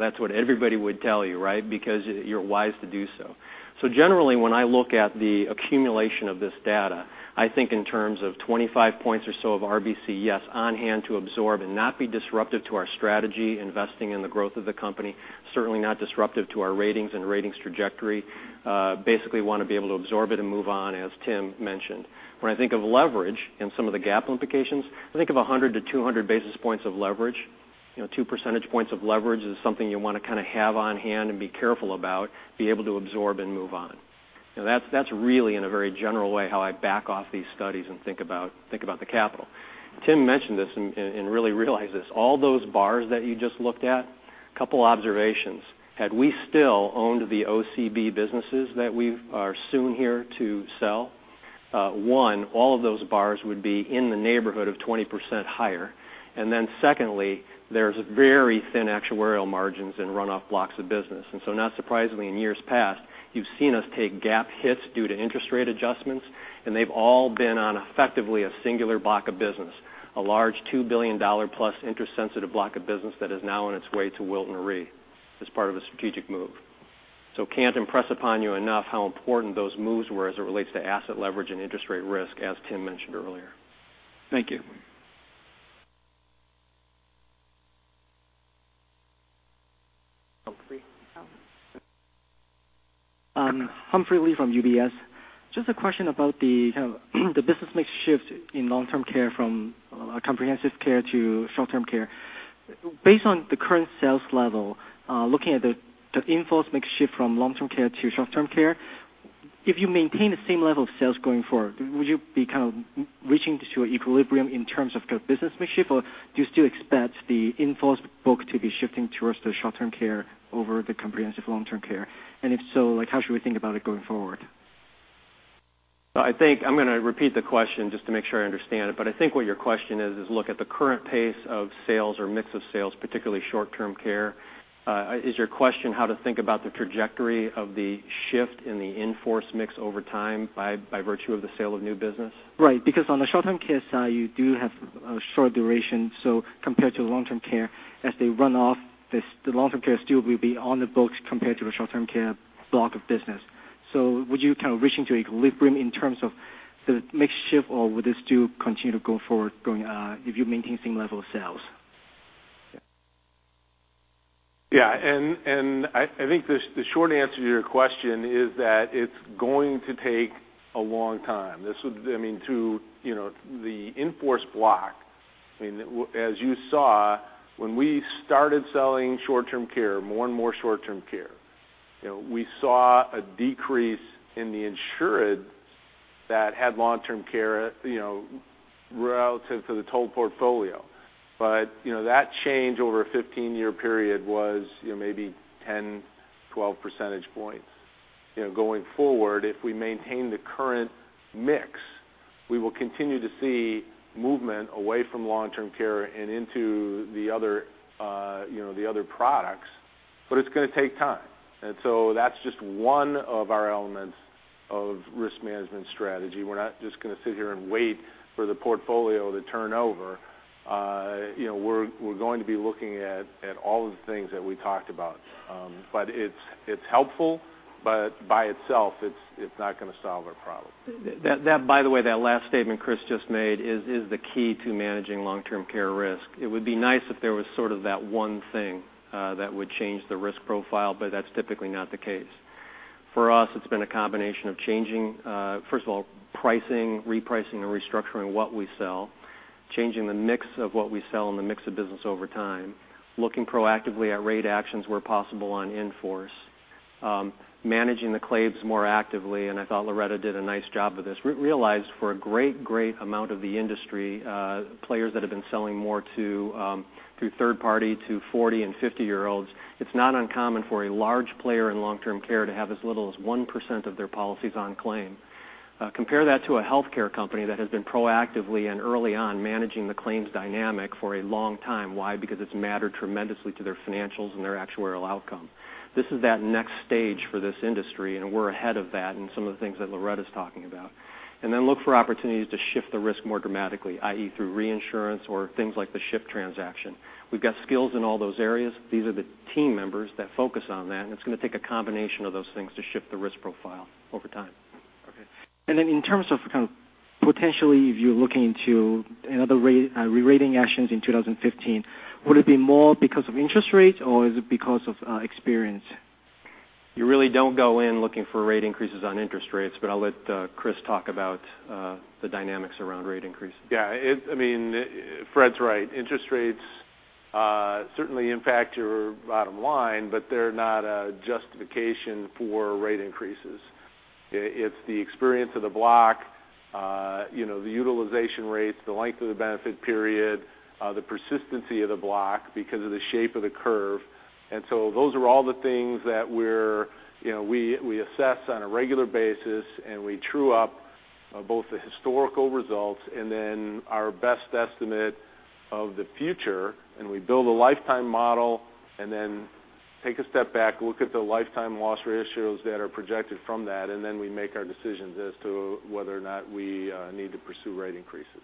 That's what everybody would tell you, right? You're wise to do so. Generally, when I look at the accumulation of this data, I think in terms of 25 points or so of RBC, yes, on hand to absorb and not be disruptive to our strategy, investing in the growth of the company, certainly not disruptive to our ratings and ratings trajectory. Basically want to be able to absorb it and move on, as Tim mentioned. When I think of leverage and some of the GAAP implications, I think of 100 to 200 basis points of leverage. Two percentage points of leverage is something you want to have on hand and be careful about, be able to absorb and move on. That's really, in a very general way, how I back off these studies and think about the capital. Tim mentioned this and really realized this. All those bars that you just looked at, couple observations. Had we still owned the OCB businesses that we are soon here to sell, one, all of those bars would be in the neighborhood of 20% higher, secondly, there's very thin actuarial margins in runoff blocks of business. Not surprisingly, in years past, you've seen us take GAAP hits due to interest rate adjustments, and they've all been on effectively a singular block of business, a large $2 billion-plus interest sensitive block of business that is now on its way to Wilton Re as part of a strategic move. Can't impress upon you enough how important those moves were as it relates to asset leverage and interest rate risk, as Tim mentioned earlier. Thank you. Humphrey Lee from UBS. Just a question about the business mix shift in long-term care from comprehensive care to short-term care. Based on the current sales level, looking at the in-force mix shift from long-term care to short-term care, if you maintain the same level of sales going forward, would you be reaching to an equilibrium in terms of the business mix shift, or do you still expect the in-force book to be shifting towards the short-term care over the comprehensive long-term care? If so, how should we think about it going forward? I'm going to repeat the question just to make sure I understand it. I think what your question is look at the current pace of sales or mix of sales, particularly short-term care. Is your question how to think about the trajectory of the shift in the in-force mix over time by virtue of the sale of new business? Right, because on the short-term care side, you do have a short duration compared to long-term care as they run off, the long-term care still will be on the books compared to the short-term care block of business. Would you reaching to equilibrium in terms of the mix shift, or would this still continue to go forward if you maintain same level of sales? Yeah, I think the short answer to your question is that it's going to take a long time. The in-force block, as you saw, when we started selling short-term care, more and more short-term care, we saw a decrease in the insured that had long-term care relative to the total portfolio. That change over a 15-year period was maybe 10, 12 percentage points. Going forward, if we maintain the current mix, we will continue to see movement away from long-term care and into the other products, but it's going to take time. That's just one of our elements of risk management strategy. We're not just going to sit here and wait for the portfolio to turn over. We're going to be looking at all of the things that we talked about. It's helpful, by itself, it's not going to solve our problem. By the way, that last statement Chris just made is the key to managing long-term care risk. It would be nice if there was sort of that one thing that would change the risk profile, but that's typically not the case. For us, it's been a combination of changing, first of all, pricing, repricing, and restructuring what we sell, changing the mix of what we sell and the mix of business over time, looking proactively at rate actions where possible on in-force, managing the claims more actively, and I thought Loretta did a nice job of this. Realized for a great amount of the industry, players that have been selling more through third party to 40 and 50-year-olds, it's not uncommon for a large player in long-term care to have as little as 1% of their policies on claim. Compare that to a healthcare company that has been proactively and early on managing the claims dynamic for a long time. Why? Because it's mattered tremendously to their financials and their actuarial outcome. This is that next stage for this industry, we're ahead of that in some of the things that Loretta's talking about. Look for opportunities to shift the risk more dramatically, i.e., through reinsurance or things like the SHIP transaction. We've got skills in all those areas. These are the team members that focus on that, it's going to take a combination of those things to shift the risk profile over time. Okay. In terms of potentially if you're looking into another rerating actions in 2015, would it be more because of interest rates or is it because of experience? You really don't go in looking for rate increases on interest rates, but I'll let Chris talk about the dynamics around rate increase. Yeah. Fred's right. Interest rates certainly impact your bottom line, but they're not a justification for rate increases. It's the experience of the block, the utilization rates, the length of the benefit period, the persistency of the block because of the shape of the curve. Those are all the things that we assess on a regular basis, and we true up both the historical results and then our best estimate of the future, and we build a lifetime model and then take a step back, look at the lifetime loss ratios that are projected from that, and then we make our decisions as to whether or not we need to pursue rate increases.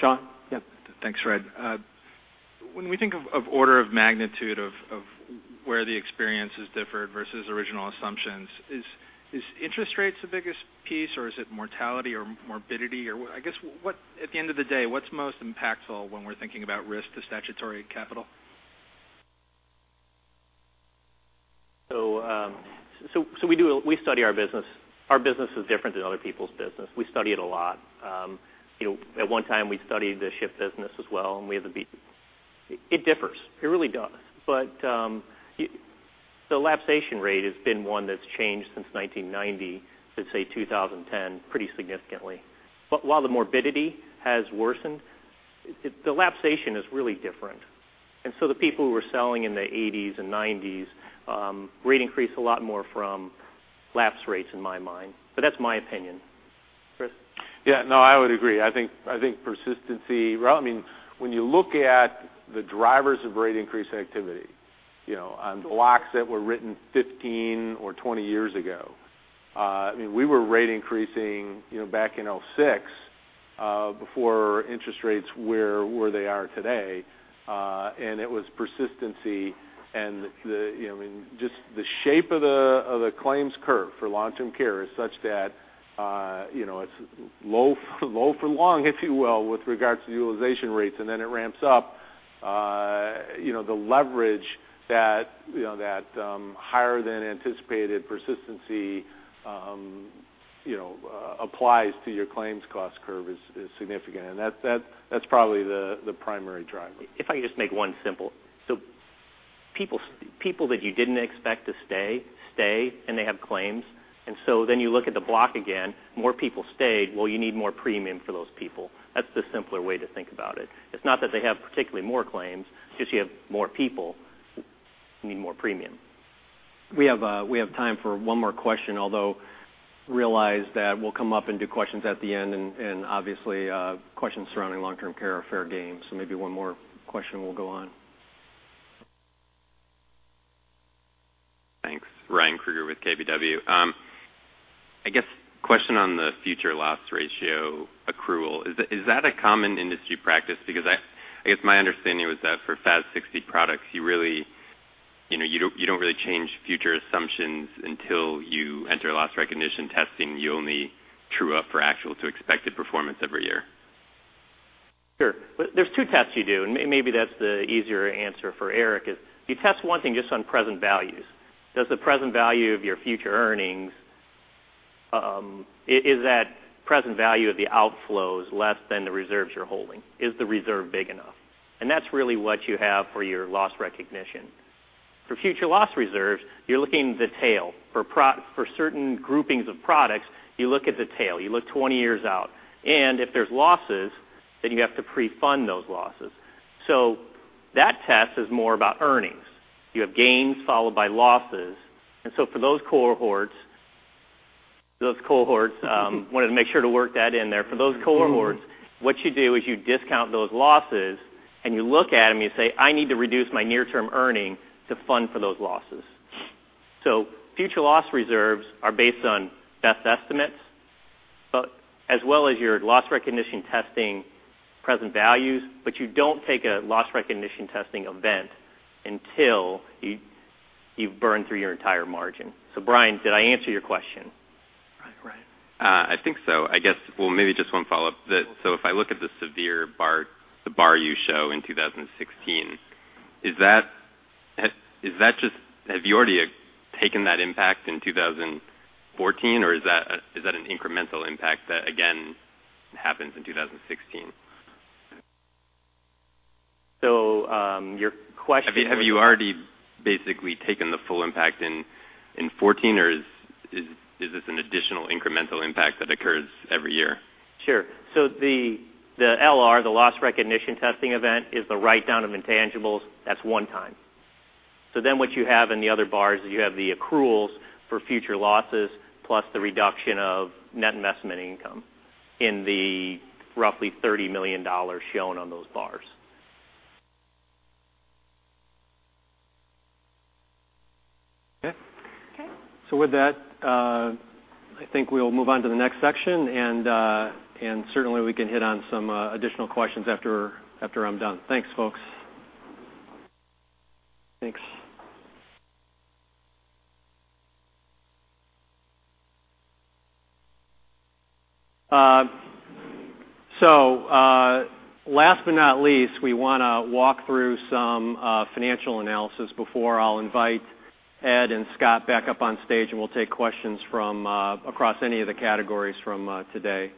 Sean? Yeah. Thanks, Fred. When we think of order of magnitude of where the experience has differed versus original assumptions, is interest rates the biggest piece or is it mortality or morbidity? I guess, at the end of the day, what's most impactful when we're thinking about risk to statutory capital? We study our business. Our business is different than other people's business. We study it a lot. At one time, we studied the SHIP business as well, and we had to beat it. It differs. It really does. The lapsation rate has been one that's changed since 1990 to, say, 2010 pretty significantly. While the morbidity has worsened, the lapsation is really different. The people who were selling in the '80s and '90s rate increase a lot more from lapse rates in my mind, but that's my opinion. Chris? Yeah. No, I would agree. I think persistency. When you look at the drivers of rate increase activity on blocks that were written 15 or 20 years ago, we were rate increasing back in '06, before interest rates were where they are today. It was persistency, and just the shape of the claims curve for long-term care is such that it's low for long, if you will, with regards to utilization rates, and then it ramps up. The leverage that higher than anticipated persistency applies to your claims cost curve is significant, and that's probably the primary driver. If I could just make one simple. People that you didn't expect to stay, and they have claims. You look at the block again. More people stayed. Well, you need more premium for those people. That's the simpler way to think about it. It's not that they have particularly more claims. Since you have more people, you need more premium. We have time for one more question, although realize that we'll come up and do questions at the end, and obviously, questions surrounding Long Term Care are fair game. Maybe one more question, we'll go on. Thanks. Ryan Krueger with KBW. I guess question on the future loss ratio accrual. Is that a common industry practice? I guess my understanding was that for FAS 60 products, you don't really change future assumptions until you enter loss recognition testing. You only true up for actual to expected performance every year. Sure. There's two tests you do, and maybe that's the easier answer for Erik is you test one thing just on present values. Does the present value of your future earnings, is that present value of the outflows less than the reserves you're holding? Is the reserve big enough? That's really what you have for your loss recognition. For future loss reserves, you're looking at the tail. For certain groupings of products, you look at the tail. You look 20 years out. If there's losses, then you have to pre-fund those losses. That test is more about earnings. You have gains followed by losses. For those cohorts, wanted to make sure to work that in there. For those cohorts, what you do is you discount those losses, and you look at them, you say, "I need to reduce my near-term earning to fund for those losses." Future loss reserves are based on best estimates, as well as your loss recognition testing present values, you don't take a loss recognition testing event until you've burned through your entire margin. Ryan, did I answer your question? Right. I think so. I guess, well, maybe just one follow-up. If I look at the severe bar you show in 2016, have you already taken that impact in 2014, or is that an incremental impact that again happens in 2016? Your question. Have you already basically taken the full impact in 2014, or is this an additional incremental impact that occurs every year? Sure. The LR, the loss recognition testing event is the write-down of intangibles. That's one time. What you have in the other bars is you have the accruals for future losses plus the reduction of net investment income in the roughly $30 million shown on those bars. Okay. Okay. With that, I think we'll move on to the next section, and certainly, we can hit on some additional questions after I'm done. Thanks, folks. Thanks. Last but not least, we want to walk through some financial analysis before I'll invite Ed and Scott back up on stage, and we'll take questions from across any of the categories from today.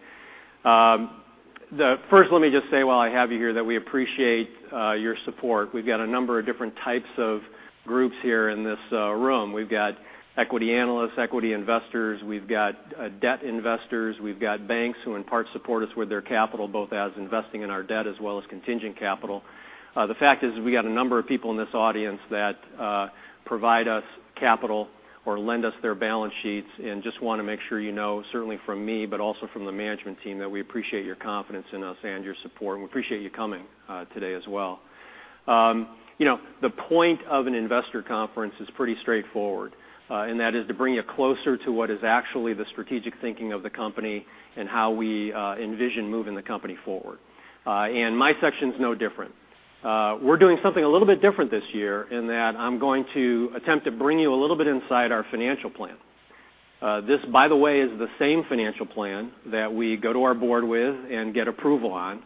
First, let me just say while I have you here, that we appreciate your support. We've got a number of different types of groups here in this room. We've got equity analysts, equity investors. We've got debt investors. We've got banks who in part support us with their capital, both as investing in our debt as well as contingent capital. The fact is, we got a number of people in this audience that provide us capital or lend us their balance sheets and just want to make sure you know, certainly from me, but also from the management team, that we appreciate your confidence in us and your support. We appreciate you coming today as well. The point of an investor conference is pretty straightforward, to bring you closer to what is actually the strategic thinking of the company and how we envision moving the company forward. My section's no different. We're doing something a little bit different this year in that I'm going to attempt to bring you a little bit inside our financial plan. This, by the way, is the same financial plan that we go to our board with and get approval on.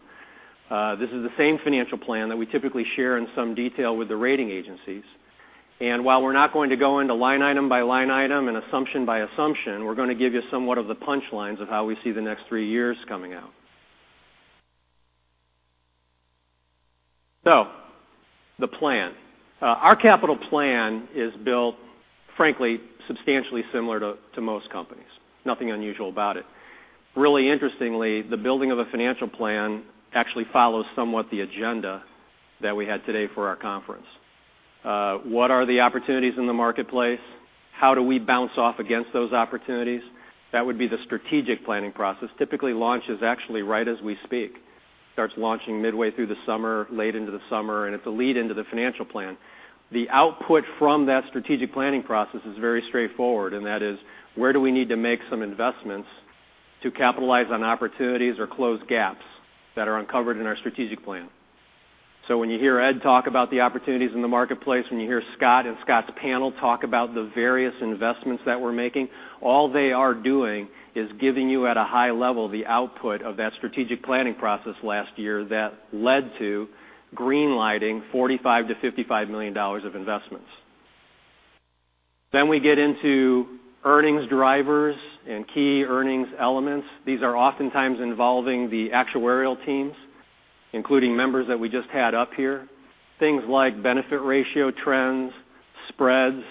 This is the same financial plan that we typically share in some detail with the rating agencies. While we're not going to go into line item by line item and assumption by assumption, we're going to give you somewhat of the punchlines of how we see the next three years coming out. The plan. Our capital plan is built, frankly, substantially similar to most companies. Nothing unusual about it. Really interestingly, the building of a financial plan actually follows somewhat the agenda that we had today for our conference. What are the opportunities in the marketplace? How do we bounce off against those opportunities? That would be the strategic planning process. Typically, launch is actually right as we speak. Starts launching midway through the summer, late into the summer, it's a lead into the financial plan. The output from that strategic planning process is very straightforward, where do we need to make some investments to capitalize on opportunities or close gaps that are uncovered in our strategic plan? When you hear Ed talk about the opportunities in the marketplace, when you hear Scott and Scott's panel talk about the various investments that we're making, all they are doing is giving you at a high level the output of that strategic planning process last year that led to green-lighting $45 million-$55 million of investments. We get into earnings drivers and key earnings elements. These are oftentimes involving the actuarial teams, including members that we just had up here. Things like benefit ratio trends, spreads,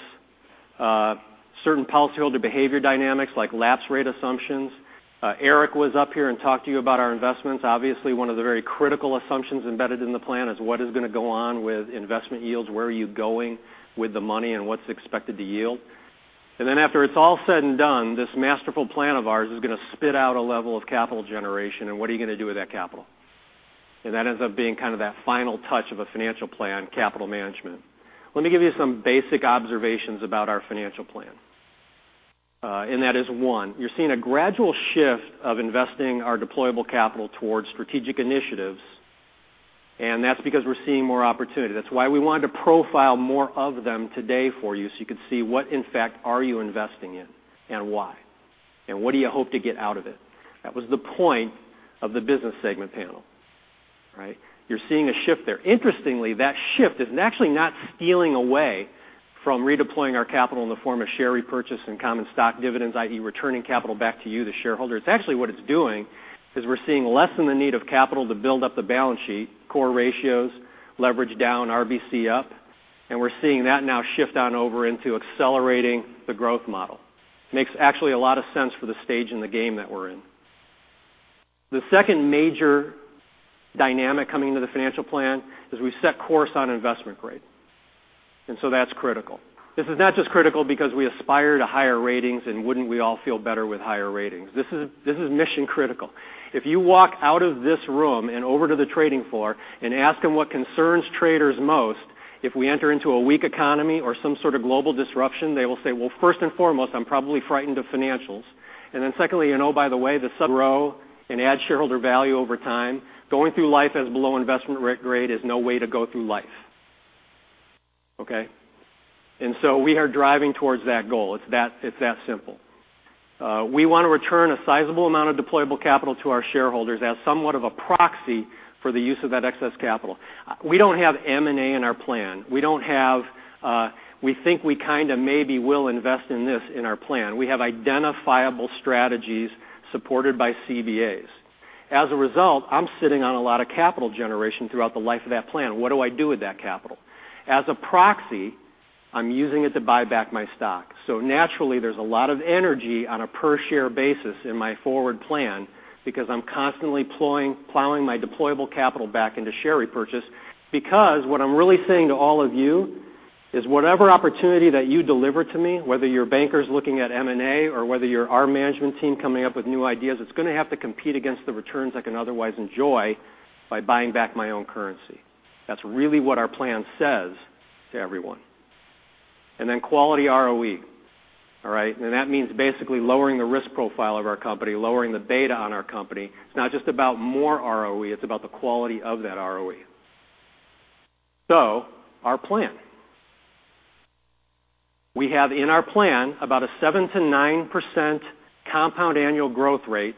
certain policyholder behavior dynamics like lapse rate assumptions. Eric Johnson was up here and talked to you about our investments. Obviously, one of the very critical assumptions embedded in the plan is what is going to go on with investment yields, where are you going with the money, and what's expected to yield. After it's all said and done, this masterful plan of ours is going to spit out a level of capital generation and what are you going to do with that capital. That ends up being kind of that final touch of a financial plan, capital management. Let me give you some basic observations about our financial plan. One, you're seeing a gradual shift of investing our deployable capital towards strategic initiatives, and that's because we're seeing more opportunity. That's why we wanted to profile more of them today for you so you could see what in fact are you investing in and why, and what do you hope to get out of it. That was the point of the business segment panel. You're seeing a shift there. Interestingly, that shift is actually not stealing away from redeploying our capital in the form of share repurchase and common stock dividends, i.e., returning capital back to you, the shareholder. It's actually what it's doing is we're seeing less in the need of capital to build up the balance sheet, core ratios, leverage down, RBC up. We're seeing that now shift on over into accelerating the growth model. Makes actually a lot of sense for the stage in the game that we're in. The second major dynamic coming into the financial plan is we set course on investment grade. That's critical. This is not just critical because we aspire to higher ratings and wouldn't we all feel better with higher ratings. This is mission critical. If you walk out of this room and over to the trading floor and ask them what concerns traders most, if we enter into a weak economy or some sort of global disruption, they will say, well, first and foremost, I'm probably frightened of financials. Secondly, oh by the way, the sub-ROE and add shareholder value over time. Going through life as below investment grade is no way to go through life. Okay? We are driving towards that goal. It's that simple. We want to return a sizable amount of deployable capital to our shareholders as somewhat of a proxy for the use of that excess capital. We don't have M&A in our plan. We don't have, we think we kind of maybe will invest in this in our plan. We have identifiable strategies supported by CBAs. As a result, I'm sitting on a lot of capital generation throughout the life of that plan. What do I do with that capital? As a proxy, I'm using it to buy back my stock. Naturally, there's a lot of energy on a per share basis in my forward plan because I'm constantly plowing my deployable capital back into share repurchase because what I'm really saying to all of you is whatever opportunity that you deliver to me, whether you're bankers looking at M&A or whether you're our management team coming up with new ideas, it's going to have to compete against the returns I can otherwise enjoy by buying back my own currency. That's really what our plan says to everyone. Quality ROE. All right. That means basically lowering the risk profile of our company, lowering the beta on our company. It's not just about more ROE, it's about the quality of that ROE. Our plan. We have in our plan about a 7%-9% compound annual growth rate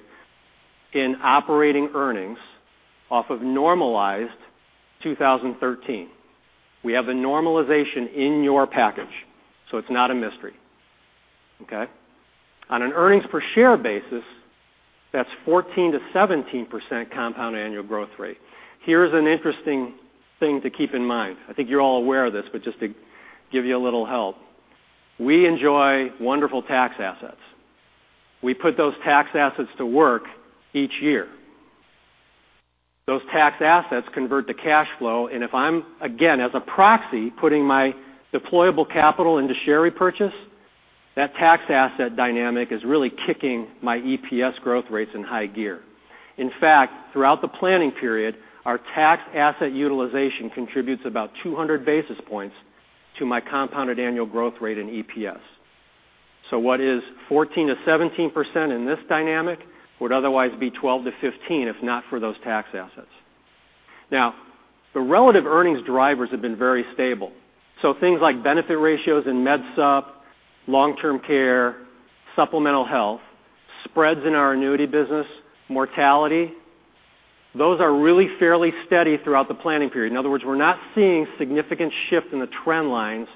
in operating earnings off of normalized 2013. We have the normalization in your package, so it's not a mystery. Okay. On an earnings per share basis, that's 14%-17% compound annual growth rate. Here's an interesting thing to keep in mind. I think you're all aware of this, but just to give you a little help. We enjoy wonderful tax assets. We put those tax assets to work each year. Those tax assets convert to cash flow, and if I'm, again, as a proxy, putting my deployable capital into share repurchase, that tax asset dynamic is really kicking my EPS growth rates in high gear. In fact, throughout the planning period, our tax asset utilization contributes about 200 basis points to my compounded annual growth rate in EPS. What is 14%-17% in this dynamic would otherwise be 12%-15% if not for those tax assets. Now, the relative earnings drivers have been very stable. Things like benefit ratios and Med Supp, long-term care, supplemental health, spreads in our annuity business, mortality, those are really fairly steady throughout the planning period. In other words, we're not seeing significant shift in the trend lines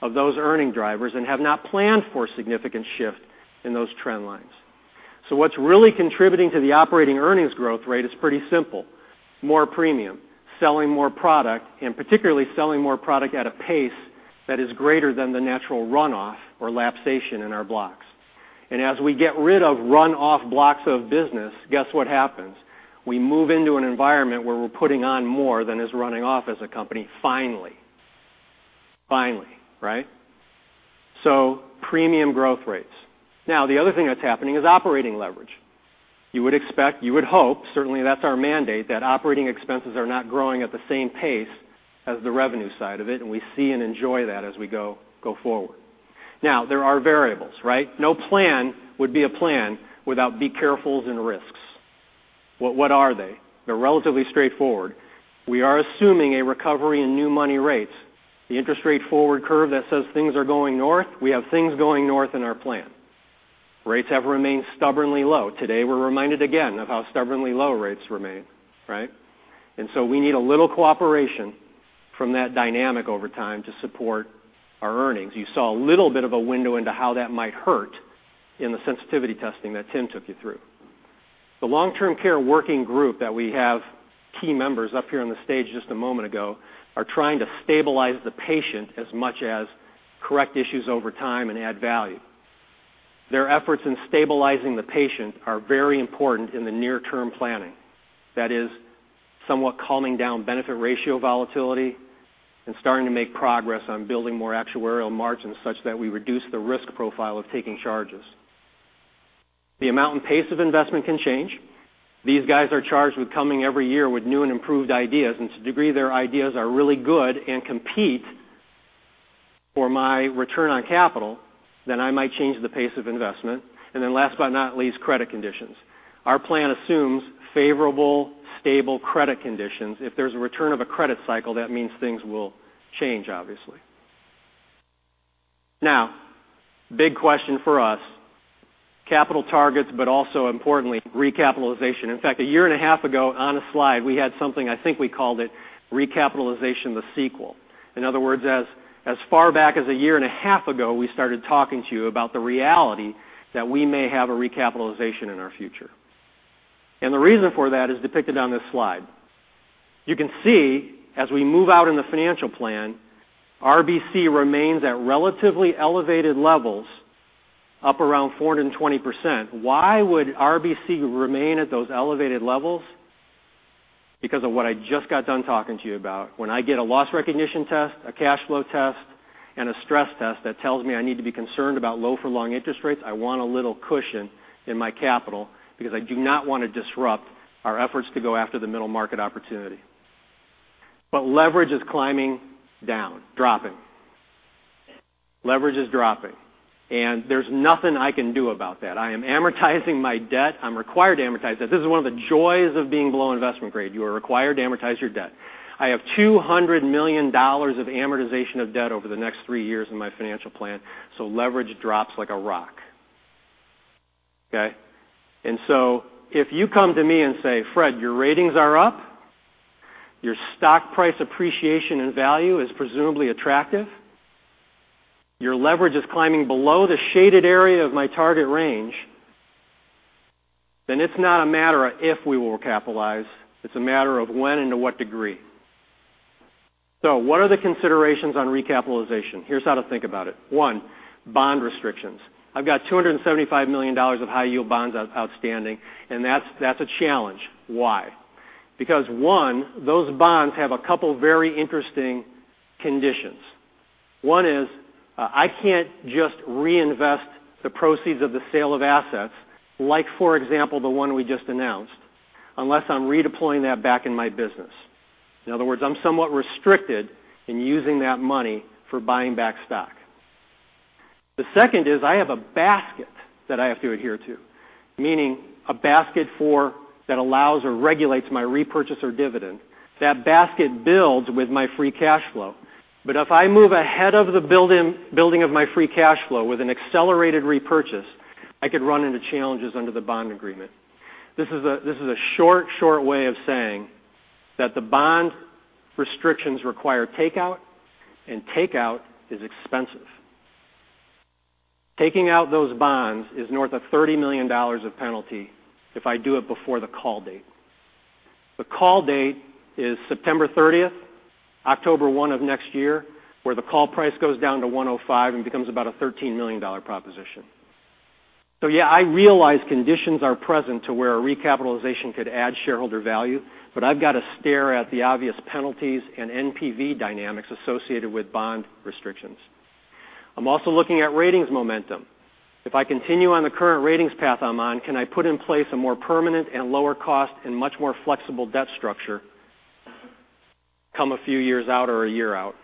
of those earnings drivers and have not planned for significant shift in those trend lines. What's really contributing to the operating earnings growth rate is pretty simple, more premium, selling more product, and particularly selling more product at a pace that is greater than the natural runoff or lapsation in our blocks. As we get rid of runoff blocks of business, guess what happens? We move into an environment where we're putting on more than is running off as a company, finally. Finally, right? Premium growth rates. Now, the other thing that's happening is operating leverage. You would expect, you would hope, certainly that's our mandate, that operating expenses are not growing at the same pace as the revenue side of it, and we see and enjoy that as we go forward. Now, there are variables, right? No plan would be a plan without be carefuls and risks. Well, what are they? They're relatively straightforward. We are assuming a recovery in new money rates. The interest rate forward curve that says things are going north, we have things going north in our plan. Rates have remained stubbornly low. Today, we're reminded again of how stubbornly low rates remain, right? We need a little cooperation from that dynamic over time to support our earnings. You saw a little bit of a window into how that might hurt in the sensitivity testing that Tim took you through. The long-term care working group that we have, key members up here on the stage just a moment ago, are trying to stabilize the patient as much as correct issues over time and add value. Their efforts in stabilizing the patient are very important in the near-term planning. That is somewhat calming down benefit ratio volatility and starting to make progress on building more actuarial margins such that we reduce the risk profile of taking charges. The amount and pace of investment can change. These guys are charged with coming every year with new and improved ideas, to degree their ideas are really good and compete for my return on capital, then I might change the pace of investment. Last but not least, credit conditions. Our plan assumes favorable, stable credit conditions. If there's a return of a credit cycle, that means things will change, obviously. Big question for us, capital targets, but also importantly, recapitalization. In fact, a year and a half ago on a slide, we had something I think we called it Recapitalization: The Sequel. In other words, as far back as a year and a half ago, we started talking to you about the reality that we may have a recapitalization in our future. The reason for that is depicted on this slide. You can see as we move out in the financial plan, RBC remains at relatively elevated levels, up around 420%. Why would RBC remain at those elevated levels? Because of what I just got done talking to you about. When I get a loss recognition test, a cash flow test, and a stress test that tells me I need to be concerned about low for long interest rates, I want a little cushion in my capital because I do not want to disrupt our efforts to go after the middle market opportunity. Leverage is climbing down, dropping. Leverage is dropping, and there's nothing I can do about that. I am amortizing my debt. I'm required to amortize debt. This is one of the joys of being below investment grade. You are required to amortize your debt. I have $200 million of amortization of debt over the next three years in my financial plan. Leverage drops like a rock. Okay. If you come to me and say, "Fred, your ratings are up, your stock price appreciation and value is presumably attractive. Your leverage is climbing below the shaded area of my target range," then it's not a matter of if we will capitalize, it's a matter of when and to what degree. What are the considerations on recapitalization? Here's how to think about it. One, bond restrictions. I've got $275 million of high-yield bonds outstanding. That's a challenge. Why? One, those bonds have a couple very interesting conditions. One is, I can't just reinvest the proceeds of the sale of assets, like for example, the one we just announced, unless I'm redeploying that back in my business. In other words, I'm somewhat restricted in using that money for buying back stock. The second is I have a basket that I have to adhere to, meaning a basket that allows or regulates my repurchase or dividend. That basket builds with my free cash flow. If I move ahead of the building of my free cash flow with an accelerated repurchase, I could run into challenges under the bond agreement. This is a short way of saying that the bond restrictions require takeout. Takeout is expensive. Taking out those bonds is north of $30 million of penalty if I do it before the call date. The call date is September 30th, October 1 of next year, where the call price goes down to 105 and becomes about a $13 million proposition. Yeah, I realize conditions are present to where a recapitalization could add shareholder value, I've got to stare at the obvious penalties and NPV dynamics associated with bond restrictions. I'm also looking at ratings momentum. If I continue on the current ratings path I'm on, can I put in place a more permanent and lower cost and much more flexible debt structure come a few years out or a year out?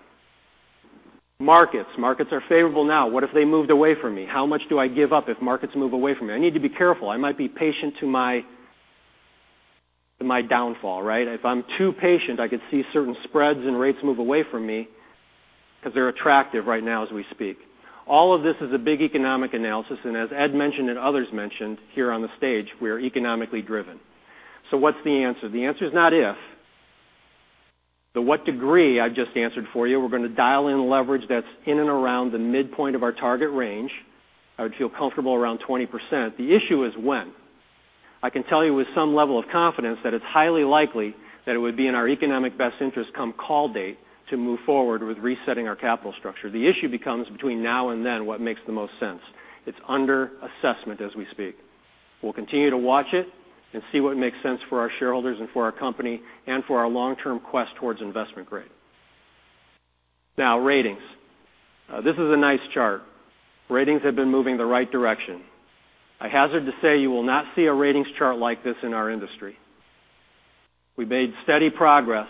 Markets. Markets are favorable now. What if they moved away from me? How much do I give up if markets move away from me? I need to be careful. I might be patient to my downfall, right? If I'm too patient, I could see certain spreads and rates move away from me because they're attractive right now as we speak. All of this is a big economic analysis, and as Ed mentioned and others mentioned here on the stage, we are economically driven. What's the answer? The answer is not if. The what degree I've just answered for you. We're going to dial in leverage that's in and around the midpoint of our target range. I would feel comfortable around 20%. The issue is when. I can tell you with some level of confidence that it's highly likely that it would be in our economic best interest come call date to move forward with resetting our capital structure. The issue becomes between now and then what makes the most sense. It's under assessment as we speak. We'll continue to watch it and see what makes sense for our shareholders and for our company, and for our long-term quest towards investment grade. Ratings. This is a nice chart. Ratings have been moving the right direction. I hazard to say you will not see a ratings chart like this in our industry. We've made steady progress.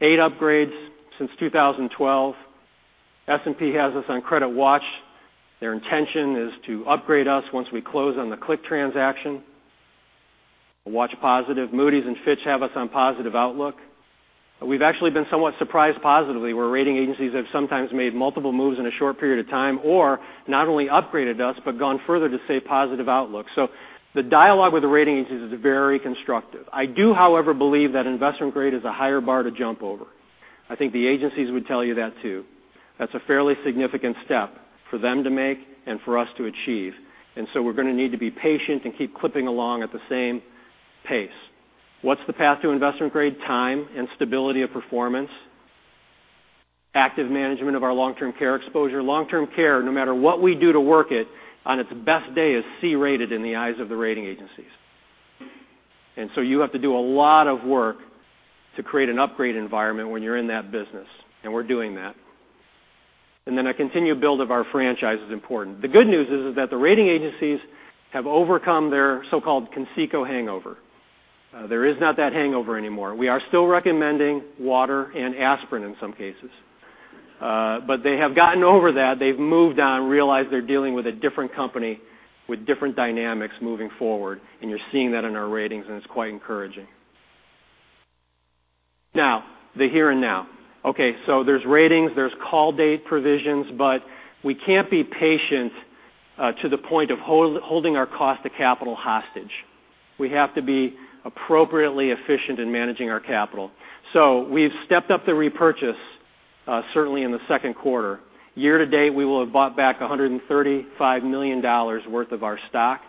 Eight upgrades since 2012. S&P has us on credit watch. Their intention is to upgrade us once we close on the CLIC transaction. Watch positive. Moody's and Fitch have us on positive outlook. We've actually been somewhat surprised positively where rating agencies have sometimes made multiple moves in a short period of time, or not only upgraded us, but gone further to say positive outlook. I do, however, believe that investment grade is a higher bar to jump over. I think the agencies would tell you that, too. That's a fairly significant step for them to make and for us to achieve. We're going to need to be patient and keep clipping along at the same pace. What's the path to investment grade? Time and stability of performance, active management of our long-term care exposure. Long-term care, no matter what we do to work it, on its best day is C-rated in the eyes of the rating agencies. You have to do a lot of work to create an upgrade environment when you're in that business, and we're doing that. A continued build of our franchise is important. The good news is that the rating agencies have overcome their so-called Conseco hangover. There is not that hangover anymore. We are still recommending water and aspirin in some cases. They have gotten over that. They've moved on, realized they're dealing with a different company with different dynamics moving forward, and you're seeing that in our ratings, and it's quite encouraging. The here and now. There's ratings, there's call date provisions, but we can't be patient to the point of holding our cost to capital hostage. We have to be appropriately efficient in managing our capital. We've stepped up the repurchase certainly in the second quarter. Year to date, we will have bought back $135 million worth of our stock.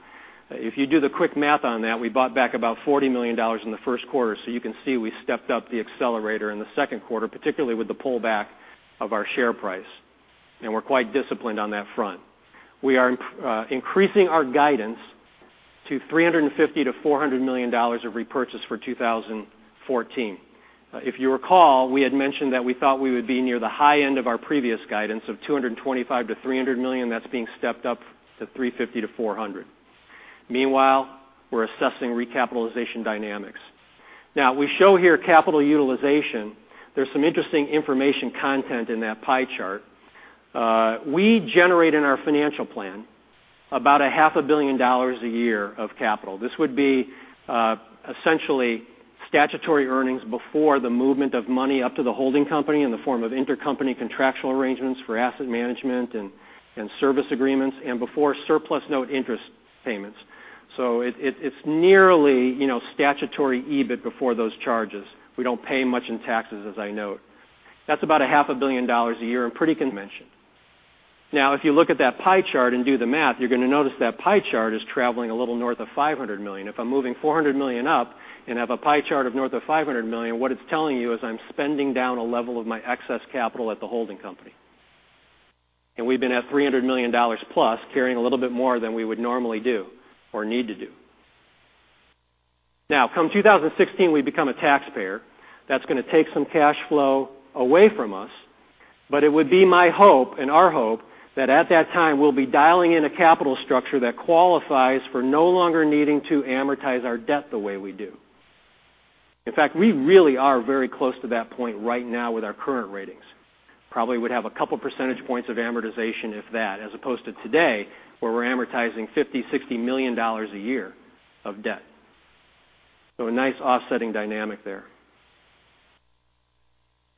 If you do the quick math on that, we bought back about $40 million in the first quarter. You can see we stepped up the accelerator in the second quarter, particularly with the pullback of our share price, and we're quite disciplined on that front. We are increasing our guidance to $350 million-$400 million of repurchase for 2014. If you recall, we had mentioned that we thought we would be near the high end of our previous guidance of $225 million-$300 million. That's being stepped up to $350 million-$400 million. We're assessing recapitalization dynamics. We show here capital utilization. There's some interesting information content in that pie chart. We generate in our financial plan about half a billion dollars a year of capital. This would be essentially statutory earnings before the movement of money up to the holding company in the form of intercompany contractual arrangements for asset management and service agreements, and before surplus note interest payments. It's nearly statutory EBIT before those charges. We don't pay much in taxes, as I note. That's about half a billion dollars a year and pretty convention. If you look at that pie chart and do the math, you're going to notice that pie chart is traveling a little north of $500 million. If I'm moving $400 million up and have a pie chart of north of $500 million, what it's telling you is I'm spending down a level of my excess capital at the holding company. We've been at $300 million plus, carrying a little bit more than we would normally do or need to do. Come 2016, we become a taxpayer. That's going to take some cash flow away from us, but it would be my hope and our hope that at that time, we'll be dialing in a capital structure that qualifies for no longer needing to amortize our debt the way we do. In fact, we really are very close to that point right now with our current ratings. Probably would have a couple percentage points of amortization, if that, as opposed to today, where we're amortizing $50 million-$60 million a year of debt. A nice offsetting dynamic there.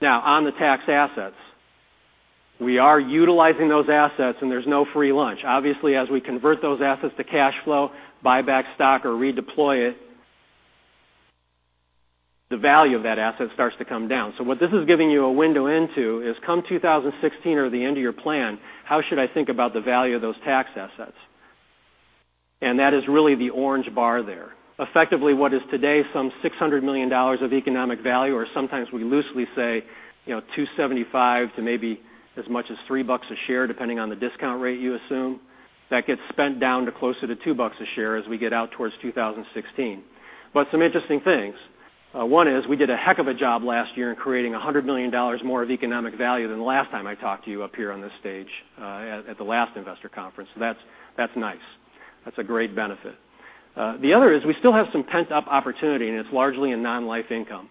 On the tax assets. We are utilizing those assets, and there's no free lunch. Obviously, as we convert those assets to cash flow, buy back stock or redeploy it, the value of that asset starts to come down. What this is giving you a window into is come 2016 or the end of your plan, how should I think about the value of those tax assets? That is really the orange bar there. Effectively, what is today some $600 million of economic value, or sometimes we loosely say $2.75 To maybe as much as $3 a share, depending on the discount rate you assume. That gets spent down to closer to $2 a share as we get out towards 2016. Some interesting things. One is we did a heck of a job last year in creating $100 million more of economic value than the last time I talked to you up here on this stage at the last investor conference. That's nice. That's a great benefit. The other is we still have some pent-up opportunity, and it's largely in non-life income.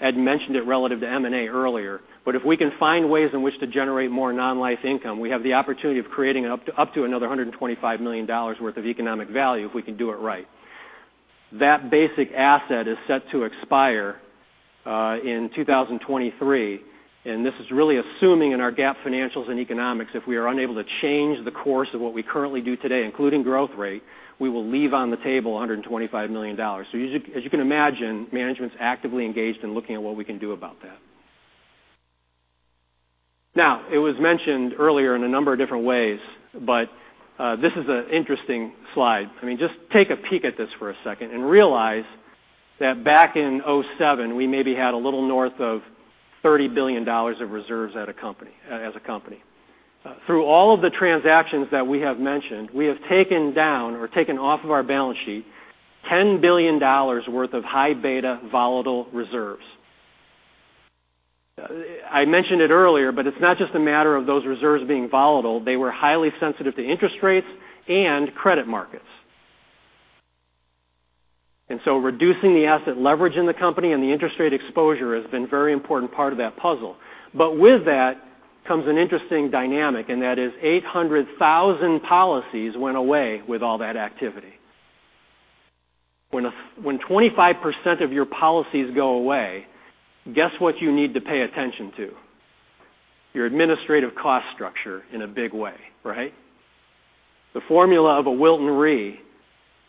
Ed mentioned it relative to M&A earlier, if we can find ways in which to generate more non-life income, we have the opportunity of creating up to another $125 million worth of economic value if we can do it right. That basic asset is set to expire in 2023, this is really assuming in our GAAP financials and economics, if we are unable to change the course of what we currently do today, including growth rate, we will leave on the table $125 million. As you can imagine, management's actively engaged in looking at what we can do about that. It was mentioned earlier in a number of different ways, this is an interesting slide. Just take a peek at this for a second and realize that back in 2007, we maybe had a little north of $30 billion of reserves as a company. Through all of the transactions that we have mentioned, we have taken down or taken off of our balance sheet $10 billion worth of high beta volatile reserves. I mentioned it earlier, it's not just a matter of those reserves being volatile. They were highly sensitive to interest rates and credit markets. Reducing the asset leverage in the company and the interest rate exposure has been very important part of that puzzle. With that comes an interesting dynamic, that is 800,000 policies went away with all that activity. When 25% of your policies go away, guess what you need to pay attention to? Your administrative cost structure in a big way, right? The formula of a Wilton Re,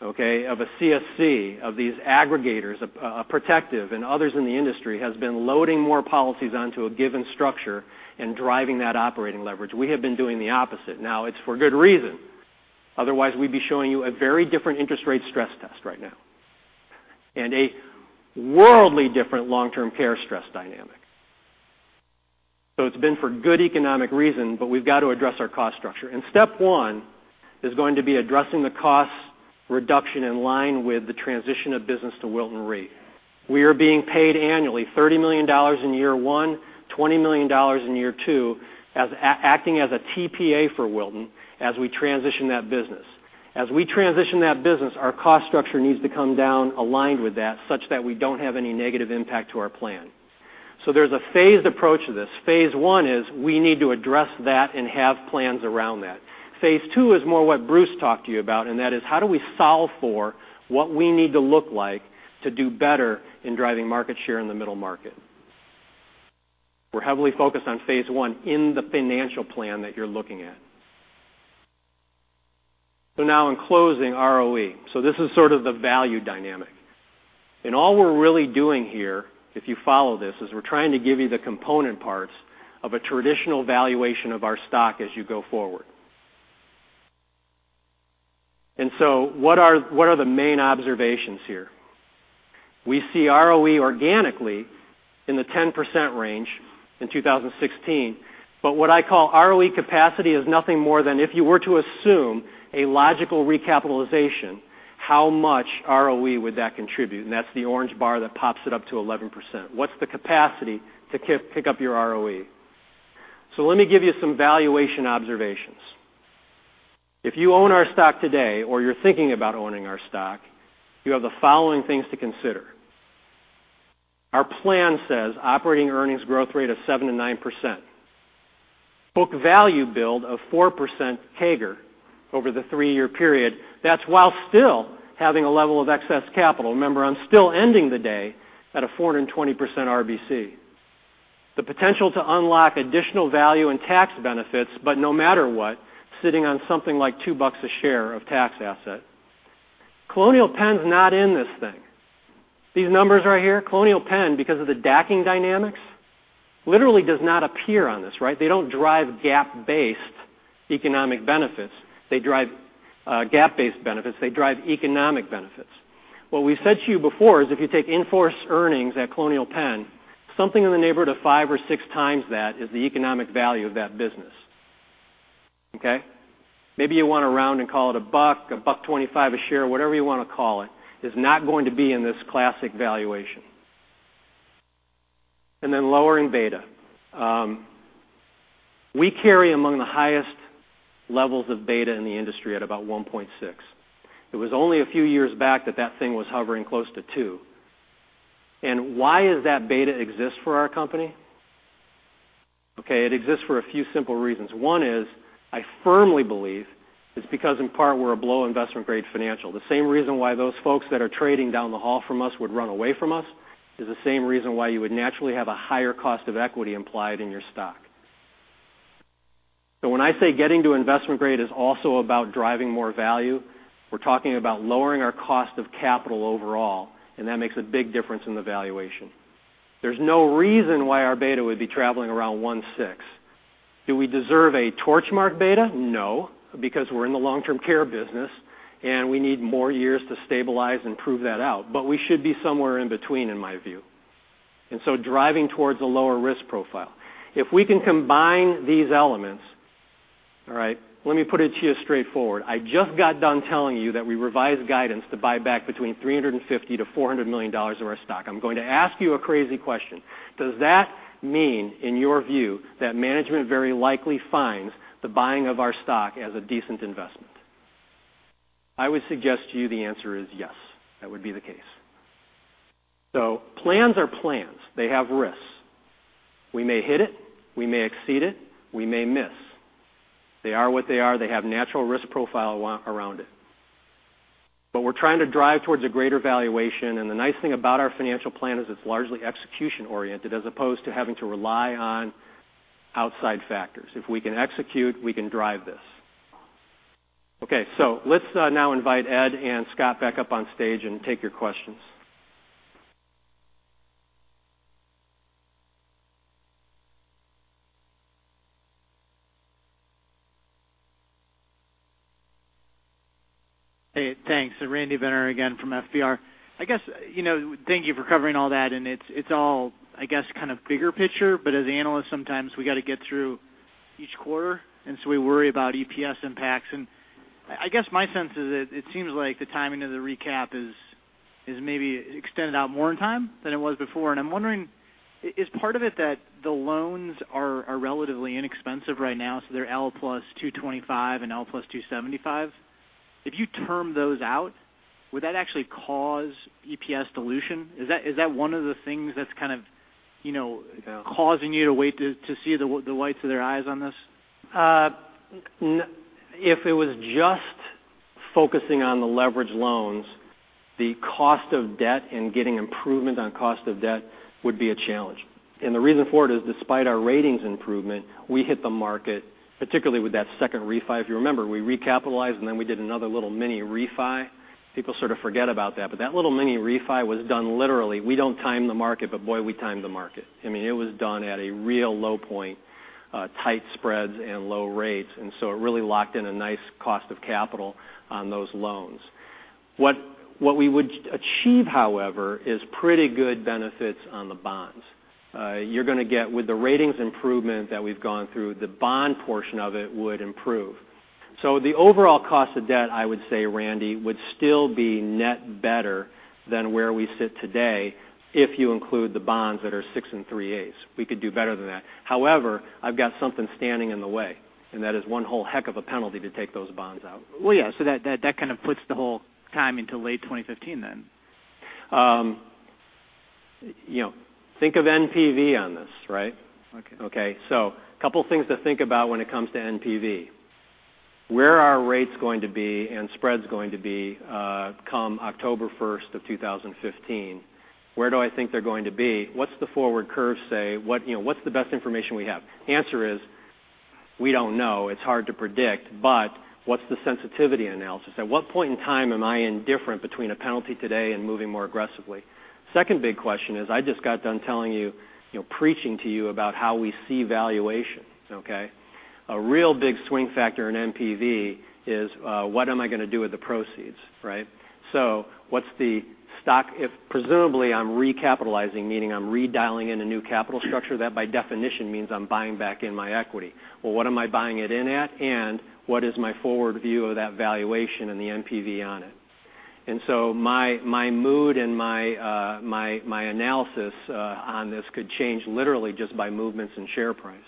of a CSC, of these aggregators, of Protective and others in the industry has been loading more policies onto a given structure and driving that operating leverage. We have been doing the opposite. It's for good reason. Otherwise, we'd be showing you a very different interest rate stress test right now, and a worldly different long-term care stress dynamic. It's been for good economic reason, we've got to address our cost structure. Step one is going to be addressing the cost reduction in line with the transition of business to Wilton Re. We are being paid annually $30 million in year one, $20 million in year two, acting as a TPA for Wilton as we transition that business. As we transition that business, our cost structure needs to come down aligned with that such that we don't have any negative impact to our plan. There's a phased approach to this. Phase one is we need to address that and have plans around that. Phase II is more what Bruce talked to you about, and that is how do we solve for what we need to look like to do better in driving market share in the middle market? We're heavily focused on phase I in the financial plan that you're looking at. Now in closing, ROE. All we're really doing here, if you follow this, is we're trying to give you the component parts of a traditional valuation of our stock as you go forward. What are the main observations here? We see ROE organically in the 10% range in 2016. What I call ROE capacity is nothing more than if you were to assume a logical recapitalization, how much ROE would that contribute? And that's the orange bar that pops it up to 11%. What's the capacity to pick up your ROE? Let me give you some valuation observations. If you own our stock today or you're thinking about owning our stock, you have the following things to consider. Our plan says operating earnings growth rate of 7%-9%. Book value build of 4% CAGR over the three-year period. That's while still having a level of excess capital. I'm still ending the day at a 420% RBC. No matter what, sitting on something like $2 a share of tax asset. Colonial Penn's not in this thing. These numbers right here, Colonial Penn, because of the DACing dynamics, literally does not appear on this. They don't drive GAAP-based economic benefits. They drive economic benefits. What we've said to you before is if you take in-force earnings at Colonial Penn, something in the neighborhood of five or six times that is the economic value of that business. Okay? Maybe you want to round and call it $1, $1.25 a share, whatever you want to call it. It's not going to be in this classic valuation. Then lowering beta. We carry among the highest levels of beta in the industry at about 1.6. It was only a few years back that thing was hovering close to 2. Why does that beta exist for our company? Okay, it exists for a few simple reasons. I firmly believe it's because in part we're a below investment grade financial. The same reason why those folks that are trading down the hall from us would run away from us is the same reason why you would naturally have a higher cost of equity implied in your stock. When I say getting to investment grade is also about driving more value, we're talking about lowering our cost of capital overall, and that makes a big difference in the valuation. There's no reason why our beta would be traveling around 1.6. We deserve a Torchmark beta? Because we're in the long-term care business, and we need more years to stabilize and prove that out. We should be somewhere in between, in my view. Driving towards a lower risk profile. If we can combine these elements, all right, let me put it to you straightforward. I just got done telling you that we revised guidance to buy back between $350 million-$400 million of our stock. I'm going to ask you a crazy question. Does that mean, in your view, that management very likely finds the buying of our stock as a decent investment? I would suggest to you the answer is yes, that would be the case. Plans are plans. They have risks. We may hit it, we may exceed it, we may miss. They are what they are. They have natural risk profile around it. We're trying to drive towards a greater valuation, and the nice thing about our financial plan is it's largely execution-oriented as opposed to having to rely on outside factors. If we can execute, we can drive this. Let's now invite Ed and Scott back up on stage and take your questions. Hey, thanks. Randy Binner again from FBR. Thank you for covering all that. It's all kind of bigger picture, but as analysts, sometimes we got to get through each quarter. We worry about EPS impacts. I guess my sense is that it seems like the timing of the recap is maybe extended out more in time than it was before. I'm wondering, is part of it that the loans are relatively inexpensive right now, so they're L plus 225 and L plus 275? If you term those out, would that actually cause EPS dilution? Is that one of the things that's kind of causing you to wait to see the whites of their eyes on this? If it was just focusing on the leverage loans, the cost of debt and getting improvement on cost of debt would be a challenge. The reason for it is despite our ratings improvement, we hit the market, particularly with that second refi. If you remember, we recapitalized. We did another little mini refi. People sort of forget about that, but that little mini refi was done literally. We don't time the market, but boy, we timed the market. It was done at a real low point, tight spreads and low rates. It really locked in a nice cost of capital on those loans. What we would achieve, however, is pretty good benefits on the bonds. You're going to get, with the ratings improvement that we've gone through, the bond portion of it would improve. The overall cost of debt, I would say, Randy, would still be net better than where we sit today if you include the bonds that are six and three-eighths. We could do better than that. However, I've got something standing in the way, and that is one whole heck of a penalty to take those bonds out. that kind of puts the whole time until late 2015. Think of NPV on this, right? Okay. A couple things to think about when it comes to NPV. Where are rates going to be and spreads going to be come October 1st of 2015? Where do I think they're going to be? What's the forward curve say? What's the best information we have? The answer is we don't know. It's hard to predict. What's the sensitivity analysis? At what point in time am I indifferent between a penalty today and moving more aggressively? Second big question is, I just got done preaching to you about how we see valuations, okay? A real big swing factor in NPV is what am I going to do with the proceeds, right? What's the stock if presumably I'm recapitalizing, meaning I'm redialing in a new capital structure? That by definition means I'm buying back in my equity. What am I buying it in at, and what is my forward view of that valuation and the NPV on it? My mood and my analysis on this could change literally just by movements in share price.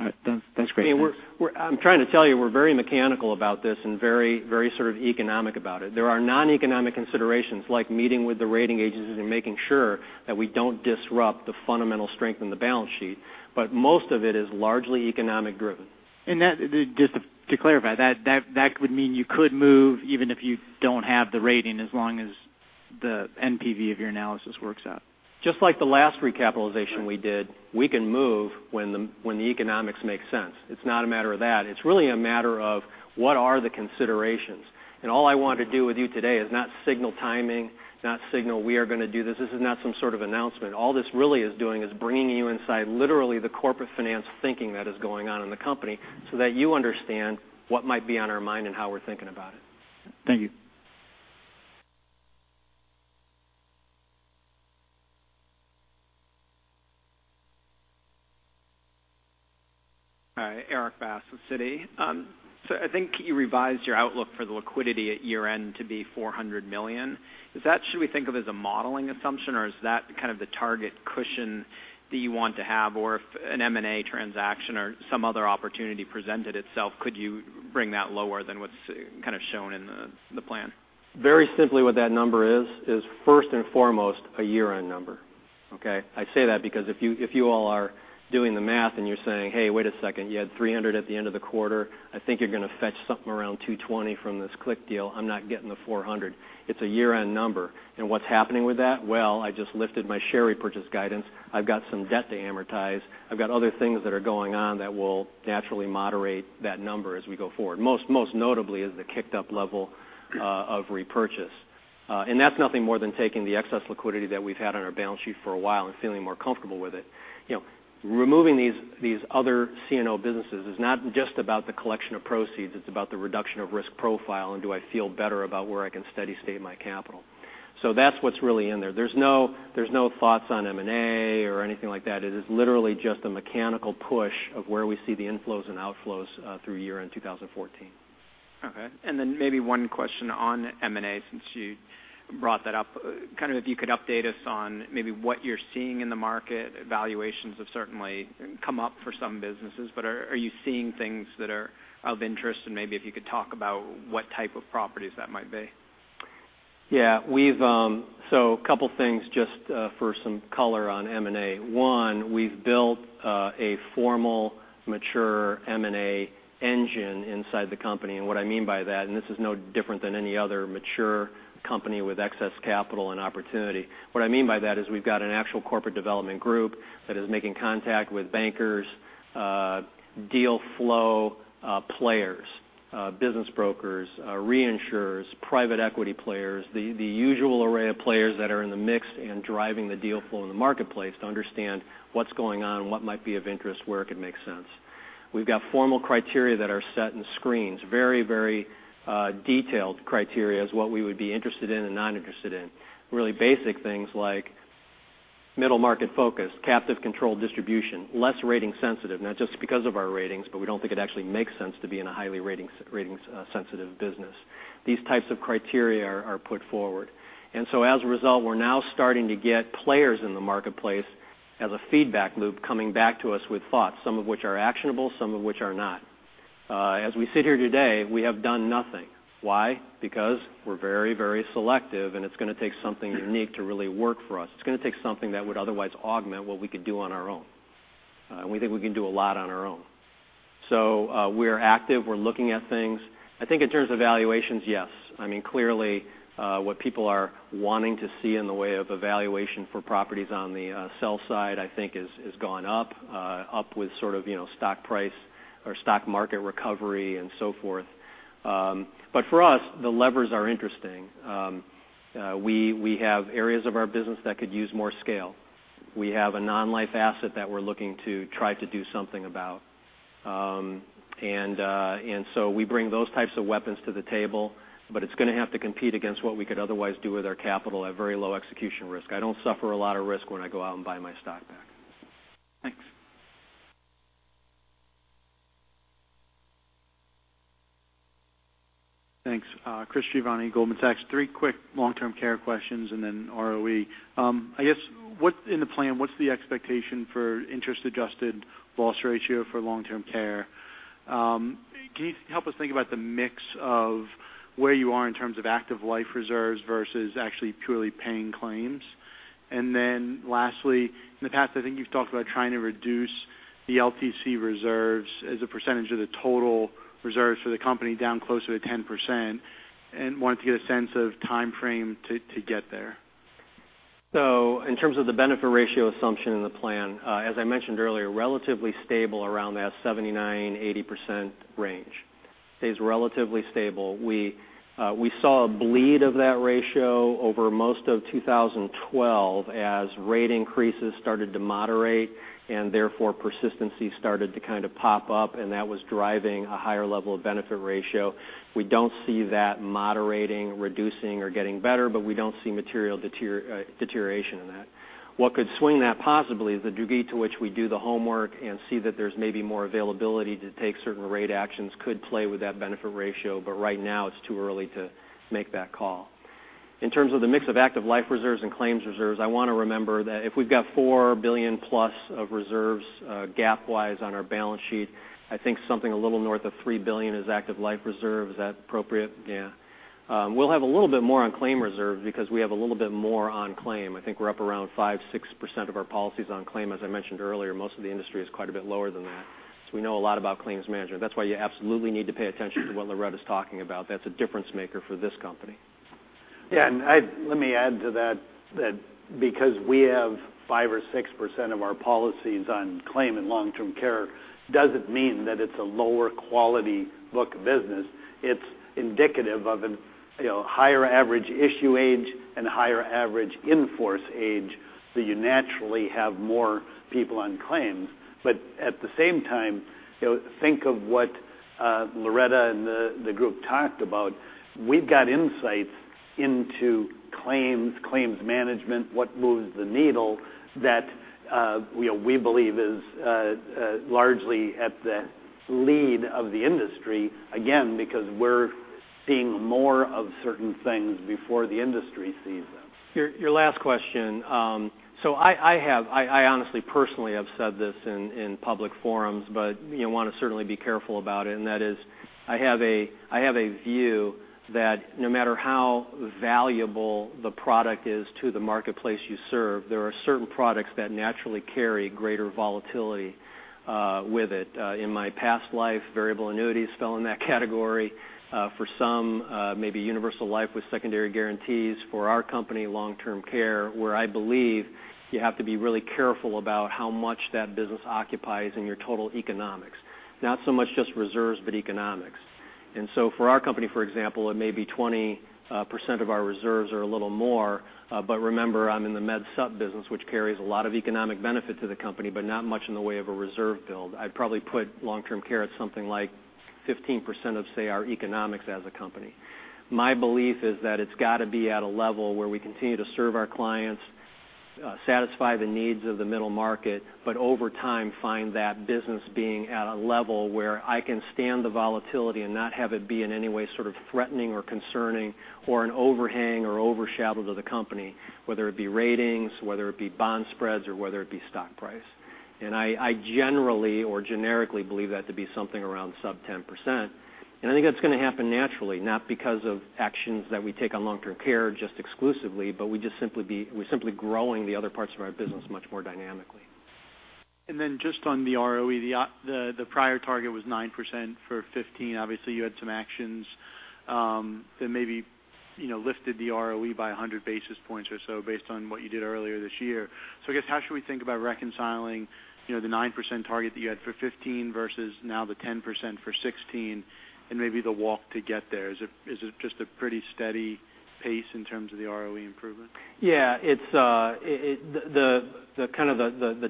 All right. That's great. I'm trying to tell you we're very mechanical about this and very sort of economic about it. There are non-economic considerations, like meeting with the rating agencies and making sure that we don't disrupt the fundamental strength in the balance sheet. Most of it is largely economic driven. Just to clarify, that would mean you could move even if you don't have the rating as long as the NPV of your analysis works out. Just like the last recapitalization we did, we can move when the economics make sense. It's not a matter of that. It's really a matter of what are the considerations. All I want to do with you today is not signal timing, not signal we are going to do this. This is not some sort of announcement. All this really is doing is bringing you inside literally the corporate finance thinking that is going on in the company so that you understand what might be on our mind and how we're thinking about it. Thank you. Erik Bass with Citigroup. I think you revised your outlook for the liquidity at year-end to be $400 million. Is that, should we think of as a modeling assumption, or is that kind of the target cushion that you want to have? Or if an M&A transaction or some other opportunity presented itself, could you bring that lower than what's kind of shown in the plan? Very simply what that number is first and foremost a year-end number, okay? I say that because if you all are doing the math and you're saying, "Hey, wait a second. You had $300 at the end of the quarter. I think you're going to fetch something around $220 from this CLIC deal. I'm not getting the $400." It's a year-end number. What's happening with that? Well, I just lifted my share repurchase guidance. I've got some debt to amortize. I've got other things that are going on that will naturally moderate that number as we go forward. Most notably is the kicked up level of repurchase. That's nothing more than taking the excess liquidity that we've had on our balance sheet for a while and feeling more comfortable with it. Removing these other CNO businesses is not just about the collection of proceeds. It's about the reduction of risk profile, and do I feel better about where I can steady-state my capital? That's what's really in there. There's no thoughts on M&A or anything like that. It is literally just a mechanical push of where we see the inflows and outflows through year-end 2014. Okay. Maybe one question on M&A since you brought that up. If you could update us on maybe what you're seeing in the market. Valuations have certainly come up for some businesses, but are you seeing things that are of interest? Maybe if you could talk about what type of properties that might be. Yeah. A couple things just for some color on M&A. One, we've built a formal, mature M&A engine inside the company. What I mean by that, this is no different than any other mature company with excess capital and opportunity. What I mean by that is we've got an actual corporate development group that is making contact with bankers, deal flow players, business brokers, reinsurers, private equity players, the usual array of players that are in the mix and driving the deal flow in the marketplace to understand what's going on and what might be of interest, where it could make sense. We've got formal criteria that are set in screens, very detailed criteria as what we would be interested in and not interested in. Really basic things like middle market focus, captive control distribution, less rating sensitive, not just because of our ratings, but we don't think it actually makes sense to be in a highly rating sensitive business. These types of criteria are put forward. As a result, we're now starting to get players in the marketplace as a feedback loop coming back to us with thoughts, some of which are actionable, some of which are not. As we sit here today, we have done nothing. Why? Because we're very selective, it's going to take something unique to really work for us. It's going to take something that would otherwise augment what we could do on our own. We think we can do a lot on our own. We're active. We're looking at things. I think in terms of valuations, yes. Clearly, what people are wanting to see in the way of evaluation for properties on the sell side, I think, has gone up with sort of stock price or stock market recovery and so forth. For us, the levers are interesting. We have areas of our business that could use more scale. We have a non-life asset that we're looking to try to do something about. We bring those types of weapons to the table, it's going to have to compete against what we could otherwise do with our capital at very low execution risk. I don't suffer a lot of risk when I go out and buy my stock back. Thanks. Thanks. Chris Giovanni, Goldman Sachs. Three quick long-term care questions and then ROE. I guess, in the plan, what's the expectation for interest-adjusted loss ratio for long-term care? Can you help us think about the mix of where you are in terms of active life reserves versus actually purely paying claims? Lastly, in the past, I think you've talked about trying to reduce the LTC reserves as a percentage of the total reserves for the company down closer to 10%, and wanted to get a sense of timeframe to get there. In terms of the benefit ratio assumption in the plan, as I mentioned earlier, relatively stable around that 79%, 80% range. Stays relatively stable. We saw a bleed of that ratio over most of 2012 as rate increases started to moderate, and therefore persistency started to kind of pop up, and that was driving a higher level of benefit ratio. We don't see that moderating, reducing, or getting better, but we don't see material deterioration in that. What could swing that possibly is the degree to which we do the homework and see that there's maybe more availability to take certain rate actions could play with that benefit ratio, but right now it's too early to make that call. In terms of the mix of active life reserves and claims reserves, I want to remember that if we've got $4 billion plus of reserves GAAP-wise on our balance sheet, I think something a little north of $3 billion is active life reserve. Is that appropriate? Yeah. We'll have a little bit more on claim reserve because we have a little bit more on claim. I think we're up around 5%, 6% of our policies on claim. As I mentioned earlier, most of the industry is quite a bit lower than that. We know a lot about claims management. That's why you absolutely need to pay attention to what Loretta's talking about. That's a difference maker for this company. Yeah, let me add to that because we have 5% or 6% of our policies on claim and long-term care doesn't mean that it's a lower quality book of business. It's indicative of a higher average issue age and higher average in-force age, so you naturally have more people on claims. At the same time, think of what Loretta and the group talked about. We've got insights into claims management, what moves the needle that we believe is largely at the lead of the industry, again, because we're seeing more of certain things before the industry sees them. Your last question. I honestly, personally have said this in public forums, want to certainly be careful about it. That is, I have a view that no matter how valuable the product is to the marketplace you serve, there are certain products that naturally carry greater volatility with it. In my past life, variable annuities fell in that category. For some, maybe universal life with secondary guarantees. For our company, long-term care, where I believe you have to be really careful about how much that business occupies in your total economics. Not so much just reserves, but economics. For our company, for example, it may be 20% of our reserves or a little more. Remember, I'm in the Med Supp business, which carries a lot of economic benefit to the company, but not much in the way of a reserve build. I'd probably put long-term care at something like 15% of, say, our economics as a company. My belief is that it's got to be at a level where we continue to serve our clients satisfy the needs of the middle market, but over time, find that business being at a level where I can stand the volatility and not have it be in any way sort of threatening or concerning or an overhang or overshadow to the company, whether it be ratings, whether it be bond spreads, or whether it be stock price. I generally or generically believe that to be something around sub 10%. I think that's going to happen naturally, not because of actions that we take on long-term care just exclusively, but we're simply growing the other parts of our business much more dynamically. Just on the ROE, the prior target was 9% for 2015. Obviously, you had some actions that maybe lifted the ROE by 100 basis points or so based on what you did earlier this year. I guess how should we think about reconciling the 9% target that you had for 2015 versus now the 10% for 2016 and maybe the walk to get there? Is it just a pretty steady pace in terms of the ROE improvement? Yeah. The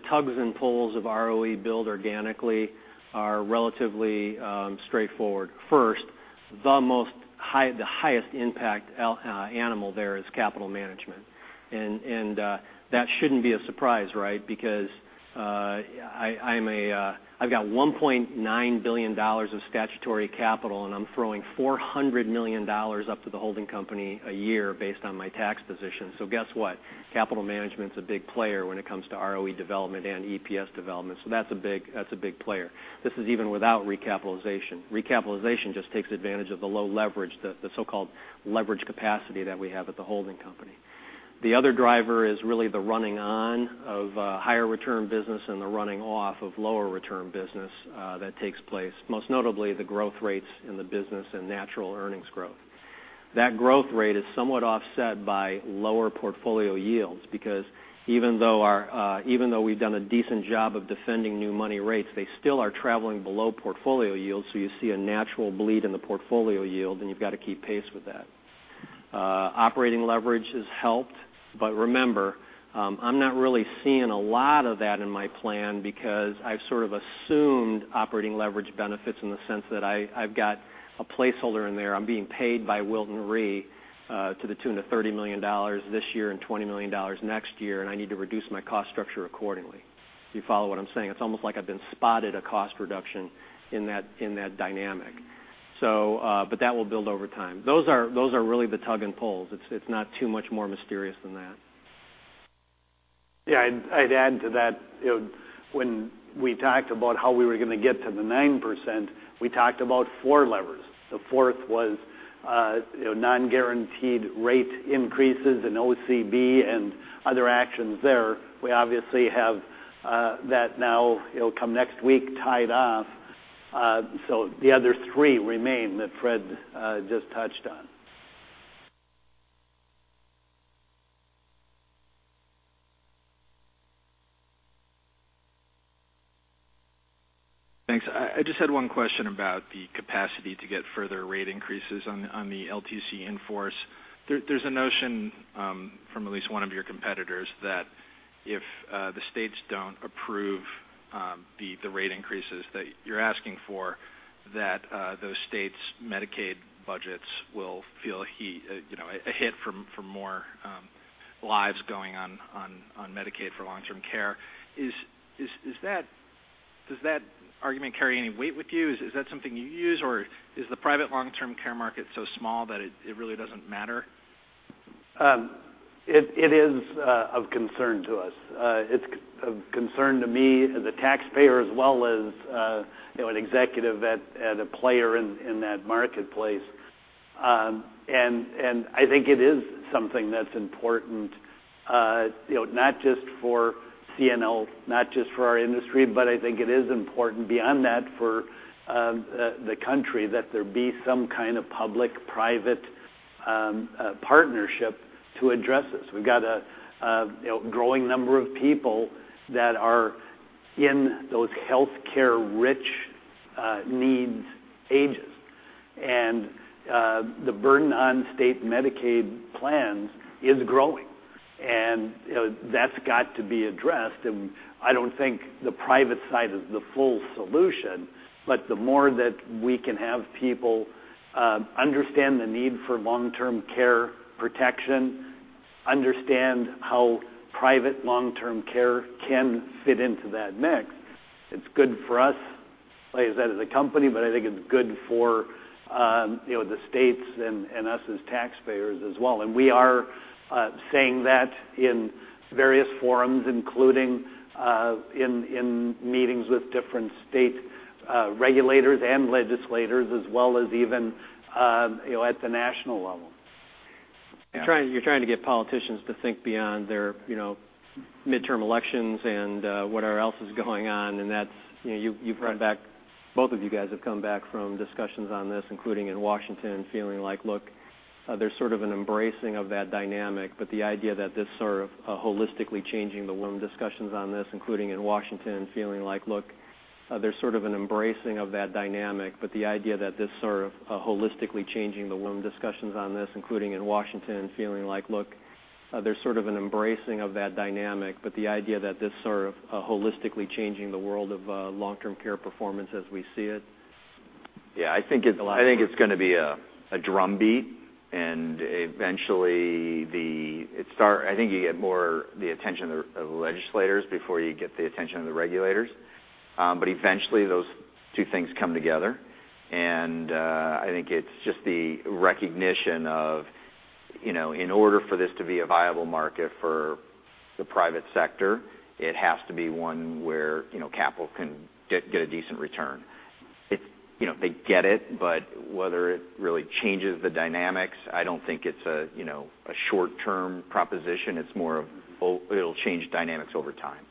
tugs and pulls of ROE build organically are relatively straightforward. First, the highest impact animal there is capital management. That shouldn't be a surprise, because I've got $1.9 billion of statutory capital, and I'm throwing $400 million up to the holding company a year based on my tax position. Guess what? Capital management's a big player when it comes to ROE development and EPS development. That's a big player. This is even without recapitalization. Recapitalization just takes advantage of the low leverage, the so-called leverage capacity that we have at the holding company. The other driver is really the running on of higher return business and the running off of lower return business that takes place, most notably the growth rates in the business and natural earnings growth. That growth rate is somewhat offset by lower portfolio yields because even though we've done a decent job of defending new money rates, they still are traveling below portfolio yields, so you see a natural bleed in the portfolio yield, and you've got to keep pace with that. Operating leverage has helped, remember, I'm not really seeing a lot of that in my plan because I've sort of assumed operating leverage benefits in the sense that I've got a placeholder in there. I'm being paid by Wilton Re to the tune of $30 million this year and $20 million next year, and I need to reduce my cost structure accordingly. Do you follow what I'm saying? It's almost like I've been spotted a cost reduction in that dynamic. That will build over time. Those are really the tug and pulls. It's not too much more mysterious than that. Yeah, I'd add to that. When we talked about how we were going to get to the 9%, we talked about four levers. The fourth was non-guaranteed rate increases in OCB and other actions there. We obviously have that now, it will come next week, tied off. The other three remain that Fred just touched on. Thanks. I just had one question about the capacity to get further rate increases on the LTC in force. There's a notion from at least one of your competitors that if the states don't approve the rate increases that you're asking for, that those states' Medicaid budgets will feel a hit from more lives going on Medicaid for long-term care. Does that argument carry any weight with you? Is that something you use, or is the private long-term care market so small that it really doesn't matter? It is of concern to us. It's of concern to me as a taxpayer as well as an executive and a player in that marketplace. I think it is something that's important not just for CNO, not just for our industry, but I think it is important beyond that for the country that there be some kind of public-private partnership to address this. We've got a growing number of people that are in those healthcare-rich needs ages, and the burden on state Medicaid plans is growing. That's got to be addressed, and I don't think the private side is the full solution. The more that we can have people understand the need for long-term care protection, understand how private long-term care can fit into that mix, it's good for us as a company, but I think it's good for the states and us as taxpayers as well. We are saying that in various forums, including in meetings with different state regulators and legislators, as well as even at the national level. You're trying to get politicians to think beyond their midterm elections and whatever else is going on. Both of you guys have come back from discussions on this, including in Washington, feeling like, look, there's sort of an embracing of that dynamic. The idea that this sort of holistically changing the world of long-term care performance as we see it I think it's going to be a drumbeat. Eventually, I think you get more the attention of the legislators before you get the attention of the regulators. Eventually, those two things come together, and I think it's just the recognition of, in order for this to be a viable market for the private sector, it has to be one where capital can get a decent return. They get it, but whether it really changes the dynamics, I don't think it's a short-term proposition. It'll change dynamics over time.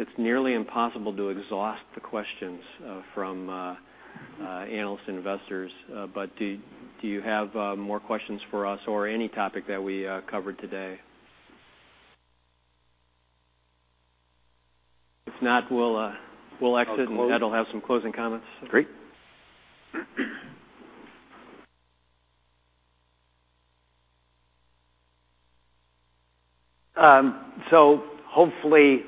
It's nearly impossible to exhaust the questions from analysts and investors. Do you have more questions for us or any topic that we covered today? If not, we'll exit, and Ed will have some closing comments. Great. Hopefully,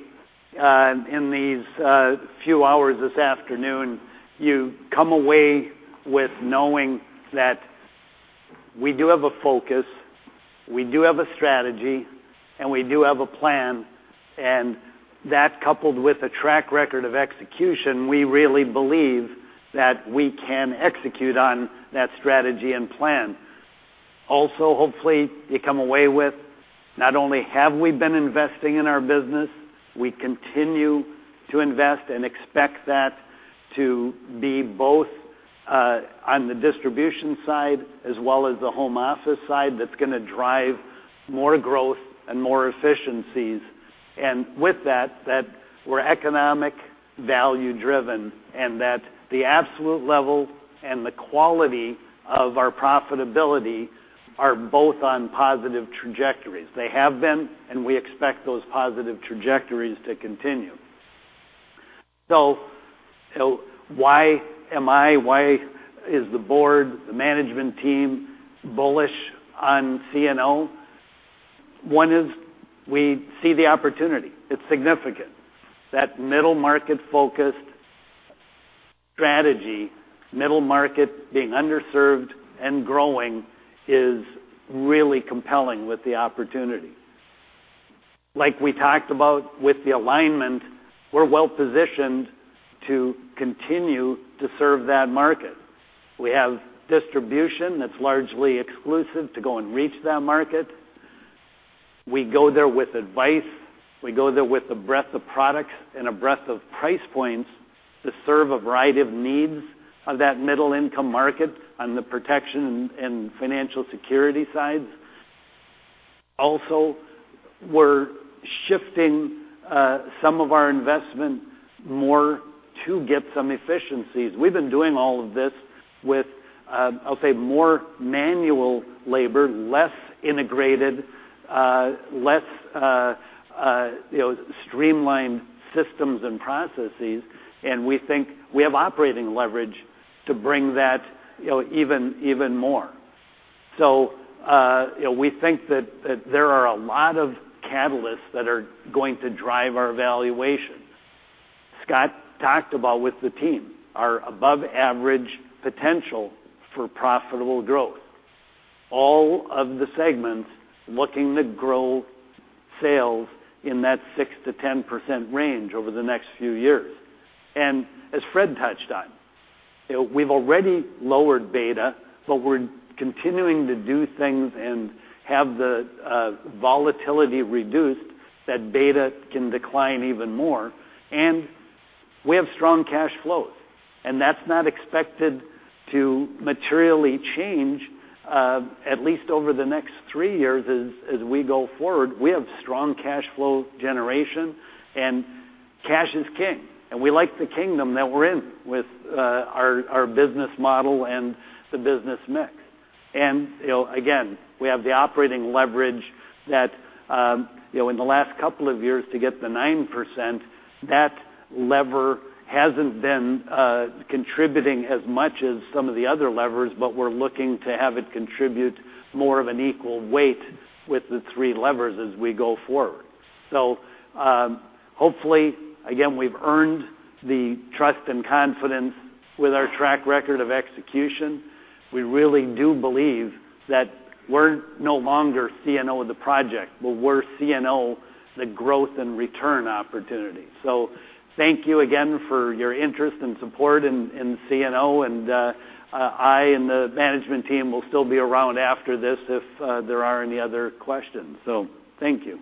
in these few hours this afternoon, you come away with knowing that we do have a focus, we do have a strategy, and we do have a plan. That, coupled with a track record of execution, we really believe that we can execute on that strategy and plan. Hopefully, you come away with not only have we been investing in our business, we continue to invest and expect that to be both on the distribution side as well as the home office side that's going to drive more growth and more efficiencies. With that, we're economic value-driven, and that the absolute level and the quality of our profitability are both on positive trajectories. They have been, and we expect those positive trajectories to continue. Why am I, why is the board, the management team bullish on CNO? One is we see the opportunity. It's significant. That middle-market focused strategy, middle market being underserved and growing is really compelling with the opportunity. Like we talked about with the alignment, we're well-positioned to continue to serve that market. We have distribution that's largely exclusive to go and reach that market. We go there with advice. We go there with a breadth of products and a breadth of price points to serve a variety of needs of that middle-income market on the protection and financial security sides. We're shifting some of our investment more to get some efficiencies. We've been doing all of this with, I'll say, more manual labor, less integrated, less streamlined systems and processes, and we think we have operating leverage to bring that even more. We think that there are a lot of catalysts that are going to drive our valuation. Scott talked about with the team our above-average potential for profitable growth. All of the segments looking to grow sales in that 6%-10% range over the next few years. As Fred touched on, we've already lowered beta, but we're continuing to do things and have the volatility reduced that beta can decline even more, and we have strong cash flows. That's not expected to materially change, at least over the next three years as we go forward. We have strong cash flow generation, and cash is king, and we like the kingdom that we're in with our business model and the business mix. Again, we have the operating leverage that in the last couple of years to get the 9%, that lever hasn't been contributing as much as some of the other levers, but we're looking to have it contribute more of an equal weight with the three levers as we go forward. Hopefully, again, we've earned the trust and confidence with our track record of execution. We really do believe that we're no longer CNO, the project, but we're CNO, the growth and return opportunity. Thank you again for your interest and support in CNO, and I and the management team will still be around after this if there are any other questions. Thank you.